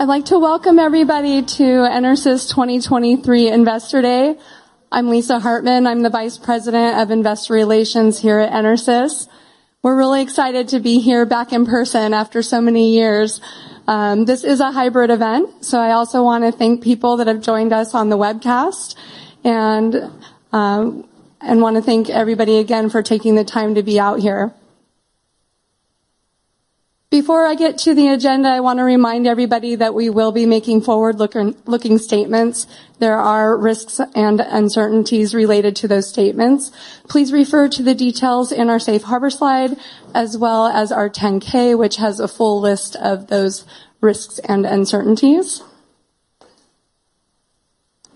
I'd like to welcome everybody to EnerSys' 2023 Investor Day. I'm Lisa Hartman. I'm the Vice President of Investor Relations here at EnerSys. We're really excited to be here back in person after so many years. This is a hybrid event, so I also wanna thank people that have joined us on the webcast, and wanna thank everybody again for taking the time to be out here. Before I get to the agenda, I wanna remind everybody that we will be making forward-looking statements. There are risks and uncertainties related to those statements. Please refer to the details in our Safe Harbor slide, as well as our 10-K, which has a full list of those risks and uncertainties.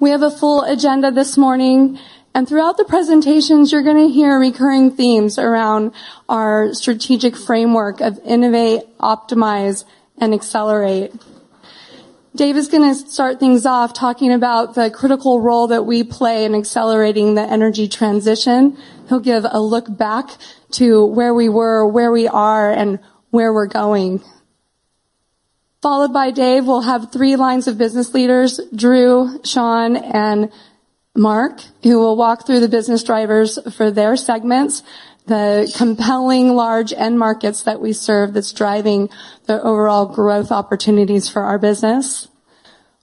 We have a full agenda this morning, and throughout the presentations, you're gonna hear recurring themes around our strategic framework of innovate, optimize, and accelerate. Dave is going to start things off, talking about the critical role that we play in accelerating the energy transition. He'll give a look back to where we were, where we are, and where we're going. Followed by Dave, we'll have three lines of business leaders, Drew, Shawn, and Mark, who will walk through the business drivers for their segments, the compelling large end markets that we serve that's driving the overall growth opportunities for our business.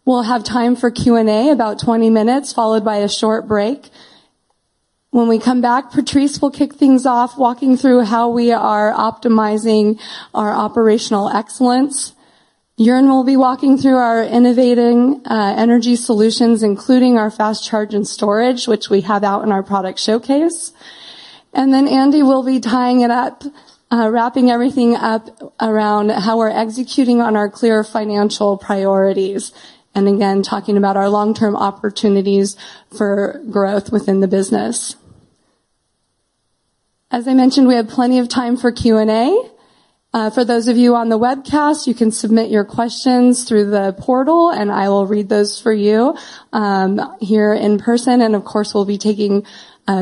We'll have time for Q&A, about 20 minutes, followed by a short break. When we come back, Patrice will kick things off, walking through how we are optimizing our operational excellence. Joern will be walking through our innovating energy solutions, including our fast charge and storage, which we have out in our product showcase. Andi will be tying it up, wrapping everything up around how we're executing on our clear financial priorities, and again, talking about our long-term opportunities for growth within the business. As I mentioned, we have plenty of time for Q&A. For those of you on the webcast, you can submit your questions through the portal, and I will read those for you here in person. Of course, we'll be taking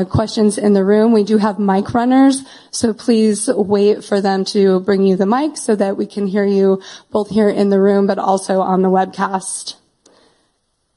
questions in the room. We do have mic runners, so please wait for them to bring you the mic, so that we can hear you both here in the room, but also on the webcast.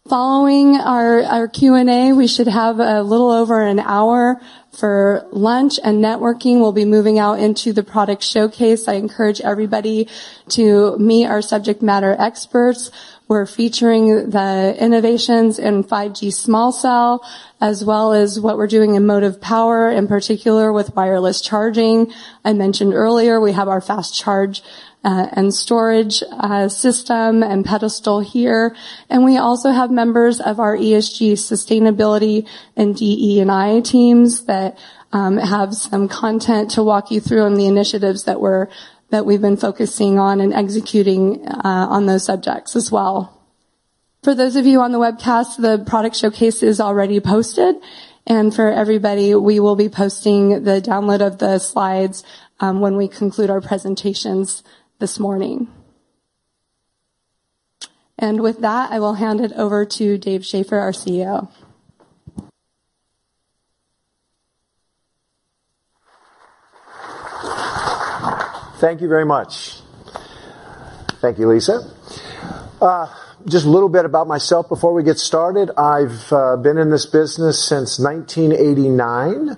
Following our Q&A, we should have a little over an hour for lunch and networking. We'll be moving out into the product showcase. I encourage everybody to meet our subject matter experts. We're featuring the innovations in 5G small cell, as well as what we're doing in Motive Power, in particular, with wireless charging. I mentioned earlier, we have our fast charge, and storage, system and pedestal here, and we also have members of our ESG, Sustainability and DE&I teams that have some content to walk you through on the initiatives that we've been focusing on and executing on those subjects as well. For those of you on the webcast, the product showcase is already posted, and for everybody, we will be posting the download of the slides, when we conclude our presentations this morning. With that, I will hand it over to Dave Shaffer, our CEO. Thank you very much. Thank you, Lisa. Just a little bit about myself before we get started. I've been in this business since 1989.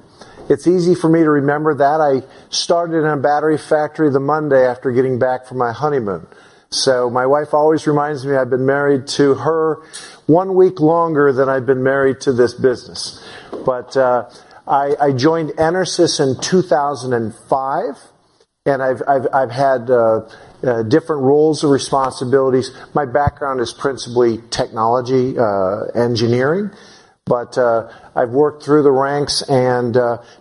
It's easy for me to remember that. I started in a battery factory the Monday after getting back from my honeymoon. My wife always reminds me I've been married to her one week longer than I've been married to this business. I joined EnerSys in 2005, and I've had different roles and responsibilities. My background is principally technology, engineering, I've worked through the ranks and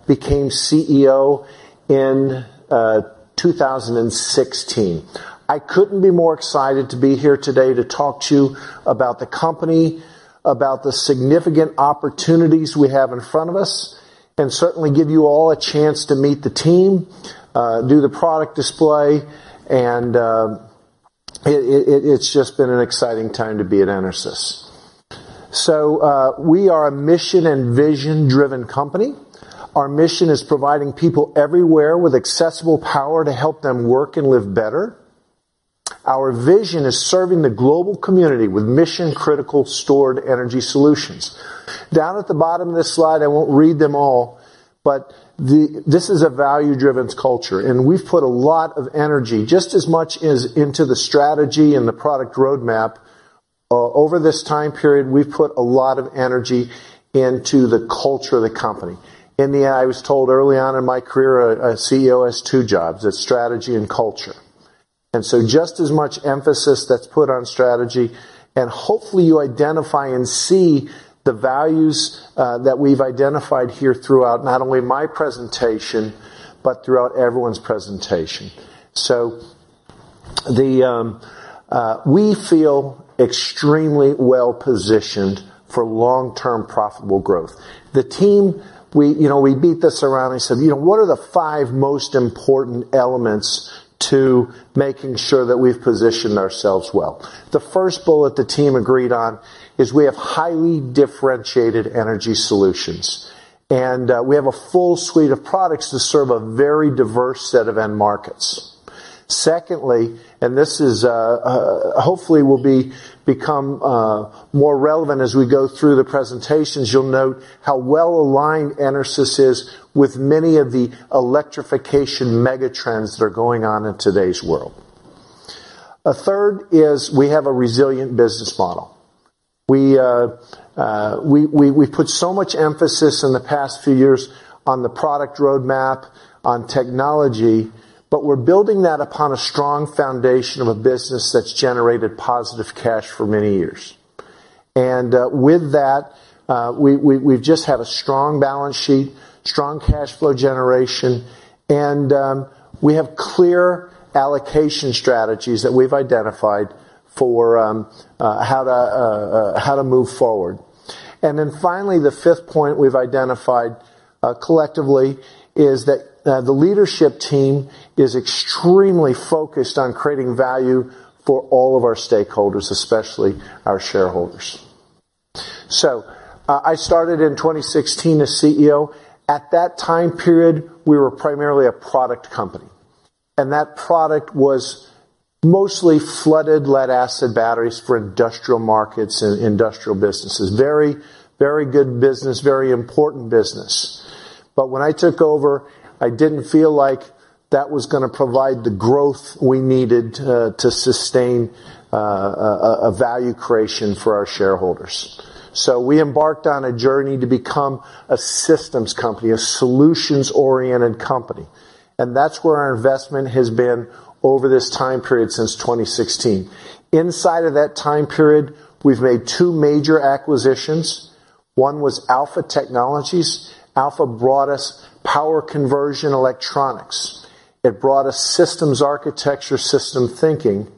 became CEO in 2016. I couldn't be more excited to be here today to talk to you about the company, about the significant opportunities we have in front of us, and certainly give you all a chance to meet the team, do the product display, and it's just been an exciting time to be at EnerSys. We are a mission and vision-driven company. Our mission is providing people everywhere with accessible power to help them work and live better. Our vision is serving the global community with mission-critical stored energy solutions. Down at the bottom of this slide, I won't read them all, but this is a value-driven culture, and we've put a lot of energy, just as much as into the strategy and the product roadmap, over this time period, we've put a lot of energy into the culture of the company. I was told early on in my career, a CEO has two jobs: it's strategy and culture. Just as much emphasis that's put on strategy, and hopefully, you identify and see the values that we've identified here throughout, not only my presentation, but throughout everyone's presentation. We feel extremely well-positioned for long-term, profitable growth. The team, we, you know, we beat this around and said, "You know, what are the five most important elements to making sure that we've positioned ourselves well?" The first bullet the team agreed on is we have highly differentiated energy solutions. We have a full suite of products to serve a very diverse set of end markets. Secondly, this is, hopefully, will become more relevant as we go through the presentations. You'll note how well-aligned EnerSys is with many of the electrification mega trends that are going on in today's world. A third is we have a resilient business model. We've put so much emphasis in the past few years on the product roadmap, on technology, but we're building that upon a strong foundation of a business that's generated positive cash for many years. With that, we've just had a strong balance sheet, strong cash flow generation, and we have clear allocation strategies that we've identified for how to move forward. Finally, the fifth point we've identified, collectively, is that the leadership team is extremely focused on creating value for all of our stakeholders, especially our shareholders. I started in 2016 as CEO. At that time period, we were primarily a product company. That product was mostly flooded lead-acid batteries for industrial markets and industrial businesses. Very, very good business, very important business. When I took over, I didn't feel like that was gonna provide the growth we needed to sustain a value creation for our shareholders. We embarked on a journey to become a systems company, a solutions-oriented company, and that's where our investment has been over this time period since 2016. Inside of that time period, we've made two major acquisitions. One was Alpha Technologies. Alpha brought us power conversion electronics. It brought us systems architecture, system thinking,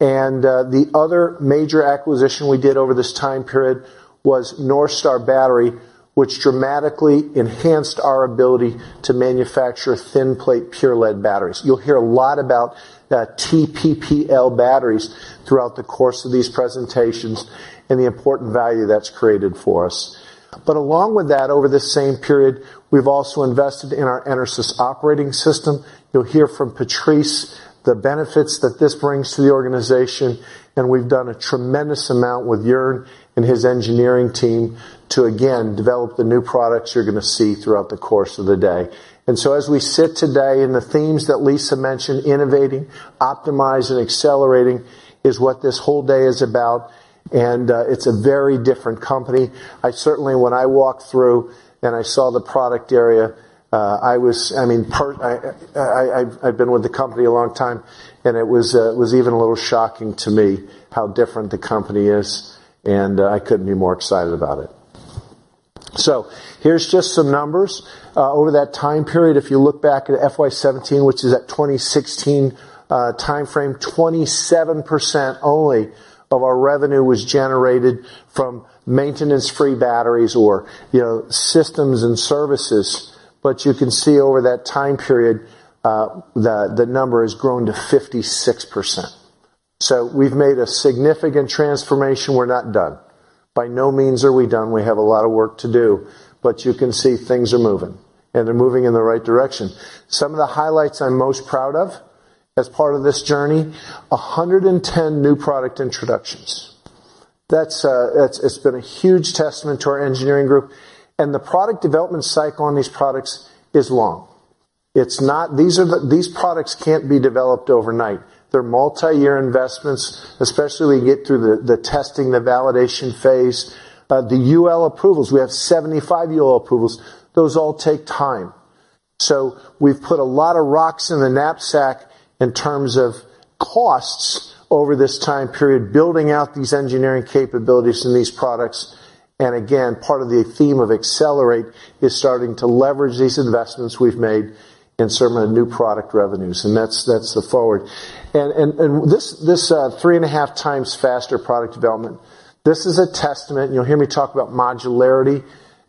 and the other major acquisition we did over this time period was NorthStar Battery, which dramatically enhanced our ability to manufacture thin-plate, pure-lead batteries. You'll hear a lot about the TPPL batteries throughout the course of these presentations and the important value that's created for us. Along with that, over this same period, we've also invested in our EnerSys Operating System. You'll hear from Patrice, the benefits that this brings to the organization, and we've done a tremendous amount with Joern and his engineering team to, again, develop the new products you're gonna see throughout the course of the day. As we sit today, and the themes that Lisa mentioned, innovating, optimizing, accelerating is what this whole day is about, and it's a very different company. When I walked through and I saw the product area, I mean, I've been with the company a long time, and it was even a little shocking to me how different the company is, and I couldn't be more excited about it. Here's just some numbers. Over that time period, if you look back at FY 2017, which is at 2016 timeframe, 27% only of our revenue was generated from maintenance-free batteries or, you know, systems and services. You can see over that time period, the number has grown to 56%. We've made a significant transformation. We're not done. By no means are we done. We have a lot of work to do, you can see things are moving, and they're moving in the right direction. Some of the highlights I'm most proud of as part of this journey, 110 new product introductions. That's, it's been a huge testament to our engineering group, and the product development cycle on these products is long. These products can't be developed overnight. They're multi-year investments, especially when you get through the testing, the validation phase, the UL approvals. We have 75 UL approvals. Those all take time. We've put a lot of rocks in the knapsack in terms of costs over this time period, building out these engineering capabilities in these products, and again, part of the theme of accelerate is starting to leverage these investments we've made in some of the new product revenues, and that's the forward. This 3.5 times faster product development, this is a testament. You'll hear me talk about modularity,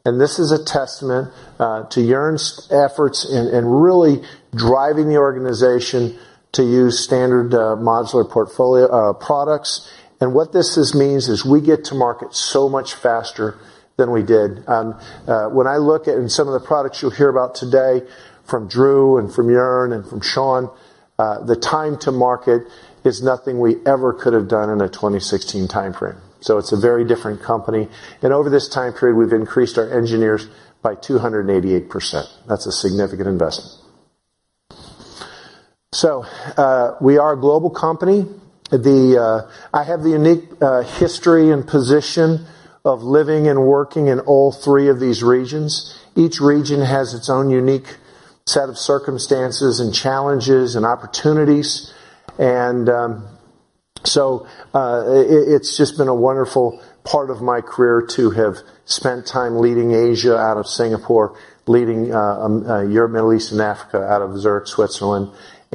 this is a testament to Joern's efforts in really driving the organization to use standard modular portfolio products. What this is means is we get to market so much faster than we did. When I look at some of the products you'll hear about today from Drew and from Joern and from Shawn, the time to market is nothing we ever could have done in a 2016 timeframe. It's a very different company, and over this time period, we've increased our engineers by 288%. That's a significant investment. We are a global company. The unique history and position of living and working in all three of these regions. Each region has its own unique set of circumstances and challenges and opportunities, and so it's just been a wonderful part of my career to have spent time leading Asia out of Singapore, leading Europe, Middle East, and Africa out of Zurich, Switzerland.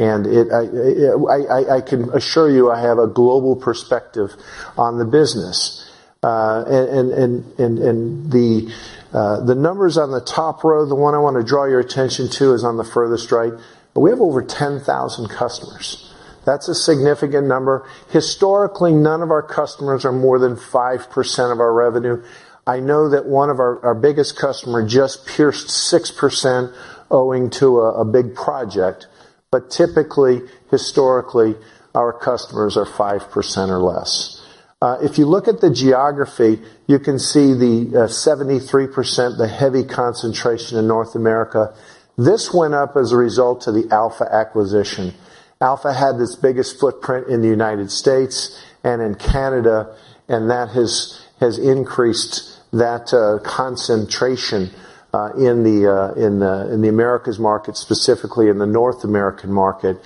I can assure you, I have a global perspective on the business and the numbers on the top row, the one I want to draw your attention to is on the furthest right. We have over 10,000 customers. That's a significant number. Historically, none of our customers are more than 5% of our revenue. I know that one of our biggest customer just pierced 6% owing to a big project. Typically, historically, our customers are 5% or less. If you look at the geography, you can see the 73%, the heavy concentration in North America. This went up as a result of the Alpha acquisition. Alpha had its biggest footprint in the United States and in Canada, and that has increased that concentration in the Americas market, specifically in the North American market.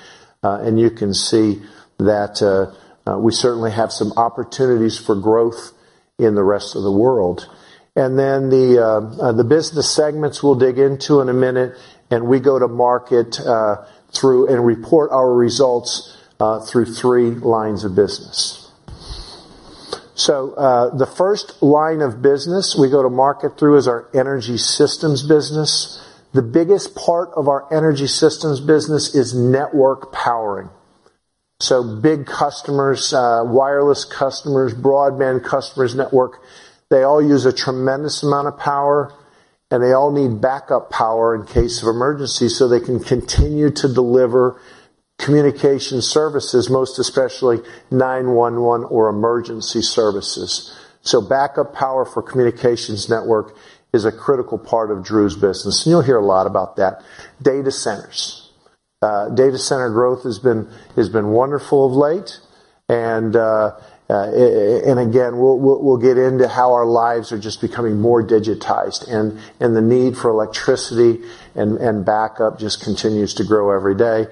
You can see that we certainly have some opportunities for growth in the rest of the world. The business segments we'll dig into in a minute, and we go to market through and report our results through three lines of business. The first line of business we go to market through is our Energy Systems business. The biggest part of our Energy Systems business is network powering. Big customers, wireless customers, broadband customers, network, they all use a tremendous amount of power, and they all need backup power in case of emergency, so they can continue to deliver communication services, most especially 911 or emergency services. Backup power for communications network is a critical part of Drew's business, and you'll hear a lot about that. Data centers. Data center growth has been wonderful of late, and again, we'll get into how our lives are just becoming more digitized, and the need for electricity and backup just continues to grow every day.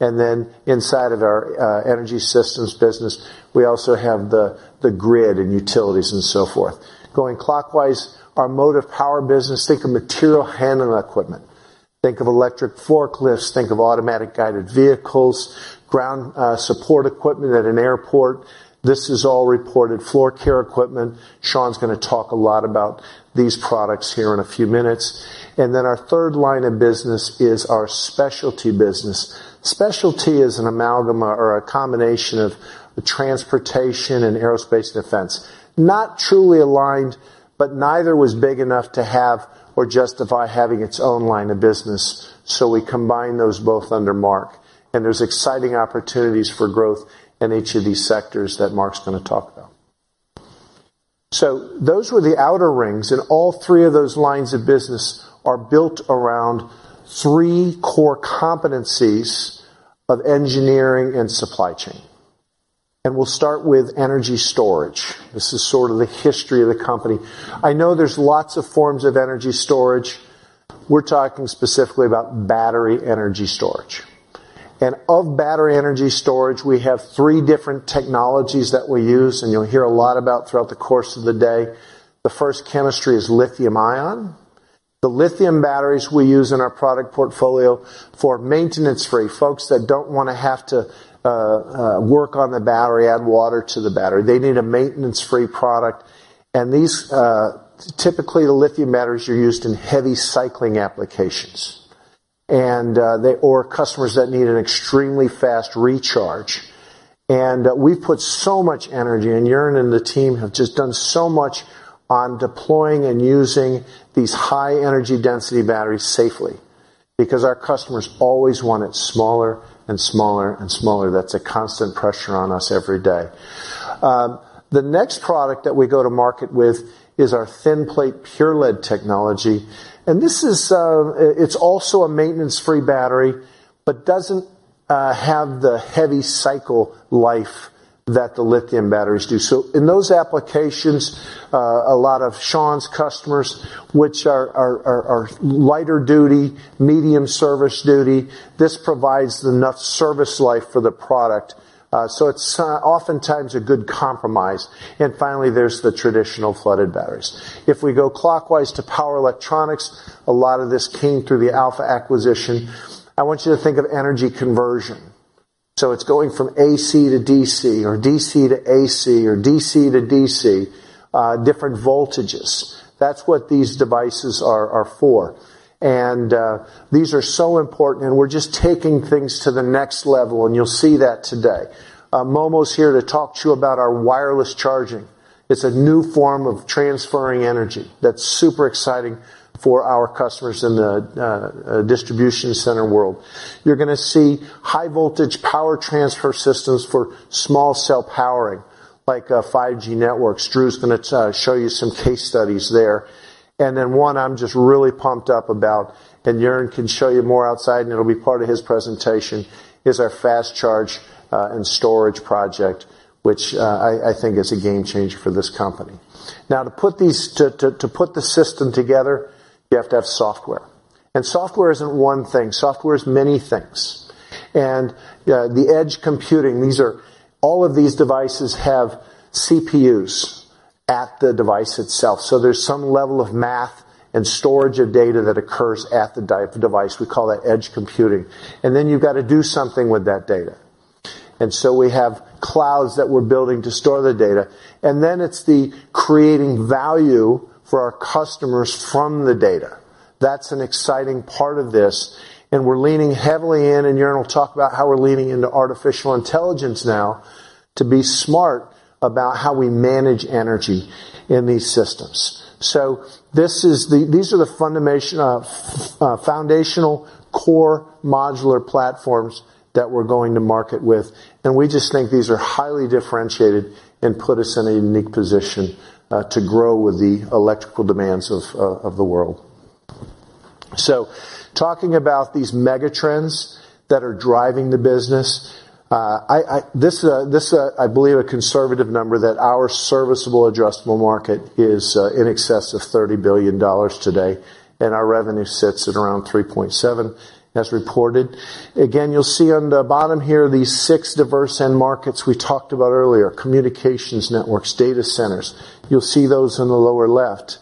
Inside of our Energy Systems business, we also have the grid and utilities and so forth. Going clockwise, our Motive Power business, think of material handling equipment. Think of electric forklifts, think of automatic guided vehicles, ground support equipment at an airport. This is all reported floor care equipment. Shawn's gonna talk a lot about these products here in a few minutes. Our third line of business is our Specialty business. Specialty is an amalgam or a combination of transportation and aerospace defense. Not truly aligned, but neither was big enough to have or justify having its own line of business, so we combine those both under Mark, and there's exciting opportunities for growth in each of these sectors that Mark's gonna talk about. Those were the outer rings, and all three of those lines of business are built around three core competencies of engineering and supply chain. We'll start with energy storage. This is sort of the history of the company. I know there's lots of forms of energy storage. We're talking specifically about battery energy storage. Of battery energy storage, we have three different technologies that we use, and you'll hear a lot about throughout the course of the day. The first chemistry is lithium-ion. The lithium batteries we use in our product portfolio for maintenance-free, folks that don't wanna have to work on the battery, add water to the battery. They need a maintenance-free product, and these, typically, the lithium batteries are used in heavy cycling applications, or customers that need an extremely fast recharge. We've put so much energy, Joern and the team have just done so much on deploying and using these high energy density batteries safely because our customers always want it smaller and smaller and smaller. That's a constant pressure on us every day. The next product that we go to market with is our thin plate pure lead technology, and this is, it's also a maintenance-free battery, but doesn't have the heavy cycle life that the lithium batteries do. In those applications, a lot of Shawn's customers, which are lighter duty, medium service duty, this provides enough service life for the product, so it's oftentimes a good compromise. Finally, there's the traditional flooded batteries. If we go clockwise to power electronics, a lot of this came through the Alpha acquisition. I want you to think of energy conversion. It's going from AC to DC, or DC to AC, or DC to DC, different voltages. That's what these devices are for. These are so important, and we're just taking things to the next level, and you'll see that today. Momo's here to talk to you about our wireless charging. It's a new form of transferring energy that's super exciting for our customers in the distribution center world. You're gonna see high voltage power transfer systems for small cell powering, like 5G networks. Drew's gonna show you some case studies there. Then one I'm just really pumped up about, and Joern can show you more outside, and it'll be part of his presentation, is our fast charge and storage project, which I think is a game changer for this company. Now, to put the system together, you have to have software, and software isn't one thing. Software is many things. The edge computing, all of these devices have CPUs at the device itself, so there's some level of math and storage of data that occurs at the device. We call that edge computing. Then you've got to do something with that data. So we have clouds that we're building to store the data, and then it's the creating value for our customers from the data. That's an exciting part of this, we're leaning heavily in, Joern will talk about how we're leaning into artificial intelligence now, to be smart about how we manage energy in these systems. These are the foundation of foundational core modular platforms that we're going to market with, and we just think these are highly differentiated and put us in a unique position to grow with the electrical demands of the world. Talking about these megatrends that are driving the business, I believe, a conservative number, that our serviceable addressable market is in excess of $30 billion today, and our revenue sits at around $3.7 billion as reported. Again, you'll see on the bottom here, these six diverse end markets we talked about earlier, communications, networks, data centers. You'll see those in the lower left.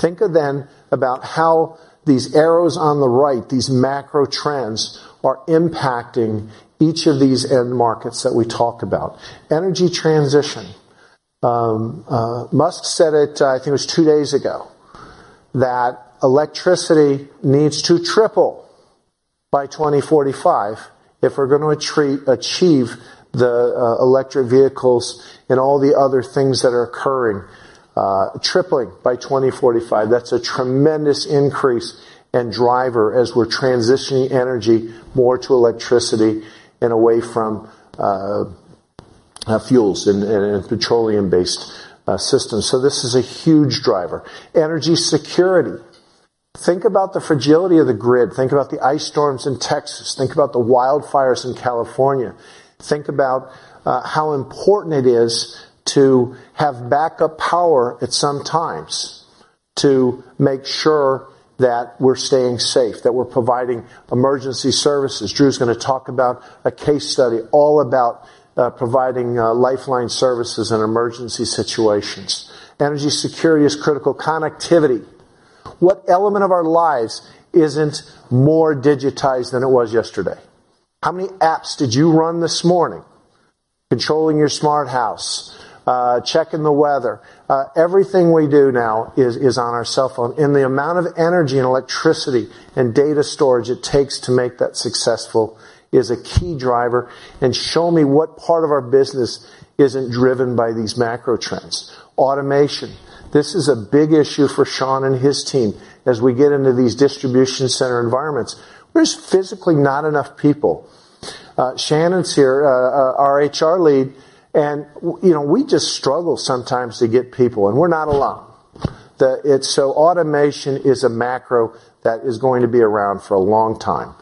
Think of then, about how these arrows on the right, these macro trends, are impacting each of these end markets that we talk about. Energy transition. Musk said it, I think it was two days ago, that electricity needs to triple by 2045 if we're gonna achieve the electric vehicles and all the other things that are occurring, tripling by 2045. That's a tremendous increase and driver as we're transitioning energy more to electricity and away from fuels and petroleum-based systems. This is a huge driver. Energy security. Think about the fragility of the grid. Think about the ice storms in Texas. Think about the wildfires in California. Think about how important it is to have backup power at some times to make sure that we're staying safe, that we're providing emergency services. Drew's gonna talk about a case study all about providing lifeline services in emergency situations. Energy security is critical. Connectivity. What element of our lives isn't more digitized than it was yesterday? How many apps did you run this morning, controlling your smart house, checking the weather? Everything we do now is on our cell phone, and the amount of energy and electricity and data storage it takes to make that successful is a key driver. Show me what part of our business isn't driven by these macro trends. Automation. This is a big issue for Shawn and his team as we get into these distribution center environments. There's physically not enough people. Shannon's here, our HR lead, you know, we just struggle sometimes to get people, and we're not alone. Automation is a macro that is going to be around for a long time.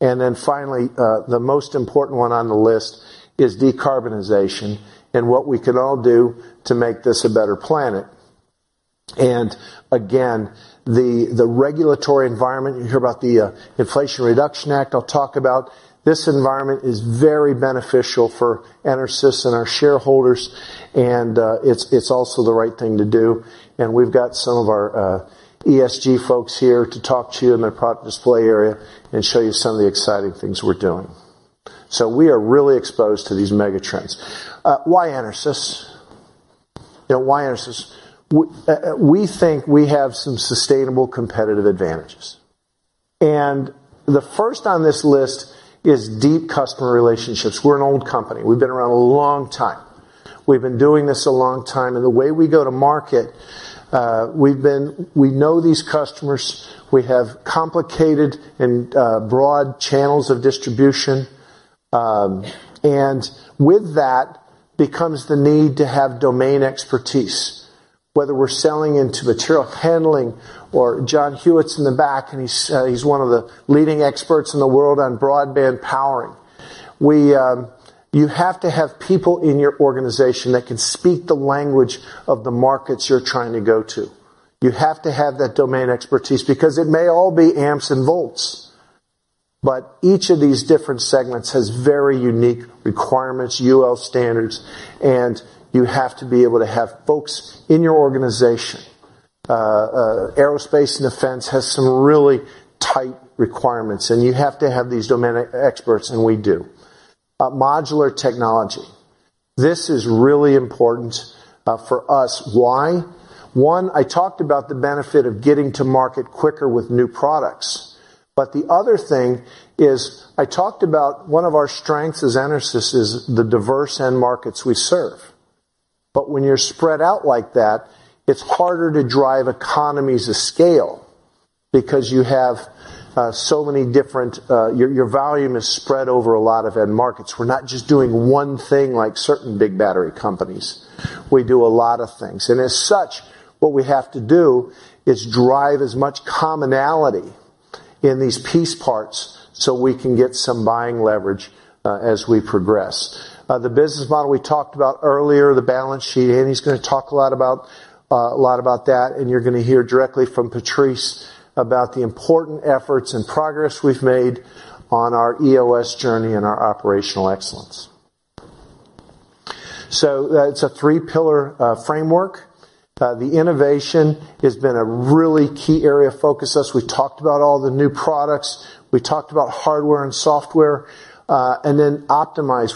Finally, the most important one on the list is decarbonization and what we can all do to make this a better planet. Again, the regulatory environment, you hear about the Inflation Reduction Act, I'll talk about. This environment is very beneficial for EnerSys and our shareholders, it's also the right thing to do, and we've got some of our ESG folks here to talk to you in the product display area and show you some of the exciting things we're doing. We are really exposed to these megatrends. Why EnerSys? You know, why EnerSys? We think we have some sustainable competitive advantages. The first on this list is deep customer relationships. We're an old company. We've been around a long time. We've been doing this a long time. The way we go to market, we know these customers. We have complicated and broad channels of distribution. With that becomes the need to have domain expertise, whether we're selling into material handling or... John Hewitt's in the back, he's one of the leading experts in the world on broadband powering. We, you have to have people in your organization that can speak the language of the markets you're trying to go to. You have to have that domain expertise because it may all be amps and volts, but each of these different segments has very unique requirements, UL standards, and you have to be able to have folks in your organization. Aerospace and defense has some really tight requirements, and you have to have these domain experts, and we do. Modular technology. This is really important for us. Why? One, I talked about the benefit of getting to market quicker with new products, but the other thing is, I talked about one of our strengths as EnerSys is the diverse end markets we serve. When you're spread out like that, it's harder to drive economies of scale because you have so many different... Your volume is spread over a lot of end markets. We're not just doing one thing like certain big battery companies. We do a lot of things, as such, what we have to do is drive as much commonality in these piece parts, so we can get some buying leverage, as we progress. The business model, we talked about earlier, the balance sheet, and he's gonna talk a lot about, a lot about that, and you're gonna hear directly from Patrice about the important efforts and progress we've made on our EOS journey and our operational excellence. That's a three-pillar framework. The innovation has been a really key area of focus, as we talked about all the new products. We talked about hardware and software. Optimize.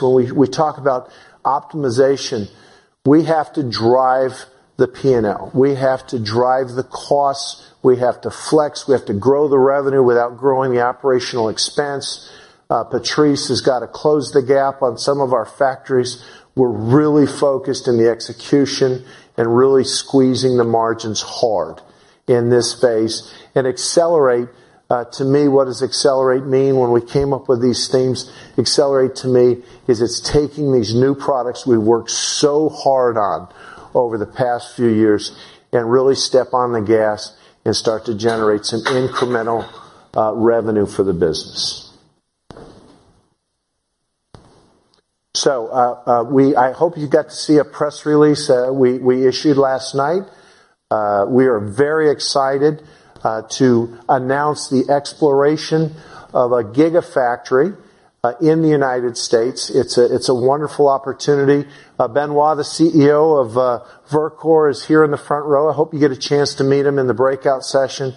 We have to drive the P&L. We have to drive the costs, we have to flex, we have to grow the revenue without growing the operational expense. Patrice has got to close the gap on some of our factories. We're really focused in the execution and really squeezing the margins hard in this space. Accelerate to me, what does accelerate mean? When we came up with these themes, accelerate to me, is it's taking these new products we worked so hard on over the past few years, and really step on the gas and start to generate some incremental revenue for the business. I hope you got to see a press release we issued last night. We are very excited to announce the exploration of a gigafactory in the United States. It's a wonderful opportunity. Benoit, the CEO of Verkor, is here in the front row. I hope you get a chance to meet him in the breakout session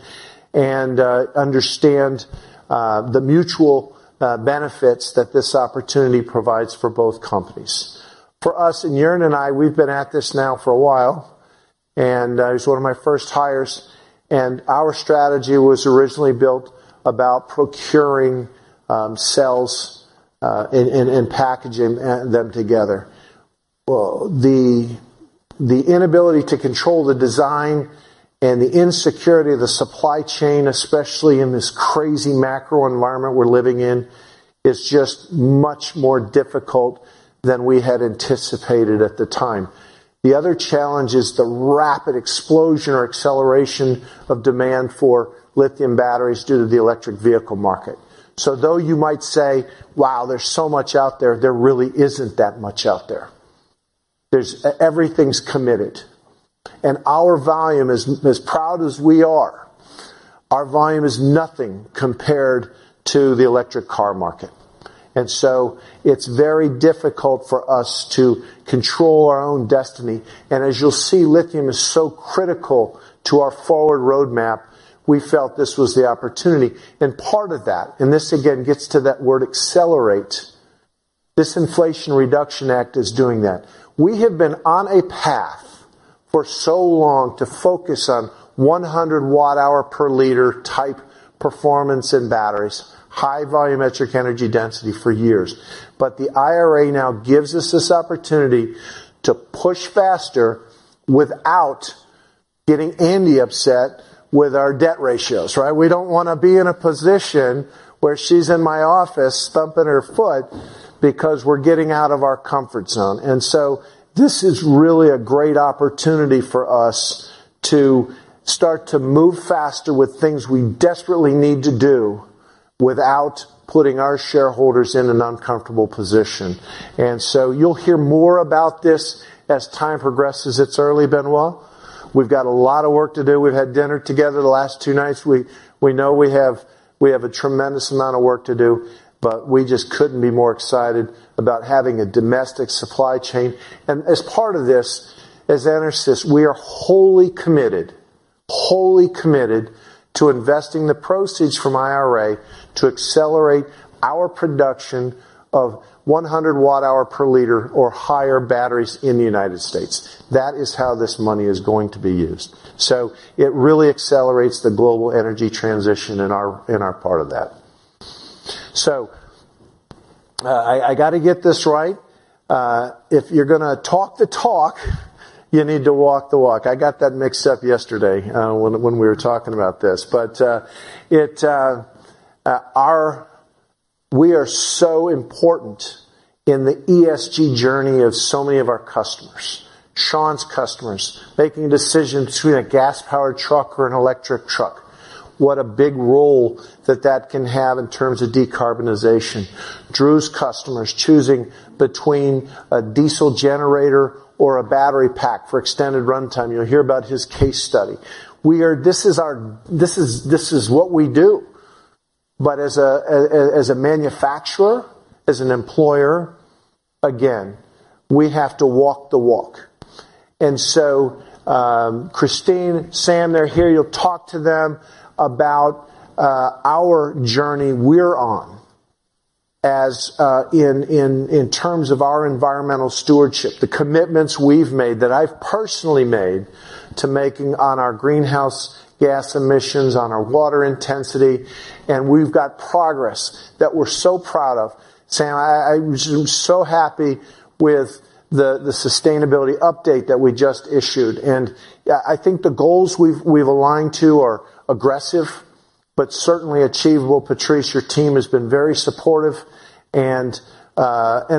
and understand the mutual benefits that this opportunity provides for both companies. For us, Joern and I, we've been at this now for a while, and he's one of my first hires, and our strategy was originally built about procuring cells and packaging them together. The inability to control the design and the insecurity of the supply chain, especially in this crazy macro environment we're living in, is just much more difficult than we had anticipated at the time. The other challenge is the rapid explosion or acceleration of demand for lithium-ion batteries due to the electric vehicle market. Though you might say, "Wow, there's so much out there," there really isn't that much out there. Everything's committed. Our volume, as proud as we are, our volume is nothing compared to the electric car market. It's very difficult for us to control our own destiny. As you'll see, lithium is so critical to our forward roadmap, we felt this was the opportunity. Part of that, this again, gets to that word accelerate, this Inflation Reduction Act is doing that. We have been on a path for so long to focus on 100 W hour per liter type performance in batteries, high volumetric energy density for years. The IRA now gives us this opportunity to push faster without getting Andi upset with our debt ratios, right? We don't wanna be in a position where she's in my office, stomping her foot, because we're getting out of our comfort zone. This is really a great opportunity for us to start to move faster with things we desperately need to do without putting our shareholders in an uncomfortable position. You'll hear more about this as time progresses. It's early, Benoit. We've got a lot of work to do. We've had dinner together the last two nights. We know we have a tremendous amount of work to do, but we just couldn't be more excited about having a domestic supply chain. As part of this, as Anders says, we are wholly committed, wholly committed to investing the proceeds from IRA to accelerate our production of 100 W hour per liter or higher batteries in the United States. That is how this money is going to be used. It really accelerates the global energy transition in our, in our part of that. I gotta get this right. If you're gonna talk the talk, you need to walk the walk. I got that mixed up yesterday, when we were talking about this. We are so important in the ESG journey of so many of our customers. Shawn's customers, making decisions between a gas-powered truck or an electric truck. What a big role that that can have in terms of decarbonization. Drew's customers choosing between a diesel generator or a battery pack for extended runtime. You'll hear about his case study. This is what we do. As a manufacturer, as an employer, again, we have to walk the walk. Christine, Sam, they're here, you'll talk to them about our journey we're on as in terms of our environmental stewardship, the commitments we've made, that I've personally made to making on our greenhouse gas emissions, on our water intensity, and we've got progress that we're so proud of. Sam, I was so happy with the sustainability update that we just issued, and I think the goals we've aligned to are aggressive, but certainly achievable. Patrice, your team has been very supportive, and part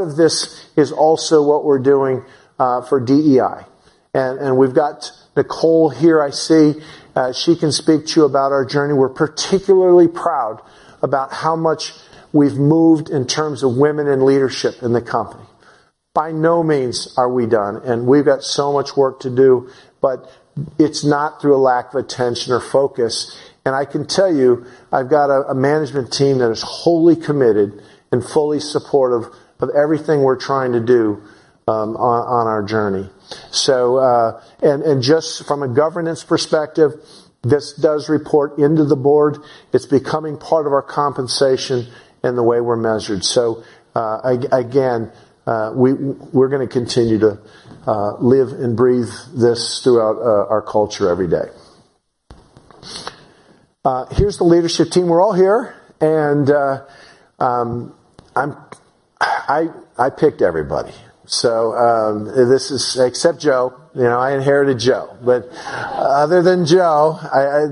of this is also what we're doing for DEI. We've got Nicole here, I see. She can speak to you about our journey. We're particularly proud about how much we've moved in terms of women in leadership in the company. By no means are we done, and we've got so much work to do, but it's not through a lack of attention or focus. And I can tell you, I've got a management team that is wholly committed and fully supportive of everything we're trying to do on our journey. And just from a governance perspective, this does report into the board. It's becoming part of our compensation and the way we're measured. Again, we're gonna continue to live and breathe this throughout our culture every day. Here's the leadership team. We're all here, and I picked everybody. Except Joe. You know, I inherited Joe. Other than Joe,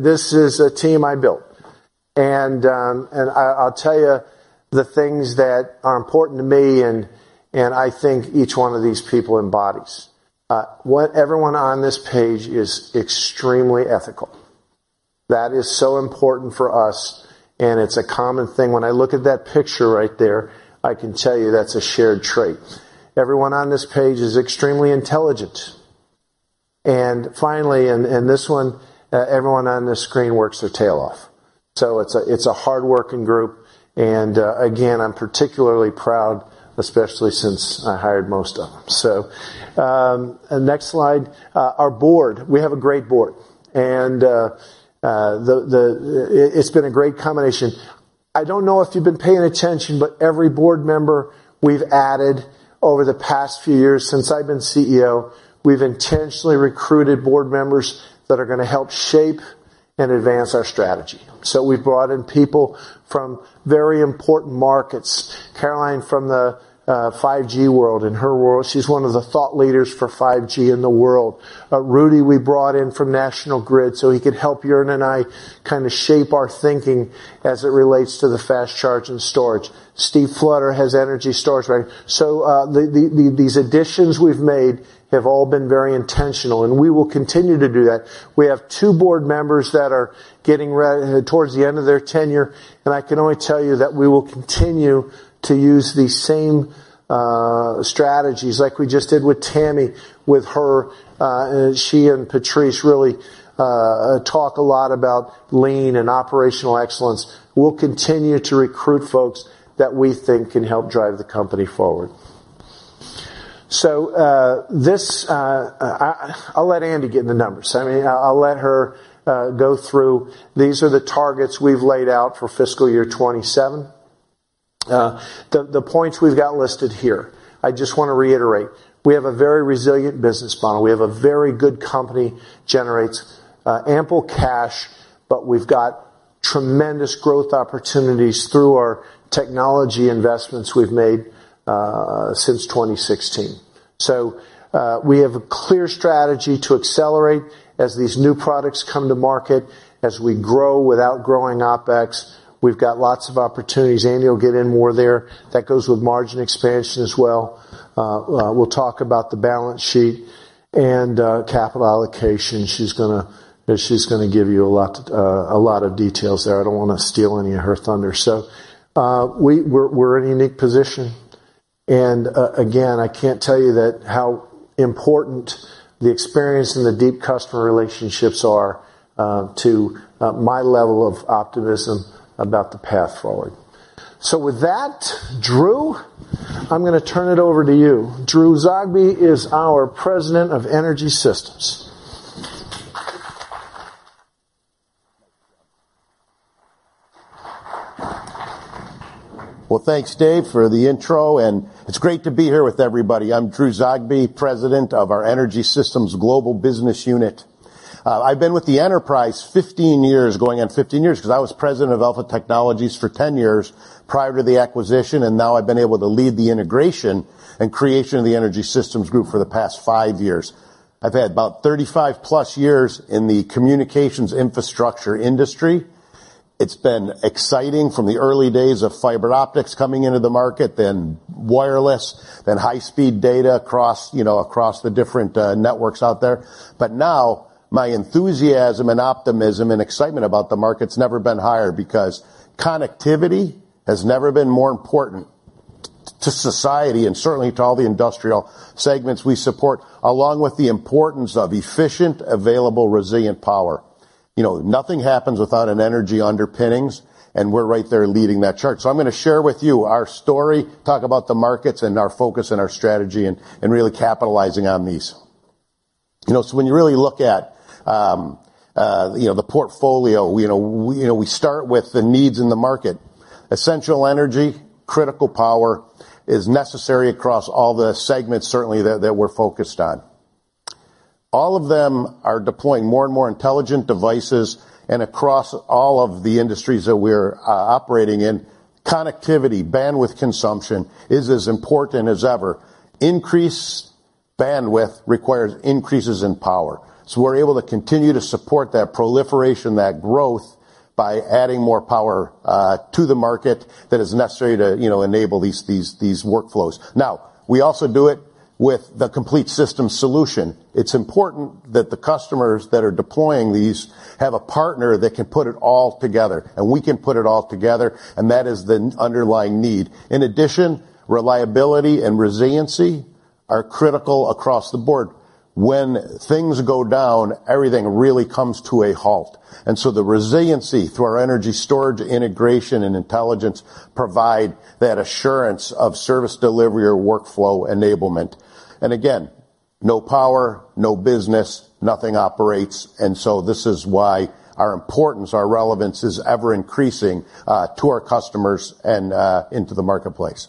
this is a team I built. I'll tell you the things that are important to me, and I think each one of these people embodies. What everyone on this page is extremely ethical. That is so important for us, and it's a common thing. When I look at that picture right there, I can tell you that's a shared trait. Everyone on this page is extremely intelligent. Finally, this one, everyone on this screen works their tail off. It's a hardworking group, and again, I'm particularly proud, especially since I hired most of them. Next slide, our board. We have a great board, and it's been a great combination. I don't know if you've been paying attention, but every board member we've added over the past few years since I've been CEO, we've intentionally recruited board members that are gonna help shape and advance our strategy. We've brought in people from very important markets. Caroline, from the 5G world, in her world, she's one of the thought leaders for 5G in the world. Rudy, we brought in from National Grid, so he could help Joern and I kinda shape our thinking as it relates to the fast charge and storage. Steve Fludder has energy storage, right? The these additions we've made have all been very intentional, and we will continue to do that. We have two board members that are getting towards the end of their tenure. I can only tell you that we will continue to use the same strategies like we just did with Tammy, with her, she and Patrice really talk a lot about lean and operational excellence. We'll continue to recruit folks that we think can help drive the company forward. This, I'll let Andi get in the numbers. I mean, I'll let her go through. These are the targets we've laid out for fiscal year 2027. The points we've got listed here, I just want to reiterate, we have a very resilient business model. We have a very good company, generates ample cash. We've got tremendous growth opportunities through our technology investments we've made since 2016. We have a clear strategy to accelerate as these new products come to market, as we grow without growing OpEx. We've got lots of opportunities, Andi will get in more there. That goes with margin expansion as well. We'll talk about the balance sheet and capital allocation. She's gonna give you a lot, a lot of details there. I don't wanna steal any of her thunder. We're in a unique position, and again, I can't tell you that how important the experience and the deep customer relationships are to my level of optimism about the path forward. With that, Drew, I'm gonna turn it over to you. Drew Zogby is our President of Energy Systems. Thanks, Dave, for the intro, and it's great to be here with everybody. I'm Drew Zogby, president of our Energy Systems Global Business Unit. I've been with the EnerSys 15 years, going on 15 years, because I was president of Alpha Technologies for 10 years prior to the acquisition, and now I've been able to lead the integration and creation of the Energy Systems group for the past five years. I've had about 35+ years in the communications infrastructure industry. It's been exciting from the early days of fiber optics coming into the market, then wireless, then high-speed data across, you know, across the different networks out there. Now, my enthusiasm and optimism, and excitement about the market's never been higher, because connectivity has never been more important to society and certainly to all the industrial segments we support, along with the importance of efficient, available, resilient power. You know, nothing happens without an energy underpinnings, and we're right there leading that charge. I'm gonna share with you our story, talk about the markets and our focus and our strategy and really capitalizing on these. You know, when you really look at, you know, the portfolio, we start with the needs in the market. Essential energy, critical power, is necessary across all the segments, certainly, that we're focused on. All of them are deploying more and more intelligent devices, and across all of the industries that we're operating in, connectivity, bandwidth consumption is as important as ever. Increased bandwidth requires increases in power, so we're able to continue to support that proliferation, that growth, by adding more power to the market that is necessary to, you know, enable these workflows. Now, we also do it with the complete system solution. It's important that the customers that are deploying these have a partner that can put it all together, and we can put it all together, and that is the underlying need. In addition, reliability and resiliency are critical across the board. When things go down, everything really comes to a halt. The resiliency through our energy storage, integration, and intelligence provide that assurance of service delivery or workflow enablement. No power, no business, nothing operates, and so this is why our importance, our relevance, is ever increasing to our customers and into the marketplace.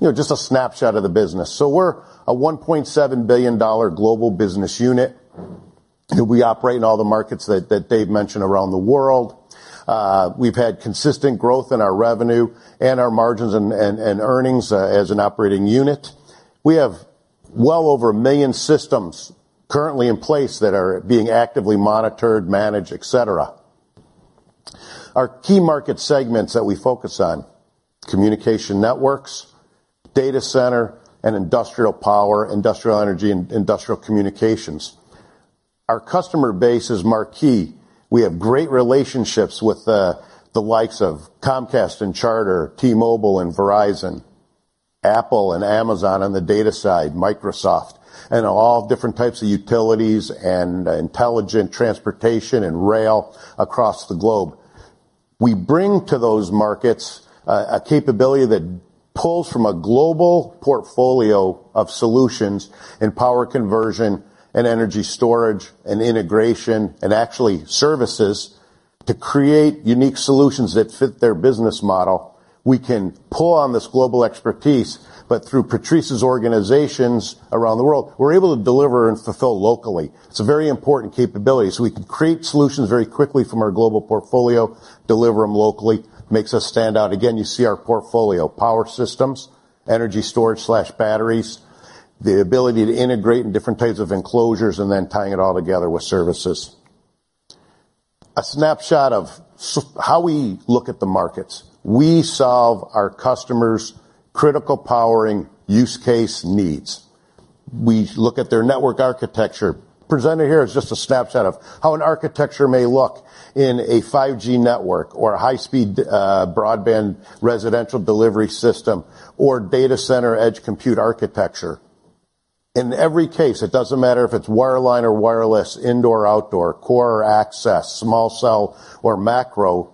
You know, just a snapshot of the business. We're a $1.7 billion global business unit, and we operate in all the markets that Dave mentioned around the world. We've had consistent growth in our revenue and our margins and earnings as an operating unit. We have well over 1 million systems currently in place that are being actively monitored, managed, et cetera. Our key market segments that we focus on: communication networks, data center, and industrial power, industrial energy, and industrial communications. Our customer base is marquee. We have great relationships with the likes of Concast and Charter, T-Mobile and Verizon, Apple and Amazon on the data side, Microsoft, and all different types of utilities and intelligent transportation and rail across the globe. We bring to those markets a capability that pulls from a global portfolio of solutions in power conversion and energy storage and integration, and actually, services, to create unique solutions that fit their business model. We can pull on this global expertise, but through Patrice's organizations around the world, we're able to deliver and fulfill locally. It's a very important capability, so we can create solutions very quickly from our global portfolio, deliver them locally, makes us stand out. Again, you see our portfolio, power systems, energy storage/batteries, the ability to integrate in different types of enclosures, and then tying it all together with services. A snapshot of how we look at the markets. We solve our customers' critical powering use case needs. We look at their network architecture. Presented here is just a snapshot of how an architecture may look in a 5G network or a high-speed, broadband residential delivery system or data center edge compute architecture. In every case, it doesn't matter if it's wireline or wireless, indoor, outdoor, core or access, small cell or macro,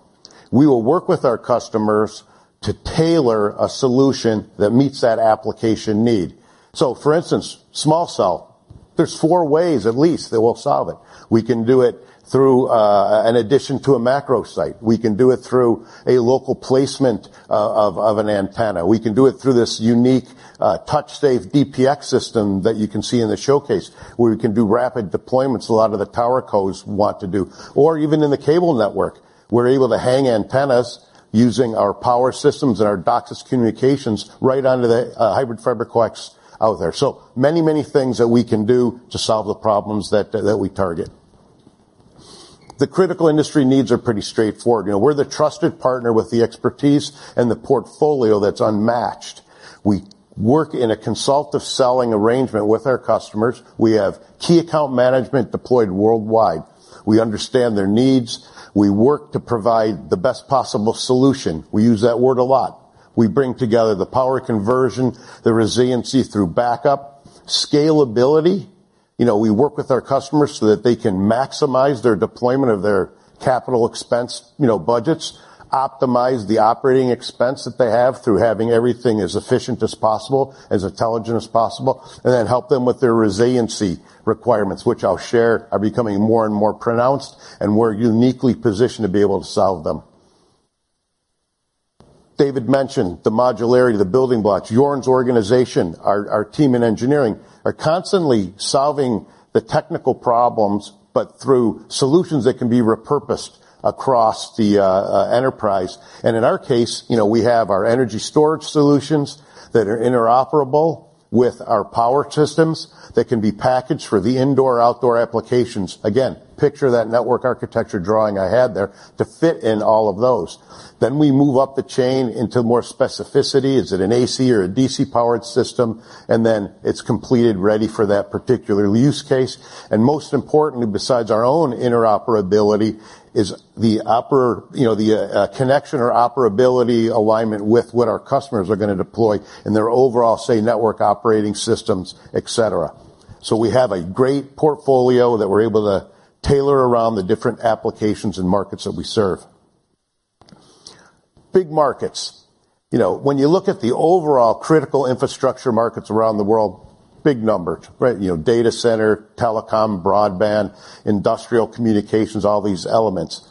we will work with our customers to tailor a solution that meets that application need. For instance, small cell, there's four ways at least that we'll solve it. We can do it through an addition to a macro site. We can do it through a local placement of an antenna. We can do it through this unique, TouchSafe DPX system that you can see in the showcase, where we can do rapid deployments, a lot of the tower cos want to do, or even in the cable network. We're able to hang antennas using our power systems and our DOCSIS communications right onto the hybrid fiber coax out there. Many things that we can do to solve the problems that we target. The critical industry needs are pretty straightforward. You know, we're the trusted partner with the expertise and the portfolio that's unmatched. We work in a consultative selling arrangement with our customers. We have key account management deployed worldwide. We understand their needs. We work to provide the best possible solution. We use that word a lot. We bring together the power conversion, the resiliency through backup, scalability. You know, we work with our customers so that they can maximize their deployment of their CapEx, you know, budgets, optimize the OpEx that they have through having everything as efficient as possible, as intelligent as possible, and then help them with their resiliency requirements, which I'll share, are becoming more and more pronounced, and we're uniquely positioned to be able to solve them. David mentioned the modularity, the building blocks. Joern's organization, our team in engineering, are constantly solving the technical problems, through solutions that can be repurposed across the enterprise. In our case, you know, we have our energy storage solutions that are interoperable with our power systems that can be packaged for the indoor, outdoor applications. Again, picture that network architecture drawing I had there to fit in all of those. We move up the chain into more specificity. Is it an AC or a DC-powered system? Then it's completed, ready for that particular use case. Most importantly, besides our own interoperability, is, you know, the connection or operability alignment with what our customers are gonna deploy and their overall, say, network operating systems, et cetera. We have a great portfolio that we're able to tailor around the different applications and markets that we serve. Big markets. You know, when you look at the overall critical infrastructure markets around the world, big numbers, right? You know, data center, telecom, broadband, industrial communications, all these elements.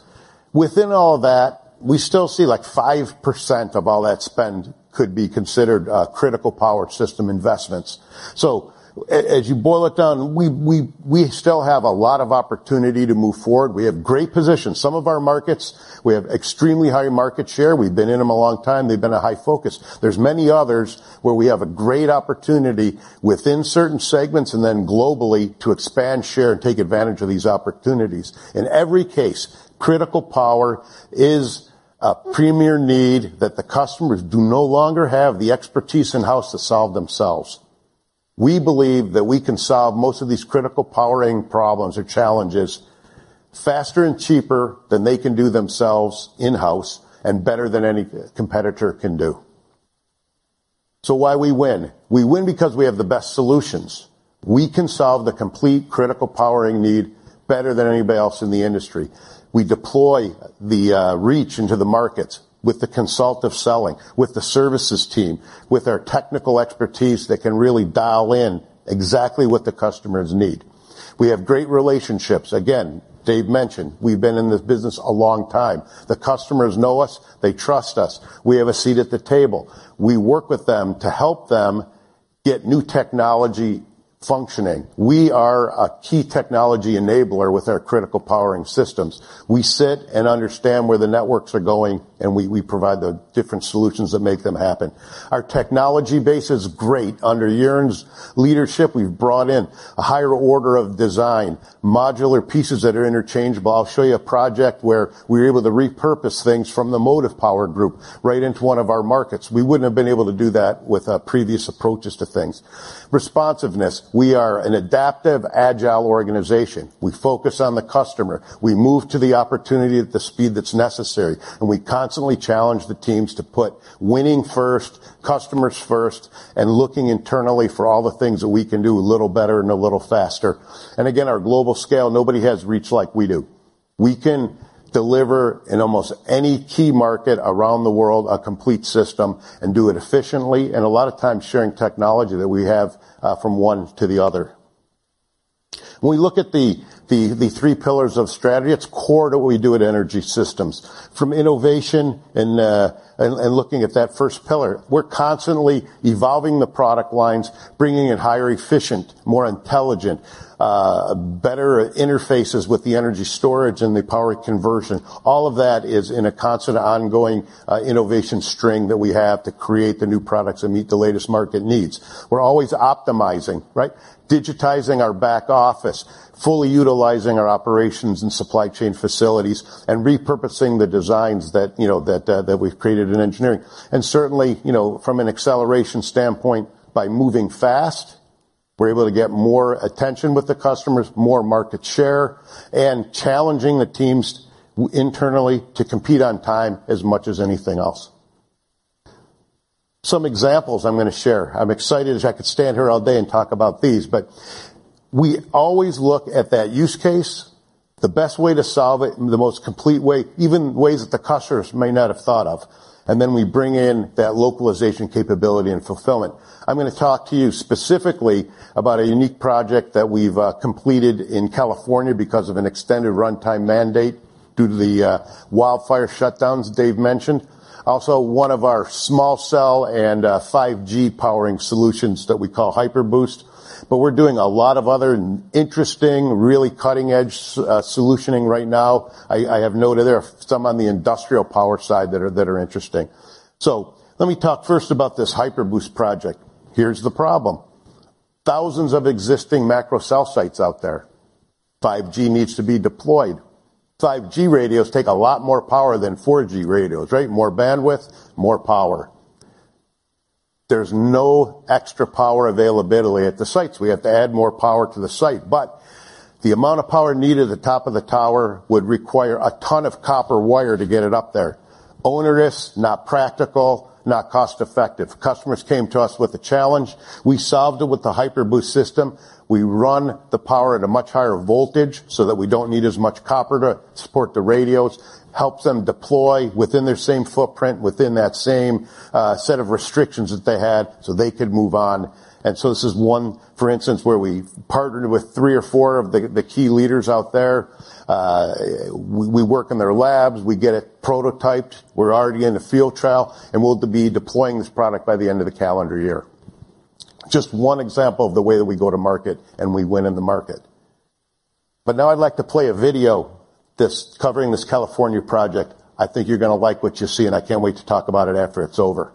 Within all that, we still see, like, 5% of all that spend could be considered critical power system investments. As you boil it down, we still have a lot of opportunity to move forward. We have great positions. Some of our markets, we have extremely high market share. We've been in them a long time. They've been a high focus. There's many others where we have a great opportunity within certain segments, and then globally, to expand share and take advantage of these opportunities. In every case, critical power is a premier need that the customers do no longer have the expertise in-house to solve themselves. We believe that we can solve most of these critical powering problems or challenges faster and cheaper than they can do themselves in-house and better than any competitor can do. Why we win? We win because we have the best solutions. We can solve the complete critical powering need better than anybody else in the industry. We deploy the reach into the markets with the consult of selling, with the services team, with our technical expertise that can really dial in exactly what the customers need. We have great relationships. Again, Dave mentioned, we've been in this business a long time. The customers know us, they trust us. We have a seat at the table. We work with them to help them get new technology functioning. We are a key technology enabler with our critical powering systems. We sit and understand where the networks are going, and we provide the different solutions that make them happen. Our technology base is great. Under Joern's leadership, we've brought in a higher order of design, modular pieces that are interchangeable. I'll show you a project where we were able to repurpose things from the Motive Power group right into one of our markets. We wouldn't have been able to do that with previous approaches to things. Responsiveness. We are an adaptive, agile organization. We focus on the customer. We move to the opportunity at the speed that's necessary, and we constantly challenge the teams to put winning first, customers first, and looking internally for all the things that we can do a little better and a little faster. Again, our global scale, nobody has reach like we do. We can deliver in almost any key market around the world, a complete system, and do it efficiently, and a lot of times, sharing technology that we have from one to the other. When we look at the three pillars of strategy, it's core to what we do at Energy Systems. From innovation and looking at that first pillar, we're constantly evolving the product lines, bringing in higher, efficient, more intelligent, better interfaces with the energy storage and the power conversion. All of that is in a constant, ongoing innovation string that we have to create the new products and meet the latest market needs. We're always optimizing, right? Digitizing our back office, fully utilizing our operations and supply chain facilities, and repurposing the designs that, you know, that we've created in engineering. Certainly, you know, from an acceleration standpoint, by moving fast, we're able to get more attention with the customers, more market share, and challenging the teams internally to compete on time as much as anything else. Some examples I'm gonna share. I'm excited, as I could stand here all day and talk about these, but we always look at that use case, the best way to solve it, and the most complete way, even ways that the customers may not have thought of, and then we bring in that localization capability and fulfillment. I'm gonna talk to you specifically about a unique project that we've completed in California because of an extended runtime mandate due to the wildfire shutdowns Dave mentioned. One of our small cell and 5G powering solutions that we call HyperBoost. We're doing a lot of other interesting, really cutting-edge solutioning right now. I have noted there are some on the industrial power side that are interesting. Let me talk first about this HyperBoost project. Here's the problem: thousands of existing macro cell sites out there. 5G needs to be deployed. 5G radios take a lot more power than 4G radios, right? More bandwidth, more power. There's no extra power availability at the sites. We have to add more power to the site, but the amount of power needed at the top of the tower would require a ton of copper wire to get it up there. Onerous, not practical, not cost-effective. Customers came to us with a challenge. We solved it with the HyperBoost system. We run the power at a much higher voltage so that we don't need as much copper to support the radios, helps them deploy within their same footprint, within that same set of restrictions that they had, so they could move on. This is one, for instance, where we partnered with three or four of the key leaders out there. We work in their labs. We get it prototyped. We're already in the field trial, and we'll be deploying this product by the end of the calendar year. Just one example of the way that we go to market and we win in the market. Now I'd like to play a video that's covering this California project. I think you're gonna like what you see, and I can't wait to talk about it after it's over.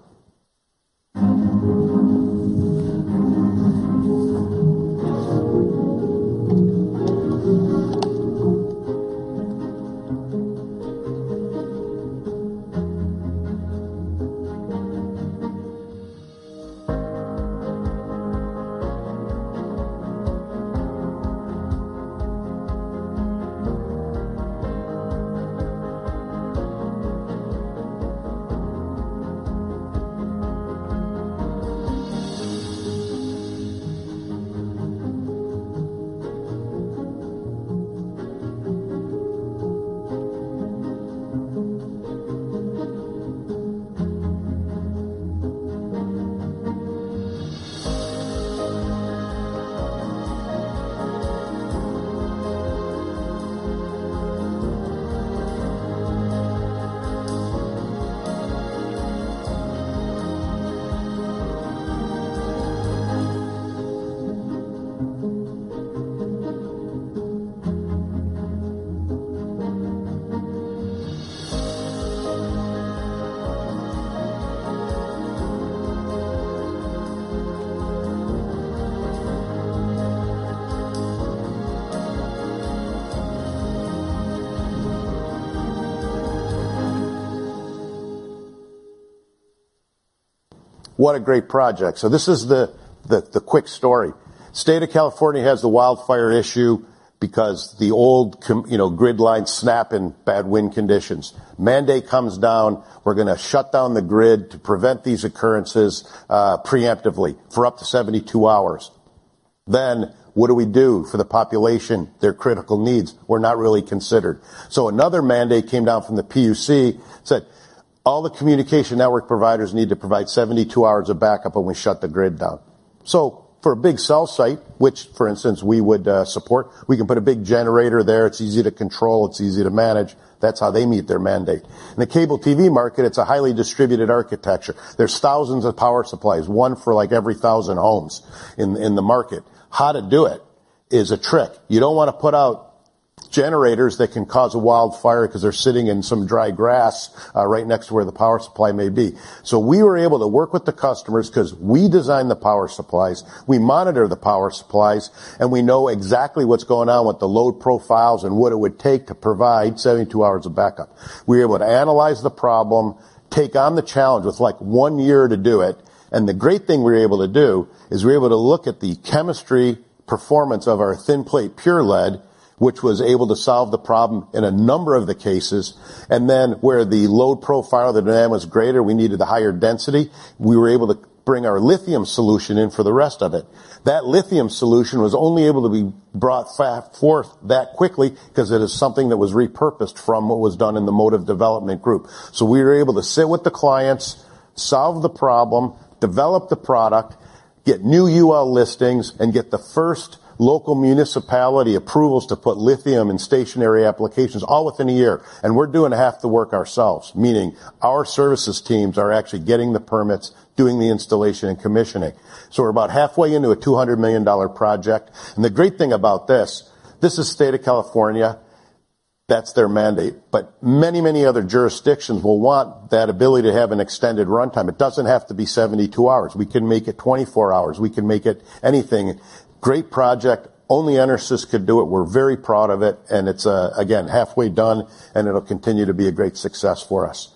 What a great project! This is the, the quick story. State of California has the wildfire issue because the old... You know, grid lines snap in bad wind conditions. Mandate comes down, "We're gonna shut down the grid to prevent these occurrences, preemptively for up to 72 hours." What do we do for the population? Their critical needs were not really considered. Another mandate came down from the PUC, said, "All the communication network providers need to provide 72 hours of backup when we shut the grid down." For a big cell site, which, for instance, we would support, we can put a big generator there. It's easy to control, it's easy to manage. That's how they meet their mandate. In the cable TV market, it's a highly distributed architecture. There's thousands of power supplies, one for, like, every 1,000 homes in the market. How to do it is a trick. You don't wanna put out generators that can cause a wildfire 'cause they're sitting in some dry grass, right next to where the power supply may be. We were able to work with the customers 'cause we design the power supplies, we monitor the power supplies, and we know exactly what's going on with the load profiles and what it would take to provide 72 hours of backup. We were able to analyze the problem, take on the challenge. It's, like, one year to do it, and the great thing we were able to do, is we were able to look at the chemistry performance of our thin plate pure lead, which was able to solve the problem in a number of the cases, and then, where the load profile, the demand was greater, we needed a higher density, we were able to bring our lithium solution in for the rest of it. That lithium solution was only able to be brought forth that quickly, 'cause it is something that was repurposed from what was done in the motive development group. We were able to sit with the clients, solve the problem, develop the product, get new UL listings, and get the first local municipality approvals to put lithium in stationary applications, all within a year. We're doing half the work ourselves, meaning our services teams are actually getting the permits, doing the installation and commissioning. We're about halfway into a $200 million project, and the great thing about this is State of California, that's their mandate, but many, many other jurisdictions will want that ability to have an extended runtime. It doesn't have to be 72 hours. We can make it 24 hours. We can make it anything. Great project, only EnerSys could do it. We're very proud of it, and it's again, halfway done, and it'll continue to be a great success for us.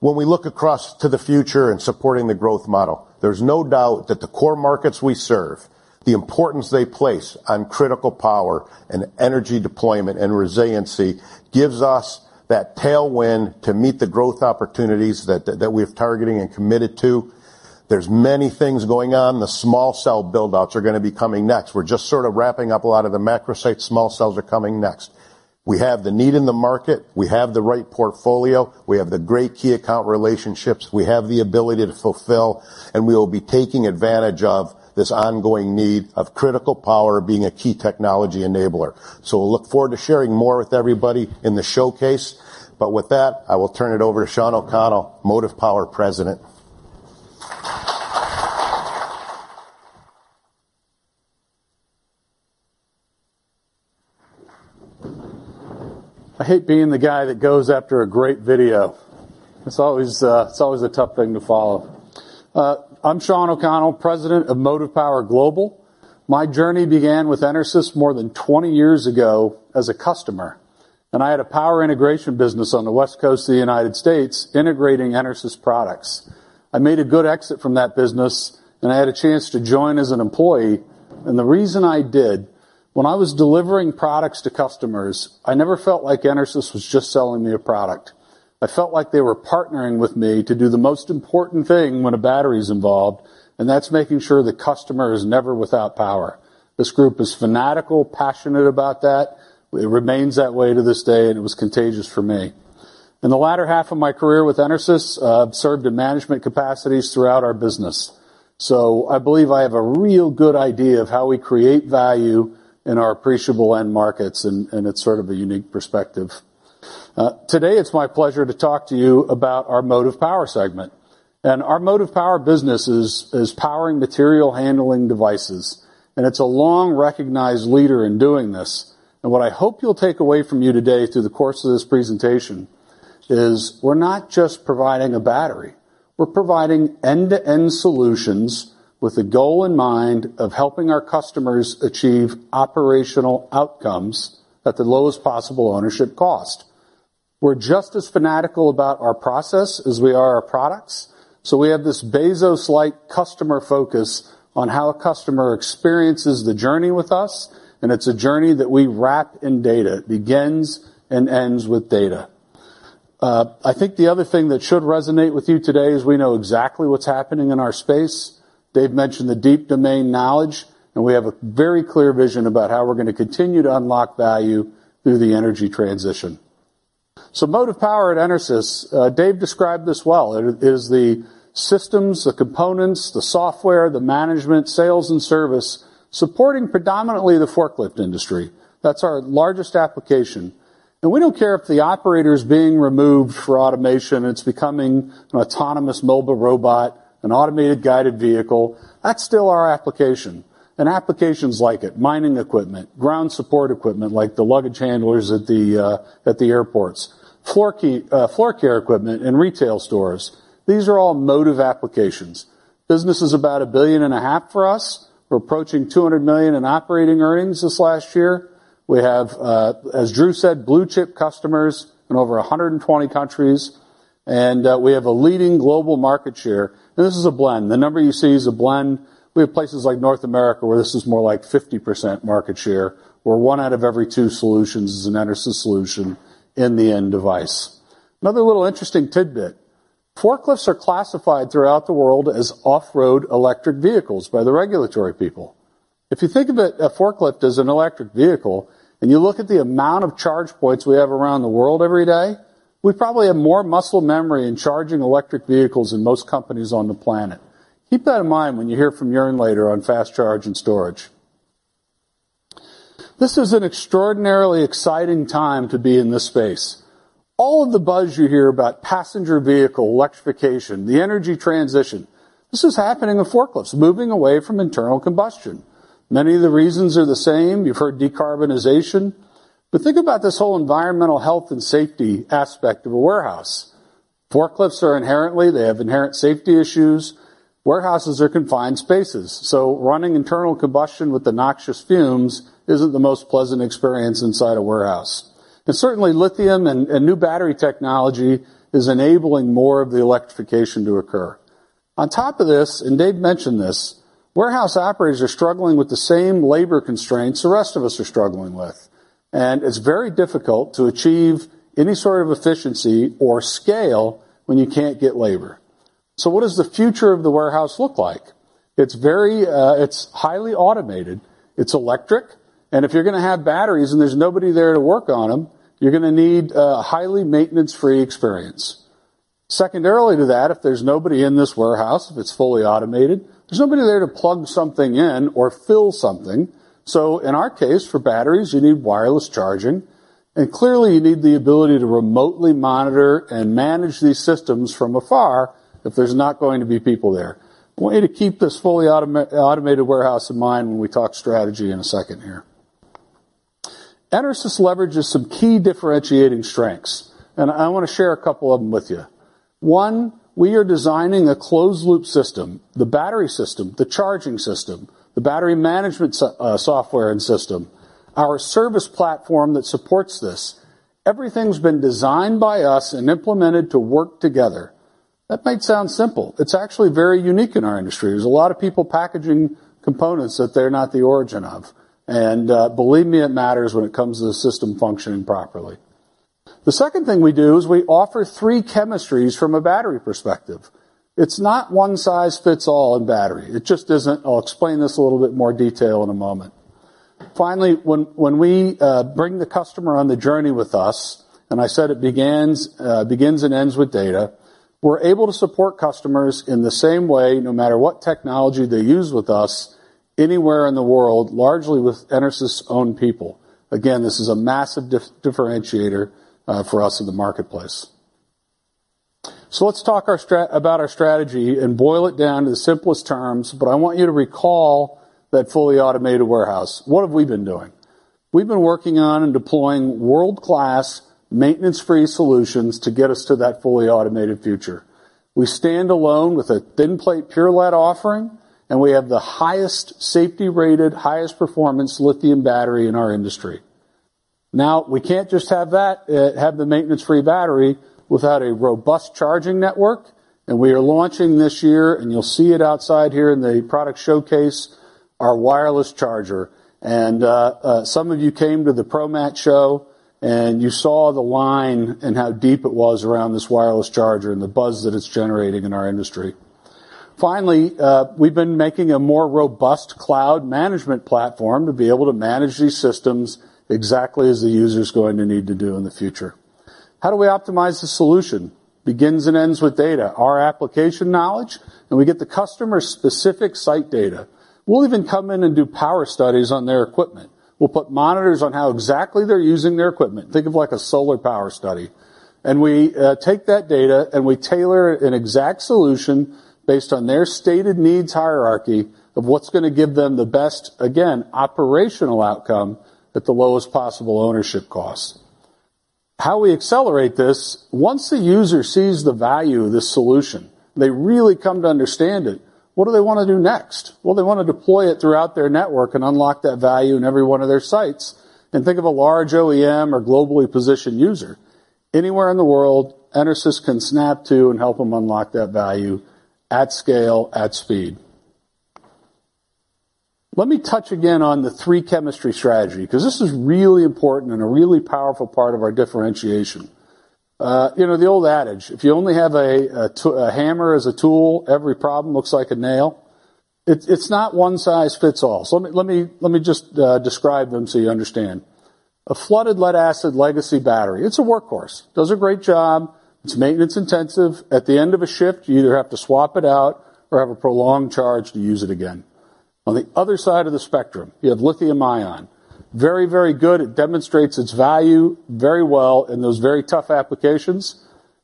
When we look across to the future in supporting the growth model, there's no doubt that the core markets we serve, the importance they place on critical power and energy deployment and resiliency, gives us that tailwind to meet the growth opportunities that we're targeting and committed to. There's many things going on. The small cell build-outs are gonna be coming next. We're just sort of wrapping up a lot of the macro site. Small cells are coming next. We have the need in the market. We have the right portfolio. We have the great key account relationships. We have the ability to fulfill, and we will be taking advantage of this ongoing need of critical power being a key technology enabler. We'll look forward to sharing more with everybody in the showcase, but with that, I will turn it over to Shawn O'Connell, Motive Power President. I hate being the guy that goes after a great video. It's always a tough thing to follow. I'm Shawn O'Connell, President of Motive Power Global. My journey began with EnerSys more than 20 years ago as a customer, and I had a power integration business on the West Coast of the United States, integrating EnerSys products. I made a good exit from that business, and I had a chance to join as an employee, and the reason I did, when I was delivering products to customers, I never felt like EnerSys was just selling me a product. I felt like they were partnering with me to do the most important thing when a battery's involved, and that's making sure the customer is never without power. This group is fanatical, passionate about that. It remains that way to this day, and it was contagious for me. In the latter half of my career with EnerSys, I've served in management capacities throughout our business. I believe I have a real good idea of how we create value in our appreciable end markets, and it's sort of a unique perspective. Today, it's my pleasure to talk to you about our Motive Power segment. Our Motive Power business is powering material handling devices, and it's a long-recognized leader in doing this. What I hope you'll take away from you today, through the course of this presentation, is we're not just providing a battery, we're providing end-to-end solutions with the goal in mind of helping our customers achieve operational outcomes at the lowest possible ownership cost. We're just as fanatical about our process as we are our products, so we have this Bezos-like customer focus on how a customer experiences the journey with us, and it's a journey that we wrap in data. It begins and ends with data. I think the other thing that should resonate with you today is we know exactly what's happening in our space. Dave mentioned the deep domain knowledge, and we have a very clear vision about how we're gonna continue to unlock value through the energy transition. Motive Power at EnerSys, Dave described this well. It is the systems, the components, the software, the management, sales, and service, supporting predominantly the forklift industry. That's our largest application. We don't care if the operator's being removed for automation, it's becoming an autonomous mobile robot, an automated guided vehicle. That's still our application. Applications like it, mining equipment, ground support equipment, like the luggage handlers at the airports, floor care equipment in retail stores. These are all Motive applications. Business is about $1.5 billion for us. We're approaching $200 million in operating earnings this last year. We have, as Drew said, Blue-chip customers in over 120 countries, and we have a leading global market share, and this is a blend. The number you see is a blend. We have places like North America, where this is more like 50% market share, where one out of every two solutions is an EnerSys solution in the end device. Another little interesting tidbit. Forklifts are classified throughout the world as off-road electric vehicles by the regulatory people. If you think of it, a forklift as an electric vehicle, and you look at the amount of charge points we have around the world every day, we probably have more muscle memory in charging electric vehicles than most companies on the planet. Keep that in mind when you hear from Joern later on fast charge and storage. This is an extraordinarily exciting time to be in this space. All of the buzz you hear about passenger vehicle electrification, the energy transition, this is happening with forklifts, moving away from internal combustion. Many of the reasons are the same. You've heard decarbonization, but think about this whole environmental health and safety aspect of a warehouse. They have inherent safety issues. Warehouses are confined spaces, so running internal combustion with the noxious fumes isn't the most pleasant experience inside a warehouse. Certainly, lithium and new battery technology is enabling more of the electrification to occur. On top of this, and Dave mentioned this, warehouse operators are struggling with the same labor constraints the rest of us are struggling with, and it's very difficult to achieve any sort of efficiency or scale when you can't get labor. What does the future of the warehouse look like? It's very, it's highly automated, it's electric, and if you're gonna have batteries and there's nobody there to work on them, you're gonna need a highly maintenance-free experience. Secondarily to that, if there's nobody in this warehouse, if it's fully automated, there's nobody there to plug something in or fill something. In our case, for batteries, you need wireless charging, and clearly, you need the ability to remotely monitor and manage these systems from afar if there's not going to be people there. I want you to keep this fully automated warehouse in mind when we talk strategy in a second here. EnerSys leverages some key differentiating strengths, and I wanna share a couple of them with you. One, we are designing a closed-loop system, the battery system, the charging system, the battery management software and system, our service platform that supports this. Everything's been designed by us and implemented to work together. That might sound simple. It's actually very unique in our industry. There's a lot of people packaging components that they're not the origin of. Believe me, it matters when it comes to the system functioning properly. The second thing we do is we offer three chemistries from a battery perspective. It's not one size fits all in battery. It just isn't. I'll explain this a little bit more detail in a moment. Finally, when we bring the customer on the journey with us, I said it begins and ends with data, we're able to support customers in the same way, no matter what technology they use with us, anywhere in the world, largely with EnerSys' own people. Again, this is a massive differentiator for us in the marketplace. Let's talk about our strategy and boil it down to the simplest terms, I want you to recall that fully automated warehouse. What have we been doing? We've been working on and deploying world-class, maintenance-free solutions to get us to that fully automated future. We stand alone with a thin plate pure lead offering, and we have the highest safety-rated, highest performance lithium battery in our industry. We can't just have the maintenance-free battery without a robust charging network, and we are launching this year, and you'll see it outside here in the product showcase, our wireless charger. Some of you came to the ProMat show, and you saw the line and how deep it was around this wireless charger and the buzz that it's generating in our industry. Finally, we've been making a more robust cloud management platform to be able to manage these systems exactly as the user's going to need to do in the future. How do we optimize the solution? Begins and ends with data, our application knowledge, and we get the customer-specific site data. We'll even come in and do power studies on their equipment. We'll put monitors on how exactly they're using their equipment. Think of like a solar power study. We take that data, and we tailor an exact solution based on their stated needs hierarchy of what's gonna give them the best, again, operational outcome at the lowest possible ownership cost. How we accelerate this, once the user sees the value of this solution, they really come to understand it, what do they wanna do next? Well, they wanna deploy it throughout their network and unlock that value in every one of their sites. Think of a large OEM or globally positioned user. Anywhere in the world, EnerSys can snap to and help them unlock that value at scale, at speed. Let me touch again on the three chemistry strategy, 'cause this is really important and a really powerful part of our differentiation. You know, the old adage, if you only have a hammer as a tool, every problem looks like a nail. It's not one size fits all. Let me just describe them so you understand. A flooded lead-acid legacy battery, it's a workhorse, does a great job. It's maintenance-intensive. At the end of a shift, you either have to swap it out or have a prolonged charge to use it again. On the other side of the spectrum, you have lithium-ion. Very good. It demonstrates its value very well in those very tough applications.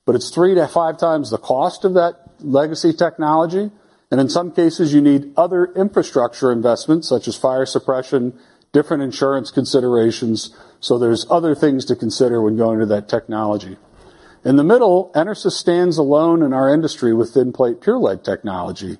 It's three to five times the cost of that legacy technology, and in some cases, you need other infrastructure investments, such as fire suppression, different insurance considerations. There's other things to consider when going to that technology. In the middle, EnerSys stands alone in our industry with thin plate pure lead technology,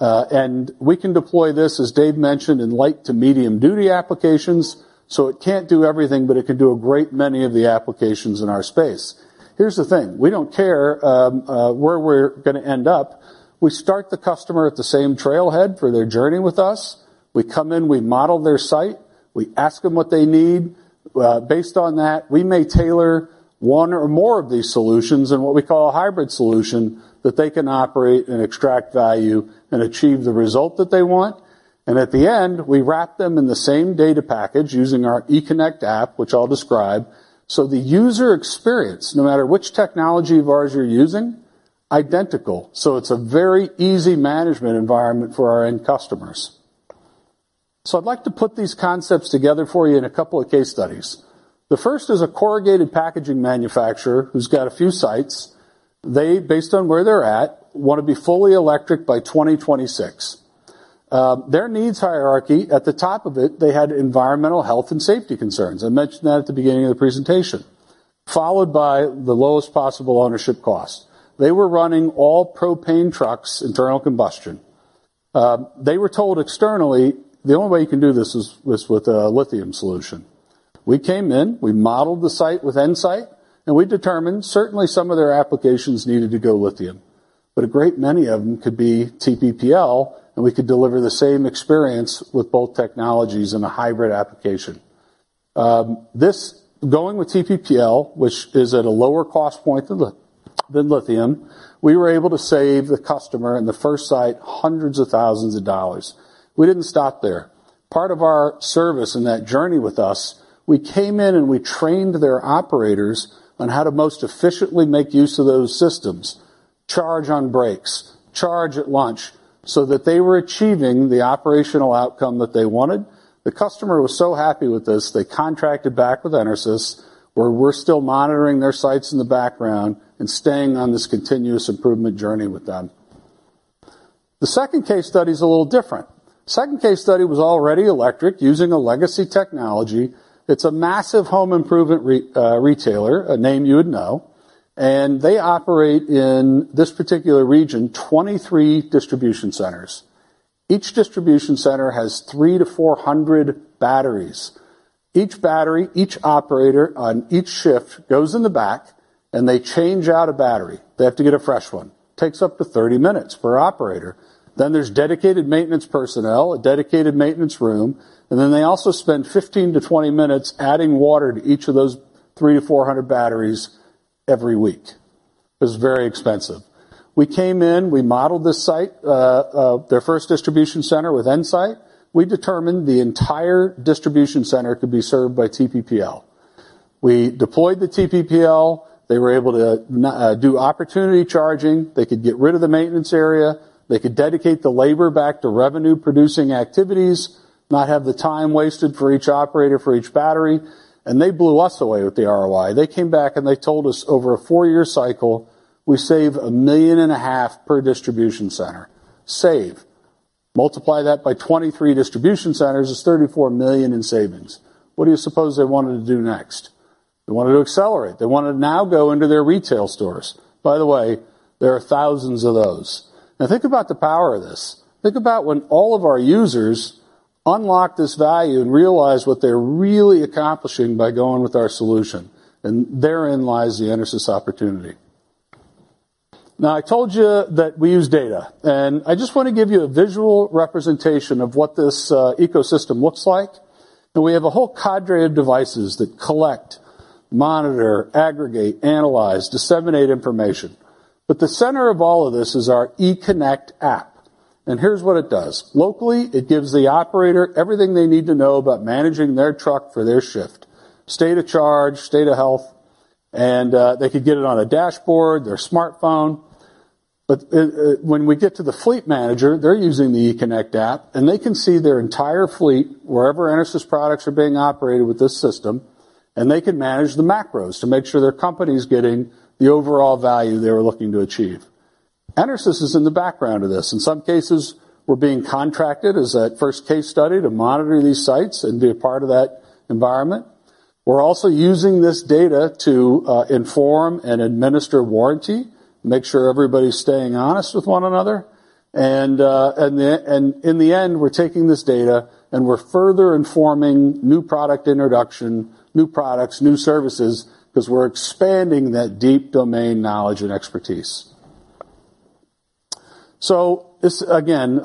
and we can deploy this, as Dave mentioned, in light to medium-duty applications, so it can't do everything, but it could do a great many of the applications in our space. Here's the thing: We don't care where we're gonna end up. We start the customer at the same trailhead for their journey with us. We come in, we model their site. We ask them what they need. Based on that, we may tailor one or more of these solutions in what we call a hybrid solution, that they can operate and extract value and achieve the result that they want. At the end, we wrap them in the same data package using our E-Connect app, which I'll describe, so the user experience, no matter which technology of ours you're using, identical. It's a very easy management environment for our end customers. I'd like to put these concepts together for you in a couple of case studies. The first is a corrugated packaging manufacturer who's got a few sites. They, based on where they're at, want to be fully electric by 2026. Their needs hierarchy, at the top of it, they had environmental, health, and safety concerns. I mentioned that at the beginning of the presentation, followed by the lowest possible ownership cost. They were running all propane trucks, internal combustion. They were told externally, the only way you can do this is with a lithium solution. We came in, we modeled the site with EnSite, and we determined certainly some of their applications needed to go lithium, but a great many of them could be TPPL, and we could deliver the same experience with both technologies in a hybrid application. This going with TPPL, which is at a lower cost point than lithium, we were able to save the customer in the first site hundreds of thousands of dollars. We didn't stop there. Part of our service in that journey with us, we came in and we trained their operators on how to most efficiently make use of those systems: charge on brakes, charge at lunch, so that they were achieving the operational outcome that they wanted. The customer was so happy with this, they contracted back with EnerSys, where we're still monitoring their sites in the background and staying on this continuous improvement journey with them. The second case study is a little different. Second case study was already electric, using a legacy technology. It's a massive home improvement retailer, a name you would know, and they operate in this particular region, 23 distribution centers. Each distribution center has 300-400 batteries. Each battery, each operator on each shift goes in the back, and they change out a battery. They have to get a fresh one. Takes up to 30 minutes per operator. There's dedicated maintenance personnel, a dedicated maintenance room, and then they also spend 15-20 minutes adding water to each of those 300-400 batteries every week. It was very expensive. We came in, we modeled the site, their first distribution center with EnSite. We determined the entire distribution center could be served by TPPL. We deployed the TPPL. They were able to do opportunity charging. They could get rid of the maintenance area. They could dedicate the labor back to revenue-producing activities, not have the time wasted for each operator, for each battery, and they blew us away with the ROI. They came back, and they told us, "Over a four-year cycle, we save a million and a half per distribution center." Save. Multiply that by 23 distribution centers, is $34 million in savings. What do you suppose they wanted to do next? They wanted to accelerate. They wanted to now go into their retail stores. By the way, there are thousands of those. Think about the power of this. Think about when all of our users unlock this value and realize what they're really accomplishing by going with our solution, and therein lies the EnerSys opportunity. I told you that we use data, and I just want to give you a visual representation of what this ecosystem looks like. We have a whole cadre of devices that collect, monitor, aggregate, analyze, disseminate information. The center of all of this is our E-Connect app, and here's what it does. Locally, it gives the operator everything they need to know about managing their truck for their shift, state of charge, state of health, and they could get it on a dashboard, their smartphone. When we get to the fleet manager, they're using the E-Connect app, and they can see their entire fleet, wherever EnerSys products are being operated with this system, and they can manage the macros to make sure their company's getting the overall value they were looking to achieve. EnerSys is in the background of this. In some cases, we're being contracted, as that first case study, to monitor these sites and be a part of that environment. We're also using this data to inform and administer warranty, make sure everybody's staying honest with one another, and in the end, we're taking this data, and we're further informing new product introduction, new products, new services, because we're expanding that deep domain knowledge and expertise. This, again,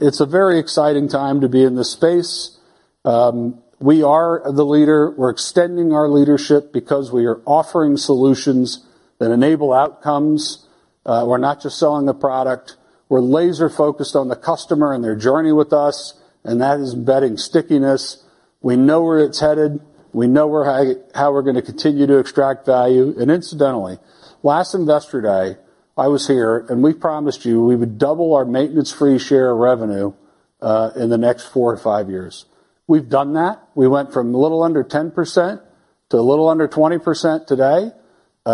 it's a very exciting time to be in this space. We are the leader. We're extending our leadership because we are offering solutions that enable outcomes. We're not just selling a product. We're laser-focused on the customer and their journey with us, and that is embedding stickiness. We know where it's headed. We know where how we're going to continue to extract value. Incidentally, last Investor Day, I was here, and we promised you we would double our maintenance-free share of revenue in the next four to five years. We've done that. We went from a little under 10% to a little under 20% today.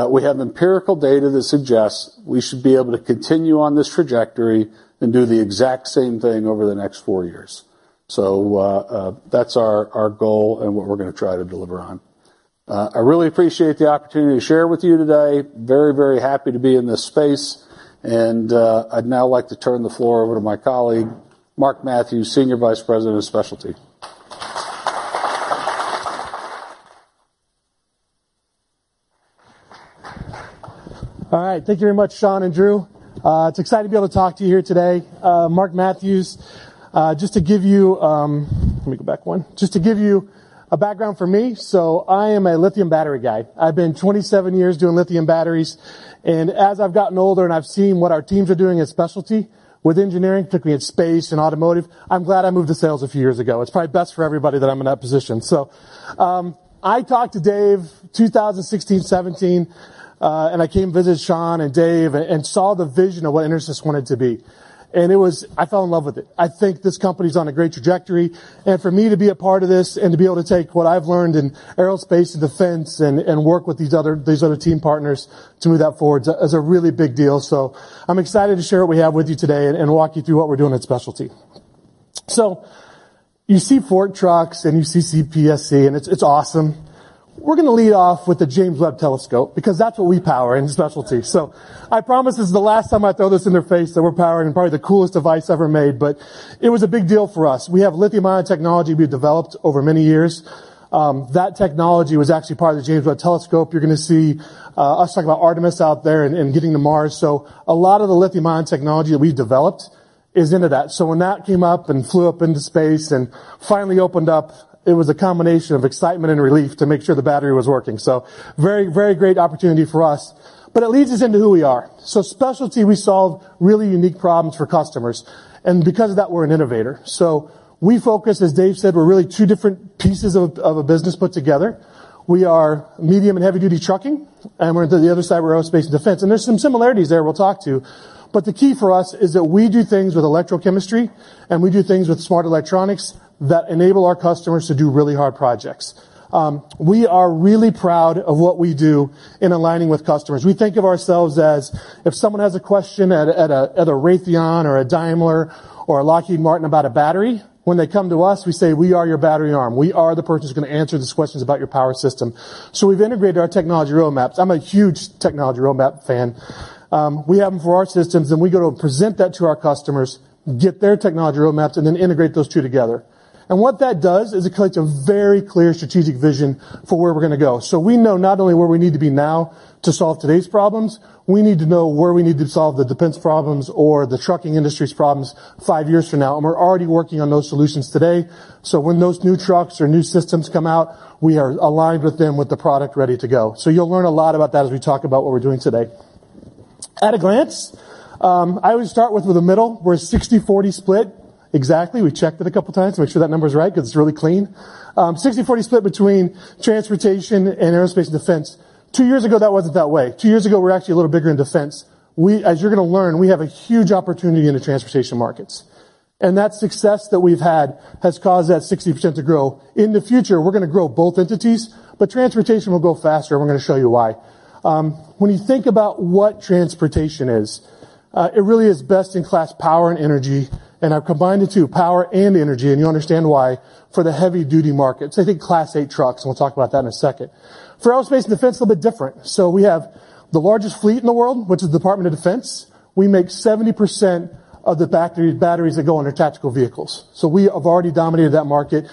We have empirical data that suggests we should be able to continue on this trajectory and do the exact same thing over the next four years. That's our goal and what we're gonna try to deliver on. I really appreciate the opportunity to share with you today. Very, very happy to be in this space, and, I'd now like to turn the floor over to my colleague, Mark Matthews, Senior Vice President of Specialty. All right, thank you very much, Shawn and Drew. It's exciting to be able to talk to you here today. Mark Matthews, just to give you. Let me go back one. Just to give you a background for me, I am a lithium battery guy. I've been 27 years doing lithium batteries, and as I've gotten older and I've seen what our teams are doing at Specialty with engineering, particularly in space and automotive, I'm glad I moved to sales a few years ago. It's probably best for everybody that I'm in that position. I talked to Dave, 2016, 2017, and I came to visit Shawn and Dave and saw the vision of what EnerSys wanted to be, it was I fell in love with it. I think this company's on a great trajectory. For me to be a part of this and to be able to take what I've learned in aerospace and defense and work with these other team partners to move that forward is a really big deal. I'm excited to share what we have with you today and walk you through what we're doing at Specialty. You see Ford trucks, and you see CPSC. It's awesome. We're gonna lead off with the James Webb Space Telescope because that's what we power in Specialty. I promise this is the last time I throw this in their face, that we're powering probably the coolest device ever made, but it was a big deal for us. We have lithium-ion technology we've developed over many years. That technology was actually part of the James Webb Space Telescope. You're going to see us talk about Artemis out there and getting to Mars. A lot of the lithium-ion technology that we developed is into that. When that came up and flew up into space and finally opened up, it was a combination of excitement and relief to make sure the battery was working. Very great opportunity for us, but it leads us into who we are. Specialty, we solve really unique problems for customers, and because of that, we're an innovator. As Dave said, we're really two different pieces of a business put together. We are medium and heavy-duty trucking, and we're the other side, we're aerospace and defense, and there's some similarities there we'll talk to. The key for us is that we do things with electrochemistry, and we do things with smart electronics that enable our customers to do really hard projects. We are really proud of what we do in aligning with customers. We think of ourselves as if someone has a question at a, at a, at a Raytheon or a Daimler or a Lockheed Martin about a battery, when they come to us, we say, "We are your battery arm. We are the person who's gonna answer these questions about your power system." We've integrated our technology roadmaps. I'm a huge technology roadmap fan. We have them for our systems, and we go to present that to our customers, get their technology roadmaps, and then integrate those two together. What that does is it creates a very clear strategic vision for where we're gonna go. We know not only where we need to be now to solve today's problems, we need to know where we need to solve the defense problems or the trucking industry's problems five years from now, and we're already working on those solutions today. When those new trucks or new systems come out, we are aligned with them, with the product ready to go. You'll learn a lot about that as we talk about what we're doing today. At a glance, I always start with the middle. We're a 60/40 split. Exactly. We checked it a couple of times to make sure that number is right 'cause it's really clean. 60/40 split between transportation and aerospace and defense. Two years ago, that wasn't that way. Two years ago, we were actually a little bigger in defense. As you're gonna learn, we have a huge opportunity in the transportation markets, and that success that we've had has caused that 60% to grow. In the future, we're gonna grow both entities, but transportation will grow faster, and we're gonna show you why. When you think about what transportation is, it really is best-in-class power and energy, and I've combined the two, power and energy, and you'll understand why for the heavy-duty markets, I think Class 8 trucks, and we'll talk about that in a second. For aerospace and defense, a little bit different. We have the largest fleet in the world, which is Department of Defense. We make 70% of the batteries that go on their tactical vehicles, so we have already dominated that market.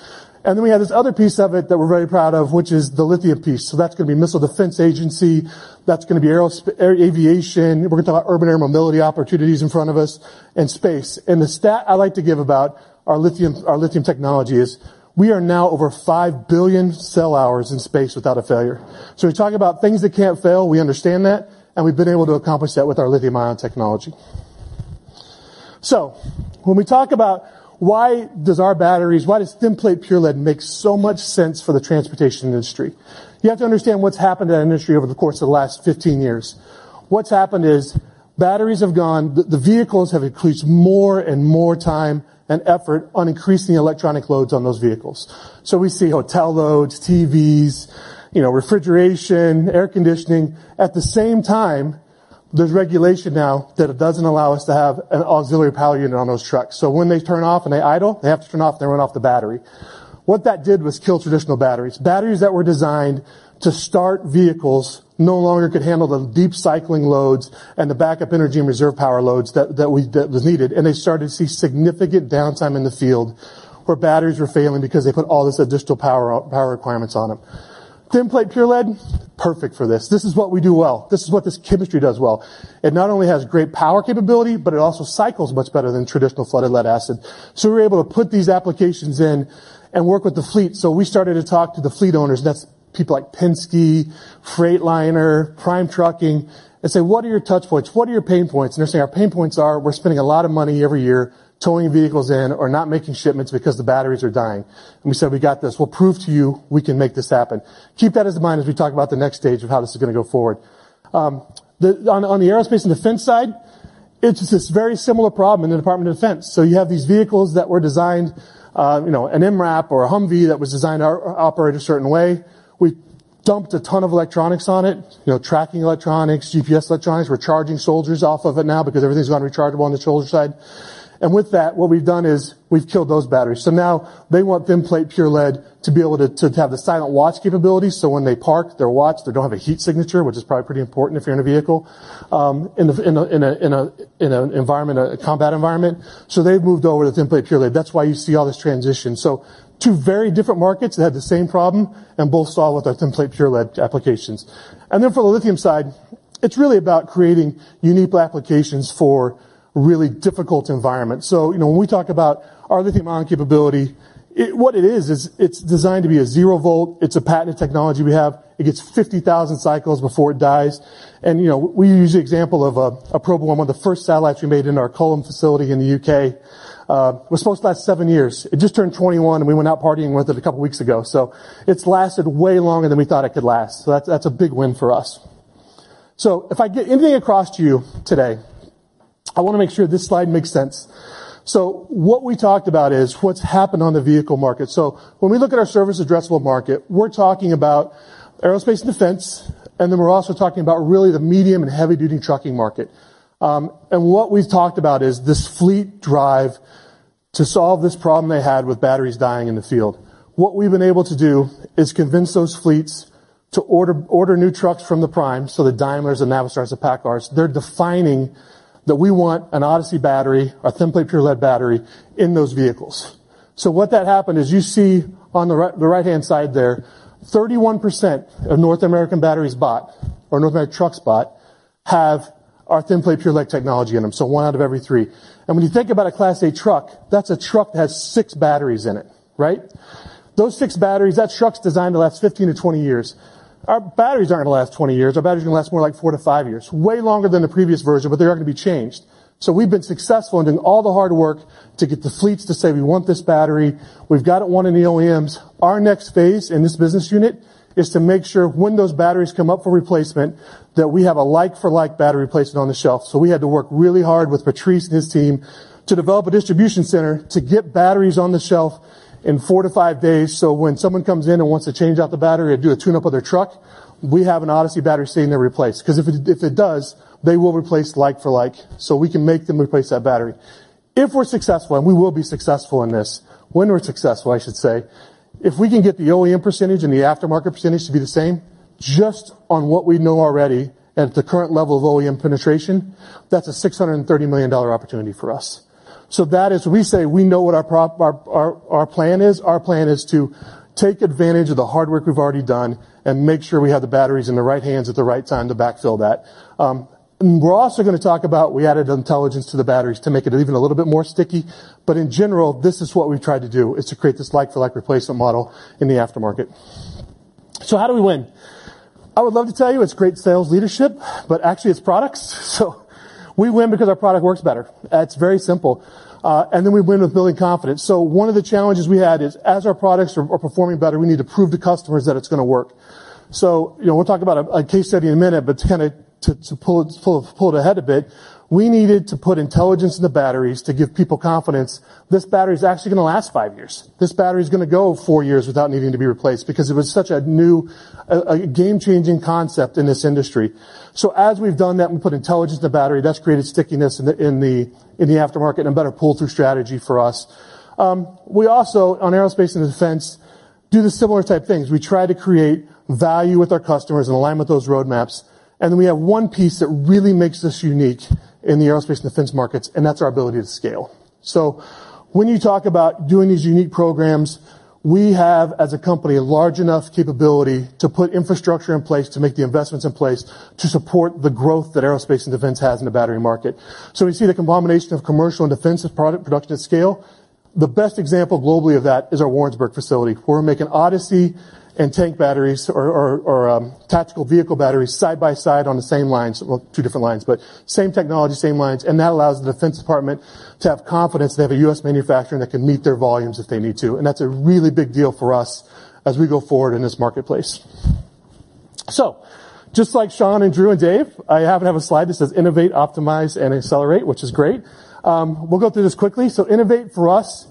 We have this other piece of it that we're very proud of, which is the lithium piece. That's gonna be Missile Defense Agency, that's gonna be aviation. We're gonna talk about urban air mobility opportunities in front of us and space. The stat I like to give about our lithium technology is we are now over 5 billion cell hours in space without a failure. We talk about things that can't fail, we understand that, and we've been able to accomplish that with our lithium-ion technology. When we talk about why does thin plate pure lead make so much sense for the transportation industry? You have to understand what's happened to that industry over the course of the last 15 years. What's happened is batteries have gone... The vehicles have increased more and more time and effort on increasing electronic loads on those vehicles. We see hotel loads, TVs, you know, refrigeration, air conditioning. At the same time, there's regulation now that it doesn't allow us to have an auxiliary power unit on those trucks. When they turn off and they idle, they have to turn off and they run off the battery. What that did was kill traditional batteries. Batteries that were designed to start vehicles no longer could handle the deep cycling loads and the backup energy and reserve power loads That was needed, and they started to see significant downtime in the field where batteries were failing because they put all this additional power requirements on them. Thin plate pure lead, perfect for this. This is what we do well. This is what this chemistry does well. It not only has great power capability, but it also cycles much better than traditional flooded lead-acid. We're able to put these applications in and work with the fleet. We started to talk to the fleet owners, and that's people like Penske, Freightliner, Prime Inc., and say, "What are your touchpoints? What are your pain points?" They're saying, "Our pain points are we're spending a lot of money every year towing vehicles in or not making shipments because the batteries are dying." We said, "We got this. We'll prove to you we can make this happen." Keep that in mind as we talk about the next stage of how this is going to go forward. On the aerospace and defense side, it's this very similar problem in the Department of Defense. You have these vehicles that were designed, you know, an MRAP or a Humvee that was designed or operate a certain way. Dumped a ton of electronics on it, you know, tracking electronics, GPS electronics. We're charging soldiers off of it now because everything's gone rechargeable on the soldier side. With that, what we've done is we've killed those batteries. Now they want thin plate pure lead to be able to have the silent watch capability, so when they park their watch, they don't have a heat signature, which is probably pretty important if you're in a vehicle, in a environment, a combat environment. They've moved over to thin plate pure lead. That's why you see all this transition. Two very different markets that have the same problem and both solved with our thin plate pure lead applications. For the lithium side, it's really about creating unique applications for really difficult environments. You know, when we talk about our lithium-ion capability, it's designed to be a zero volt. It's a patented technology we have. It gets 50,000 cycles before it dies. You know, we use the example of a probe on one of the first satellites we made in our Culham facility in the U.K., was supposed to last seven years. It just turned 21, and we went out partying with it a couple weeks ago, so it's lasted way longer than we thought it could last. That's a big win for us. If I get anything across to you today, I wanna make sure this slide makes sense. What we talked about is what's happened on the vehicle market. When we look at our service addressable market, we're talking about aerospace and defense, and then we're also talking about really the medium and heavy-duty trucking market. And what we've talked about is this fleet drive to solve this problem they had with batteries dying in the field. What we've been able to do is convince those fleets to order new trucks from the prime, the Daimlers, the Navistars, the PACCARs. They're defining that we want an ODYSSEY battery, a thin plate pure lead battery in those vehicles. What that happened is you see on the right, the right-hand side there, 31% of North American batteries bought or North American trucks bought have our thin-plate pure lead technology in them. One out of every three. When you think about a Class 8 truck, that's a truck that has 6 batteries in it, right? Those six batteries, that truck's designed to last 15-20 years. Our batteries aren't gonna last 20 years. Our batteries are gonna last more like four-five years, way longer than the previous version, but they are gonna be changed. We've been successful in doing all the hard work to get the fleets to say, "We want this battery." We've got it won in the OEMs. Our next phase in this business unit is to make sure when those batteries come up for replacement, that we have a like for like battery replacement on the shelf. We had to work really hard with Patrice and his team to develop a distribution center to get batteries on the shelf in four to five days, so when someone comes in and wants to change out the battery or do a tune-up on their truck, we have an ODYSSEY battery sitting there replaced, 'cause if it does, they will replace like for like, so we can make them replace that battery. If we're successful, and we will be successful in this. When we're successful, I should say, if we can get the OEM percentage and the aftermarket percentage to be the same, just on what we know already and at the current level of OEM penetration, that's a $630 million opportunity for us. That is, we say we know what our plan is. Our plan is to take advantage of the hard work we've already done and make sure we have the batteries in the right hands at the right time to backfill that. We're also going to talk about, we added intelligence to the batteries to make it even a little bit more sticky. In general, this is what we've tried to do, is to create this like-for-like replacement model in the aftermarket. How do we win? I would love to tell you it's great sales leadership, but actually it's products. We win because our product works better. It's very simple, and then we win with building confidence. One of the challenges we had is, as our products are performing better, we need to prove to customers that it's gonna work. You know, we'll talk about a case study in a minute, but to pull it ahead a bit, we needed to put intelligence in the batteries to give people confidence this battery is actually gonna last five years. This battery is gonna go four years without needing to be replaced, because it was such a new, a game-changing concept in this industry. As we've done that, and we put intelligence in the battery, that's created stickiness in the aftermarket and a better pull-through strategy for us. We also, on aerospace and defense, do the similar type of things. We try to create value with our customers and align with those roadmaps, and then we have one piece that really makes us unique in the aerospace and defense markets, and that's our ability to scale. When you talk about doing these unique programs, we have, as a company, a large enough capability to put infrastructure in place, to make the investments in place, to support the growth that aerospace and defense has in the battery market. We see the combination of commercial and defensive product production at scale. The best example globally of that is our Warrensburg facility, where we're making ODYSSEY and tank batteries or tactical vehicle batteries side by side on the same lines. Two different lines, but same technology, same lines, that allows the Department of Defense to have confidence they have a U.S. manufacturer that can meet their volumes if they need to. That's a really big deal for us as we go forward in this marketplace. Just like Shawn and Drew and Dave, I happen to have a slide that says, "Innovate, optimize, and accelerate," which is great. We'll go through this quickly. Innovate for us,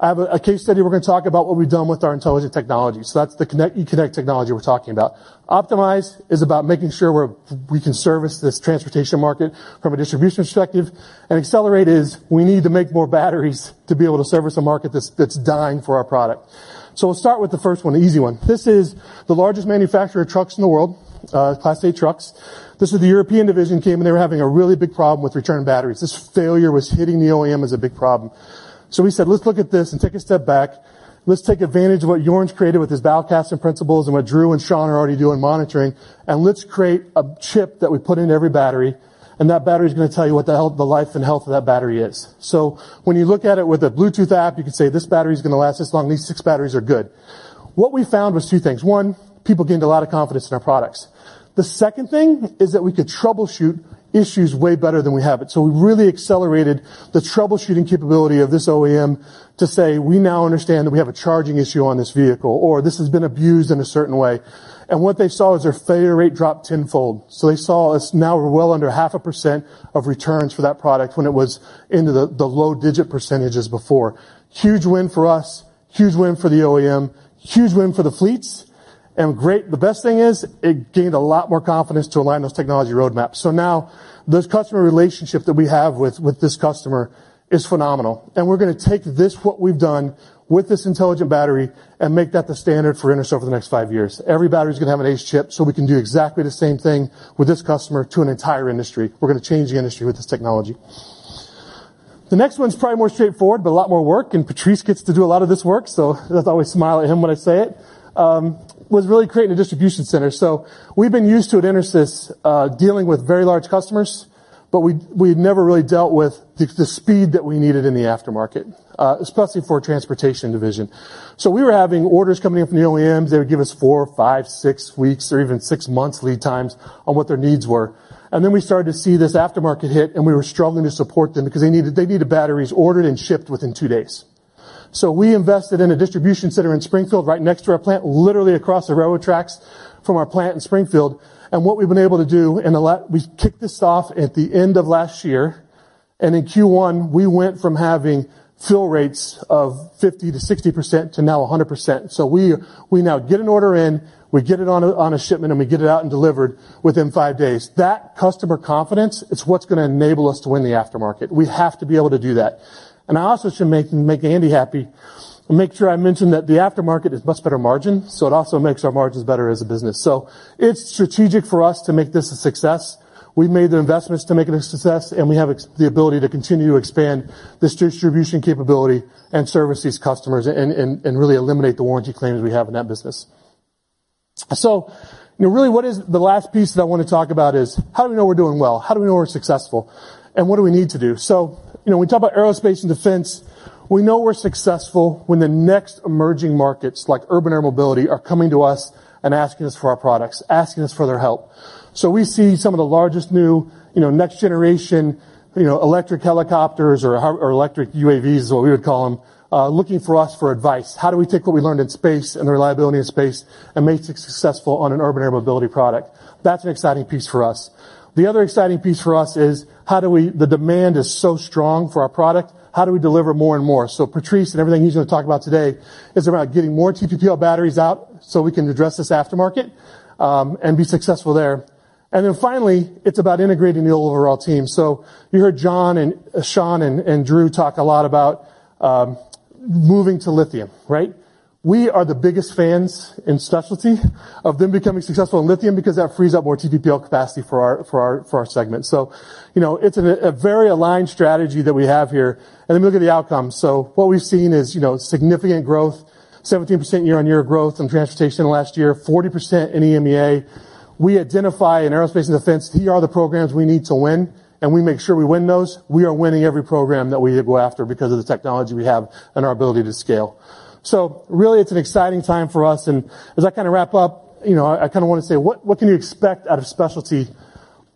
I have a case study we're gonna talk about what we've done with our intelligent technology. That's the Connect, E-Connect technology we're talking about. Optimize is about making sure we can service this transportation market from a distribution perspective. Accelerate is we need to make more batteries to be able to service a market that's dying for our product. We'll start with the first one, the easy one. This is the largest manufacturer of trucks in the world, Class 8 trucks. This is the European division, came, and they were having a really big problem with return batteries. This failure was hitting the OEM as a big problem. We said, "Let's look at this and take a step back. Let's take advantage of what Joern's created with his [Valcast] and principles and what Drew and Shawn are already doing monitoring, and let's create a chip that we put in every battery, and that battery is gonna tell you the life and health of that battery is. When you look at it with a Bluetooth app, you can say, "This battery is gonna last this long. These six batteries are good." What we found was two things: One, people gained a lot of confidence in our products. The second thing is that we could troubleshoot issues way better than we have. We really accelerated the troubleshooting capability of this OEM to say, "We now understand that we have a charging issue on this vehicle, or this has been abused in a certain way." What they saw was their failure rate dropped tenfold. They saw it's now well under 0.5% of returns for that product when it was into the low digit percentages before. Huge win for us, huge win for the OEM, huge win for the fleets. The best thing is, it gained a lot more confidence to align those technology roadmaps. Now, this customer relationship that we have with this customer is phenomenal, and we're gonna take this, what we've done with this intelligent battery, and make that the standard for EnerSys over the next five years. Every battery is gonna have an ACE chip, so we can do exactly the same thing with this customer to an entire industry. We're gonna change the industry with this technology. The next one's probably more straightforward, but a lot more work, and Patrice gets to do a lot of this work, so I always smile at him when I say it, was really creating a distribution center. We've been used to, at EnerSys, dealing with very large customers, but we've never really dealt with the speed that we needed in the aftermarket, especially for transportation division. We were having orders coming in from the OEMs. They would give us four, five, six weeks or even six months lead times on what their needs were. We started to see this aftermarket hit, and we were struggling to support them because they needed batteries ordered and shipped within two days. We invested in a distribution center in Springfield, right next to our plant, literally across the railroad tracks from our plant in Springfield. What we've been able to do we kicked this off at the end of last year, and in Q1, we went from having fill rates of 50%-60% to now 100%. We now get an order in, we get it on a shipment, and we get it out and delivered within five days. That customer confidence, it's what's gonna enable us to win the aftermarket. We have to be able to do that. I also should make Andi happy, and make sure I mention that the aftermarket is much better margin, so it also makes our margins better as a business. It's strategic for us to make this a success. We've made the investments to make it a success, and we have the ability to continue to expand this distribution capability and service these customers and really eliminate the warranty claims we have in that business. Really, the last piece that I wanna talk about is: How do we know we're doing well? How do we know we're successful, and what do we need to do? You know, when we talk about aerospace and defense, we know we're successful when the next emerging markets, like urban air mobility, are coming to us and asking us for our products, asking us for their help. We see some of the largest new, you know, next generation, you know, electric helicopters or electric UAVs, is what we would call them, looking for us for advice. How do we take what we learned in space and the reliability of space and make it successful on an urban air mobility product? That's an exciting piece for us. The other exciting piece for us is, the demand is so strong for our product, how do we deliver more and more? Patrice, and everything he's going to talk about today, is about getting more TPPL batteries out so we can address this aftermarket and be successful there. Finally, it's about integrating the overall team. You heard John and Shawn and Drew talk a lot about moving to lithium, right? We are the biggest fans in Specialty of them becoming successful in lithium because that frees up more TPPL capacity for our segment. You know, it's a very aligned strategy that we have here, look at the outcomes. What we've seen is, you know, significant growth, 17% year-on-year growth in transportation last year, 40% in EMEA. We identify in aerospace and defense, here are the programs we need to win, we make sure we win those. We are winning every program that we go after because of the technology we have and our ability to scale. Really, it's an exciting time for us, as I kinda wrap up, you know, I kinda wanna say, what can you expect out of Specialty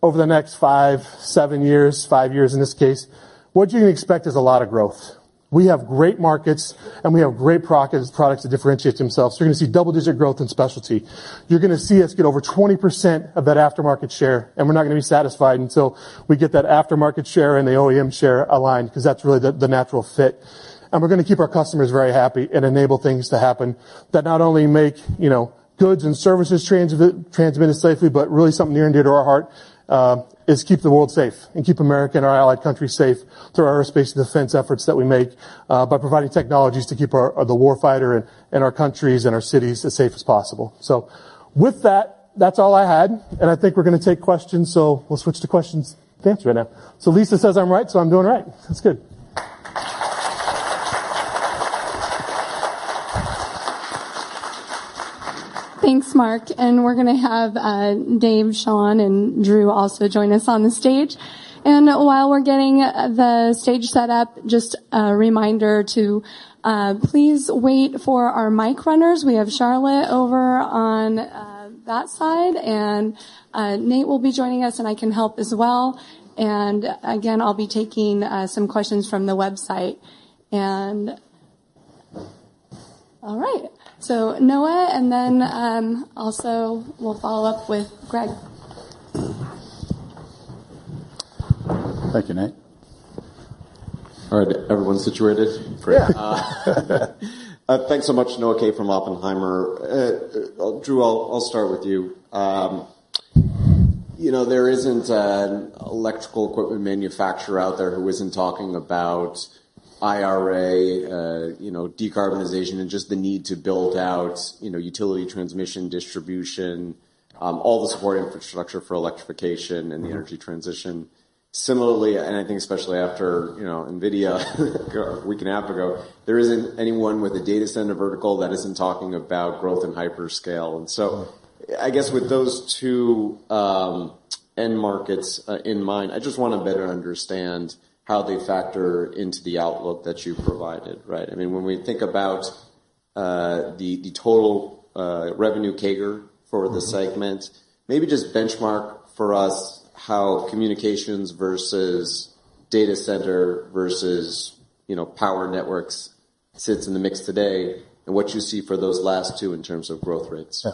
over the next five, seven years, five years in this case? What you can expect is a lot of growth. We have great markets, we have great products that differentiate themselves. You're gonna see double-digit growth in Specialty. You're gonna see us get over 20% of that aftermarket share, we're not gonna be satisfied until we get that aftermarket share and the OEM share aligned, 'cause that's really the natural fit. We're gonna keep our customers very happy and enable things to happen that not only make, you know, goods and services transmitted safely, but really something near and dear to our heart, is keep the world safe and keep America and our allied countries safe through our aerospace and defense efforts that we make, by providing technologies to keep the war fighter and our countries and our cities as safe as possible. With that's all I had. I think we're gonna take questions, we'll switch to questions to answer right now. Lisa says I'm right, so I'm doing all right. That's good. Thanks, Mark. We're gonna have Dave, Shawn, and Drew also join us on the stage. While we're getting the stage set up, just a reminder to please wait for our mic runners. We have Charlotte over on that side, and Nate will be joining us, and I can help as well. Again, I'll be taking some questions from the website. All right, Noah, also we'll follow up with Greg. Thank you, Nate. All right. Everyone situated? Yeah. Thanks so much, Noah Kaye from Oppenheimer. Drew, I'll start with you. You know, there isn't an electrical equipment manufacturer out there who isn't talking about IRA, you know, decarbonization, and just the need to build out, you know, utility transmission, distribution, all the supporting infrastructure for electrification and the energy transition. Similarly, I think especially after, you know, NVIDIA, a week and a half ago, there isn't anyone with a data center vertical that isn't talking about growth and hyperscale. I guess with those two end markets in mind, I just wanna better understand how they factor into the outlook that you provided, right? I mean, when we think about the total revenue CAGR for the segment, maybe just benchmark for us how communications versus data center versus, you know, power networks sits in the mix today and what you see for those last two in terms of growth rates. Yeah.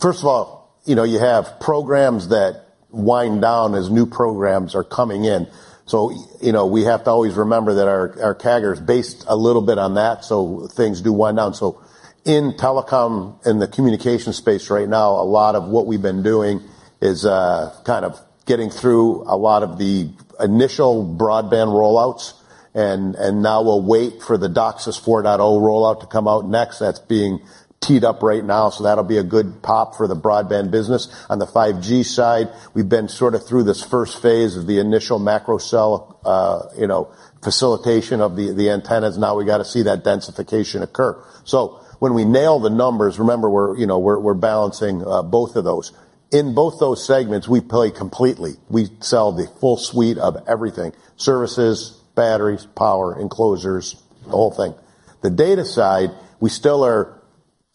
First of all, you know, you have programs that wind down as new programs are coming in. You know, we have to always remember that our CAGR is based a little bit on that, so things do wind down. In telecom, in the communication space right now, a lot of what we've been doing is kind of getting through a lot of the initial broadband rollouts, and now we'll wait for the DOCSIS 4.0 rollout to come out next. That's being teed up right now, so that'll be a good pop for the broadband business. On the 5G side, we've been sort of through this first phase of the initial macro cell, you know, facilitation of the antennas. Now we gotta see that densification occur. When we nail the numbers, remember, we're, you know, we're balancing both of those. In both those segments, we play completely. We sell the full suite of everything: services, batteries, power, enclosures, the whole thing. The data side, we still are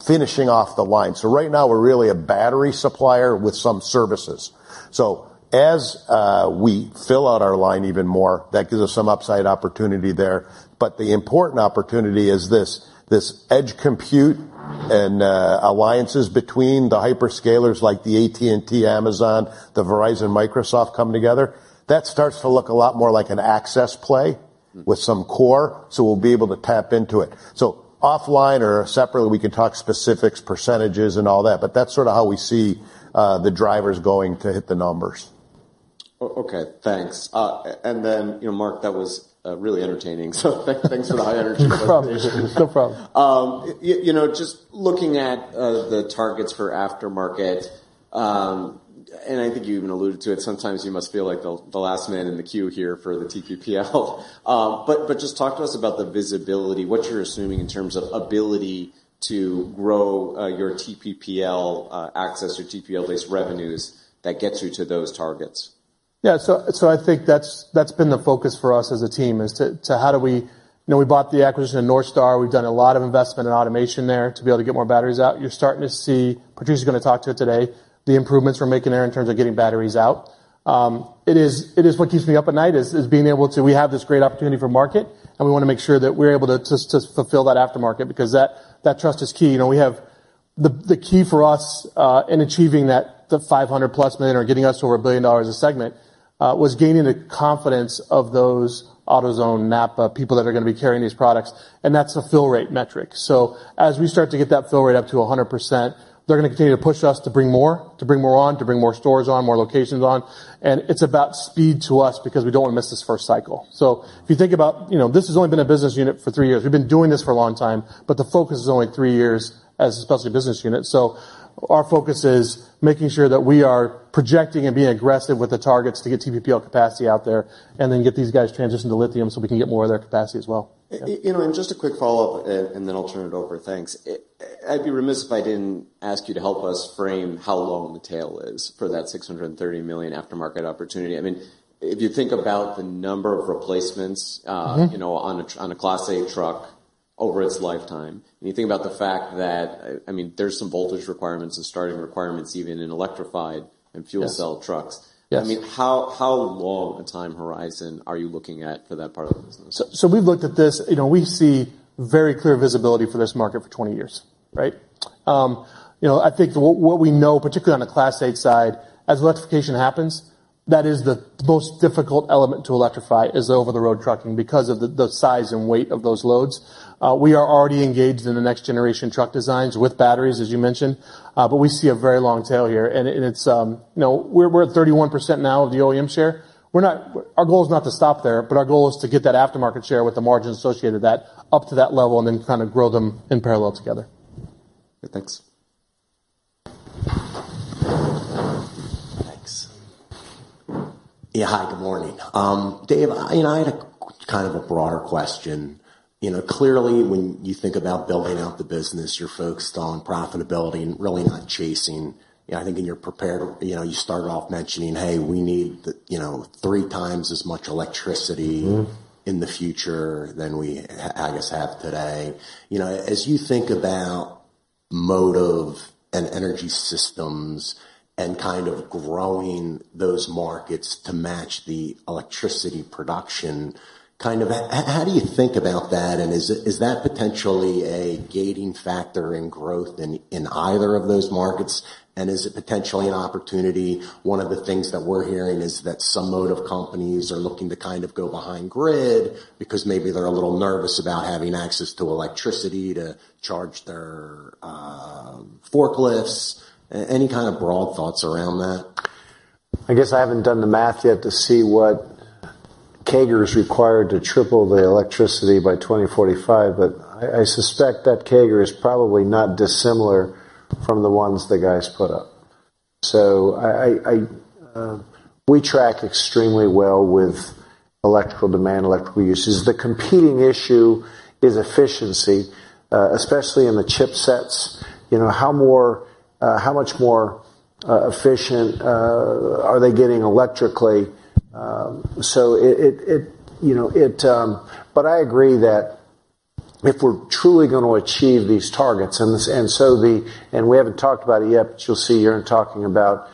finishing off the line. Right now, we're really a battery supplier with some services. As we fill out our line even more, that gives us some upside opportunity there. The important opportunity is this edge compute and alliances between the hyperscalers, like the AT&T, Amazon, the Verizon, Microsoft come together. That starts to look a lot more like an access play with some core, so we'll be able to tap into it. Offline or separately, we can talk specifics, percentages, and all that, but that's sort of how we see the drivers going to hit the numbers. Okay, thanks. You know, Mark, that was really entertaining, so thanks for the high energy presentation. No problem. No problem. You know, just looking at the targets for aftermarket, I think you even alluded to it, sometimes you must feel like the last man in the queue here for the TPPL. Just talk to us about the visibility, what you're assuming in terms of ability to grow your TPPL access or TPPL-based revenues that gets you to those targets. I think that's been the focus for us as a team. You know, we bought the acquisition of NorthStar. We've done a lot of investment in automation there to be able to get more batteries out. You're starting to see, Patrice is gonna talk to it today, the improvements we're making there in terms of getting batteries out. It is what keeps me up at night. We have this great opportunity for market, and we wanna make sure that we're able to fulfill that aftermarket, because that trust is key. You know, the key for us in achieving that, the $500+ million, or getting us to over $1 billion a segment, was gaining the confidence of those AutoZone, NAPA people that are gonna be carrying these products, and that's a fill rate metric. As we start to get that fill rate up to 100%, they're gonna continue to push us to bring more on, to bring more stores on, more locations on, and it's about speed to us because we don't wanna miss this first cycle. If you think about, you know, this has only been a business unit for three years. We've been doing this for a long time, but the focus is only three years especially business unit. Our focus is making sure that we are projecting and being aggressive with the targets to get TPPL capacity out there, and then get these guys transitioned to lithium so we can get more of their capacity as well. You know, just a quick follow-up, and then I'll turn it over. Thanks. I'd be remiss if I didn't ask you to help us frame how long the tail is for that $630 million aftermarket opportunity. I mean, if you think about the number of replacements. Mm-hmm You know, on a Class 8 truck over its lifetime, and you think about the fact that, I mean, there's some voltage requirements and starting requirements, even in electrified- Yes -fuel cell trucks. Yes. I mean, how long a time horizon are you looking at for that part of the business? We've looked at this. You know, we see very clear visibility for this market for 20 years, right? You know, I think what we know, particularly on the Class 8 side, as electrification happens, that is the most difficult element to electrify, is over-the-road trucking, because of the size and weight of those loads. We are already engaged in the next generation truck designs with batteries, as you mentioned, but we see a very long tail here, and it's, you know, we're at 31% now of the OEM share. Our goal is not to stop there, but our goal is to get that aftermarket share with the margin associated with that, up to that level, and then kind of grow them in parallel together. Thanks. Thanks. Yeah, hi, good morning. Dave, I, you know, I had a kind of a broader question. You know, clearly, when you think about building out the business, you're focused on profitability and really not chasing. I think in your prepared, you know, you start off mentioning, "Hey, we need the, you know, three times as much electricity- Mm-hmm -in the future than we, I guess, have today." You know, as you think about Motive and Energy Systems and kind of growing those markets to match the electricity production, kind of how do you think about that? Is that potentially a gating factor in growth in either of those markets? Is it potentially an opportunity? One of the things that we're hearing is that some Motive companies are looking to kind of go behind grid, because maybe they're a little nervous about having access to electricity to charge their forklifts. Any kind of broad thoughts around that? I guess I haven't done the math yet to see what CAGR is required to triple the electricity by 2045, but I suspect that CAGR is probably not dissimilar from the ones the guys put up. I, I, we track extremely well with electrical demand, electrical uses. The competing issue is efficiency, especially in the chipsets. You know, how much more efficient are they getting electrically? it, you know, it. I agree that if we're truly gonna achieve these targets, and this, and we haven't talked about it yet, but you'll see here in talking about,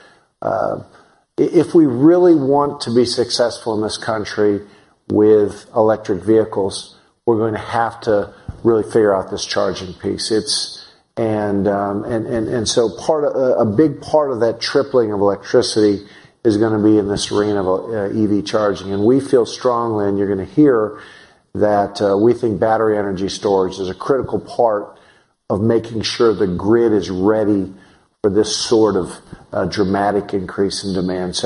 if we really want to be successful in this country with electric vehicles, we're gonna have to really figure out this charging piece. Part of a big part of that tripling of electricity is gonna be in this arena of EV charging. We feel strongly, and you're gonna hear, that we think battery energy storage is a critical part of making sure the grid is ready for this sort of dramatic increase in demand.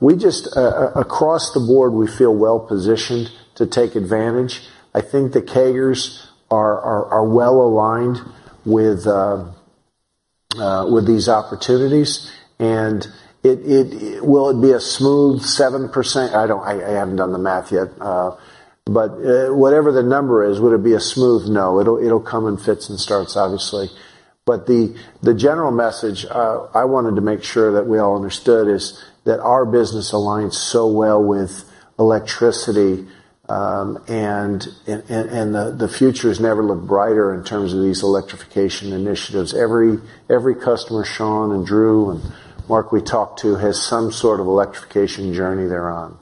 We just across the board, we feel well-positioned to take advantage. I think the CAGRs are well aligned with these opportunities, and it will it be a smooth 7%? I haven't done the math yet, but whatever the number is, would it be a smooth? No. It'll come in fits and starts, obviously. The general message I wanted to make sure that we all understood, is that our business aligns so well with electricity, and the future has never looked brighter in terms of these electrification initiatives. Every customer, Shawn and Drew, and Mark we talked to, has some sort of electrification journey they're on.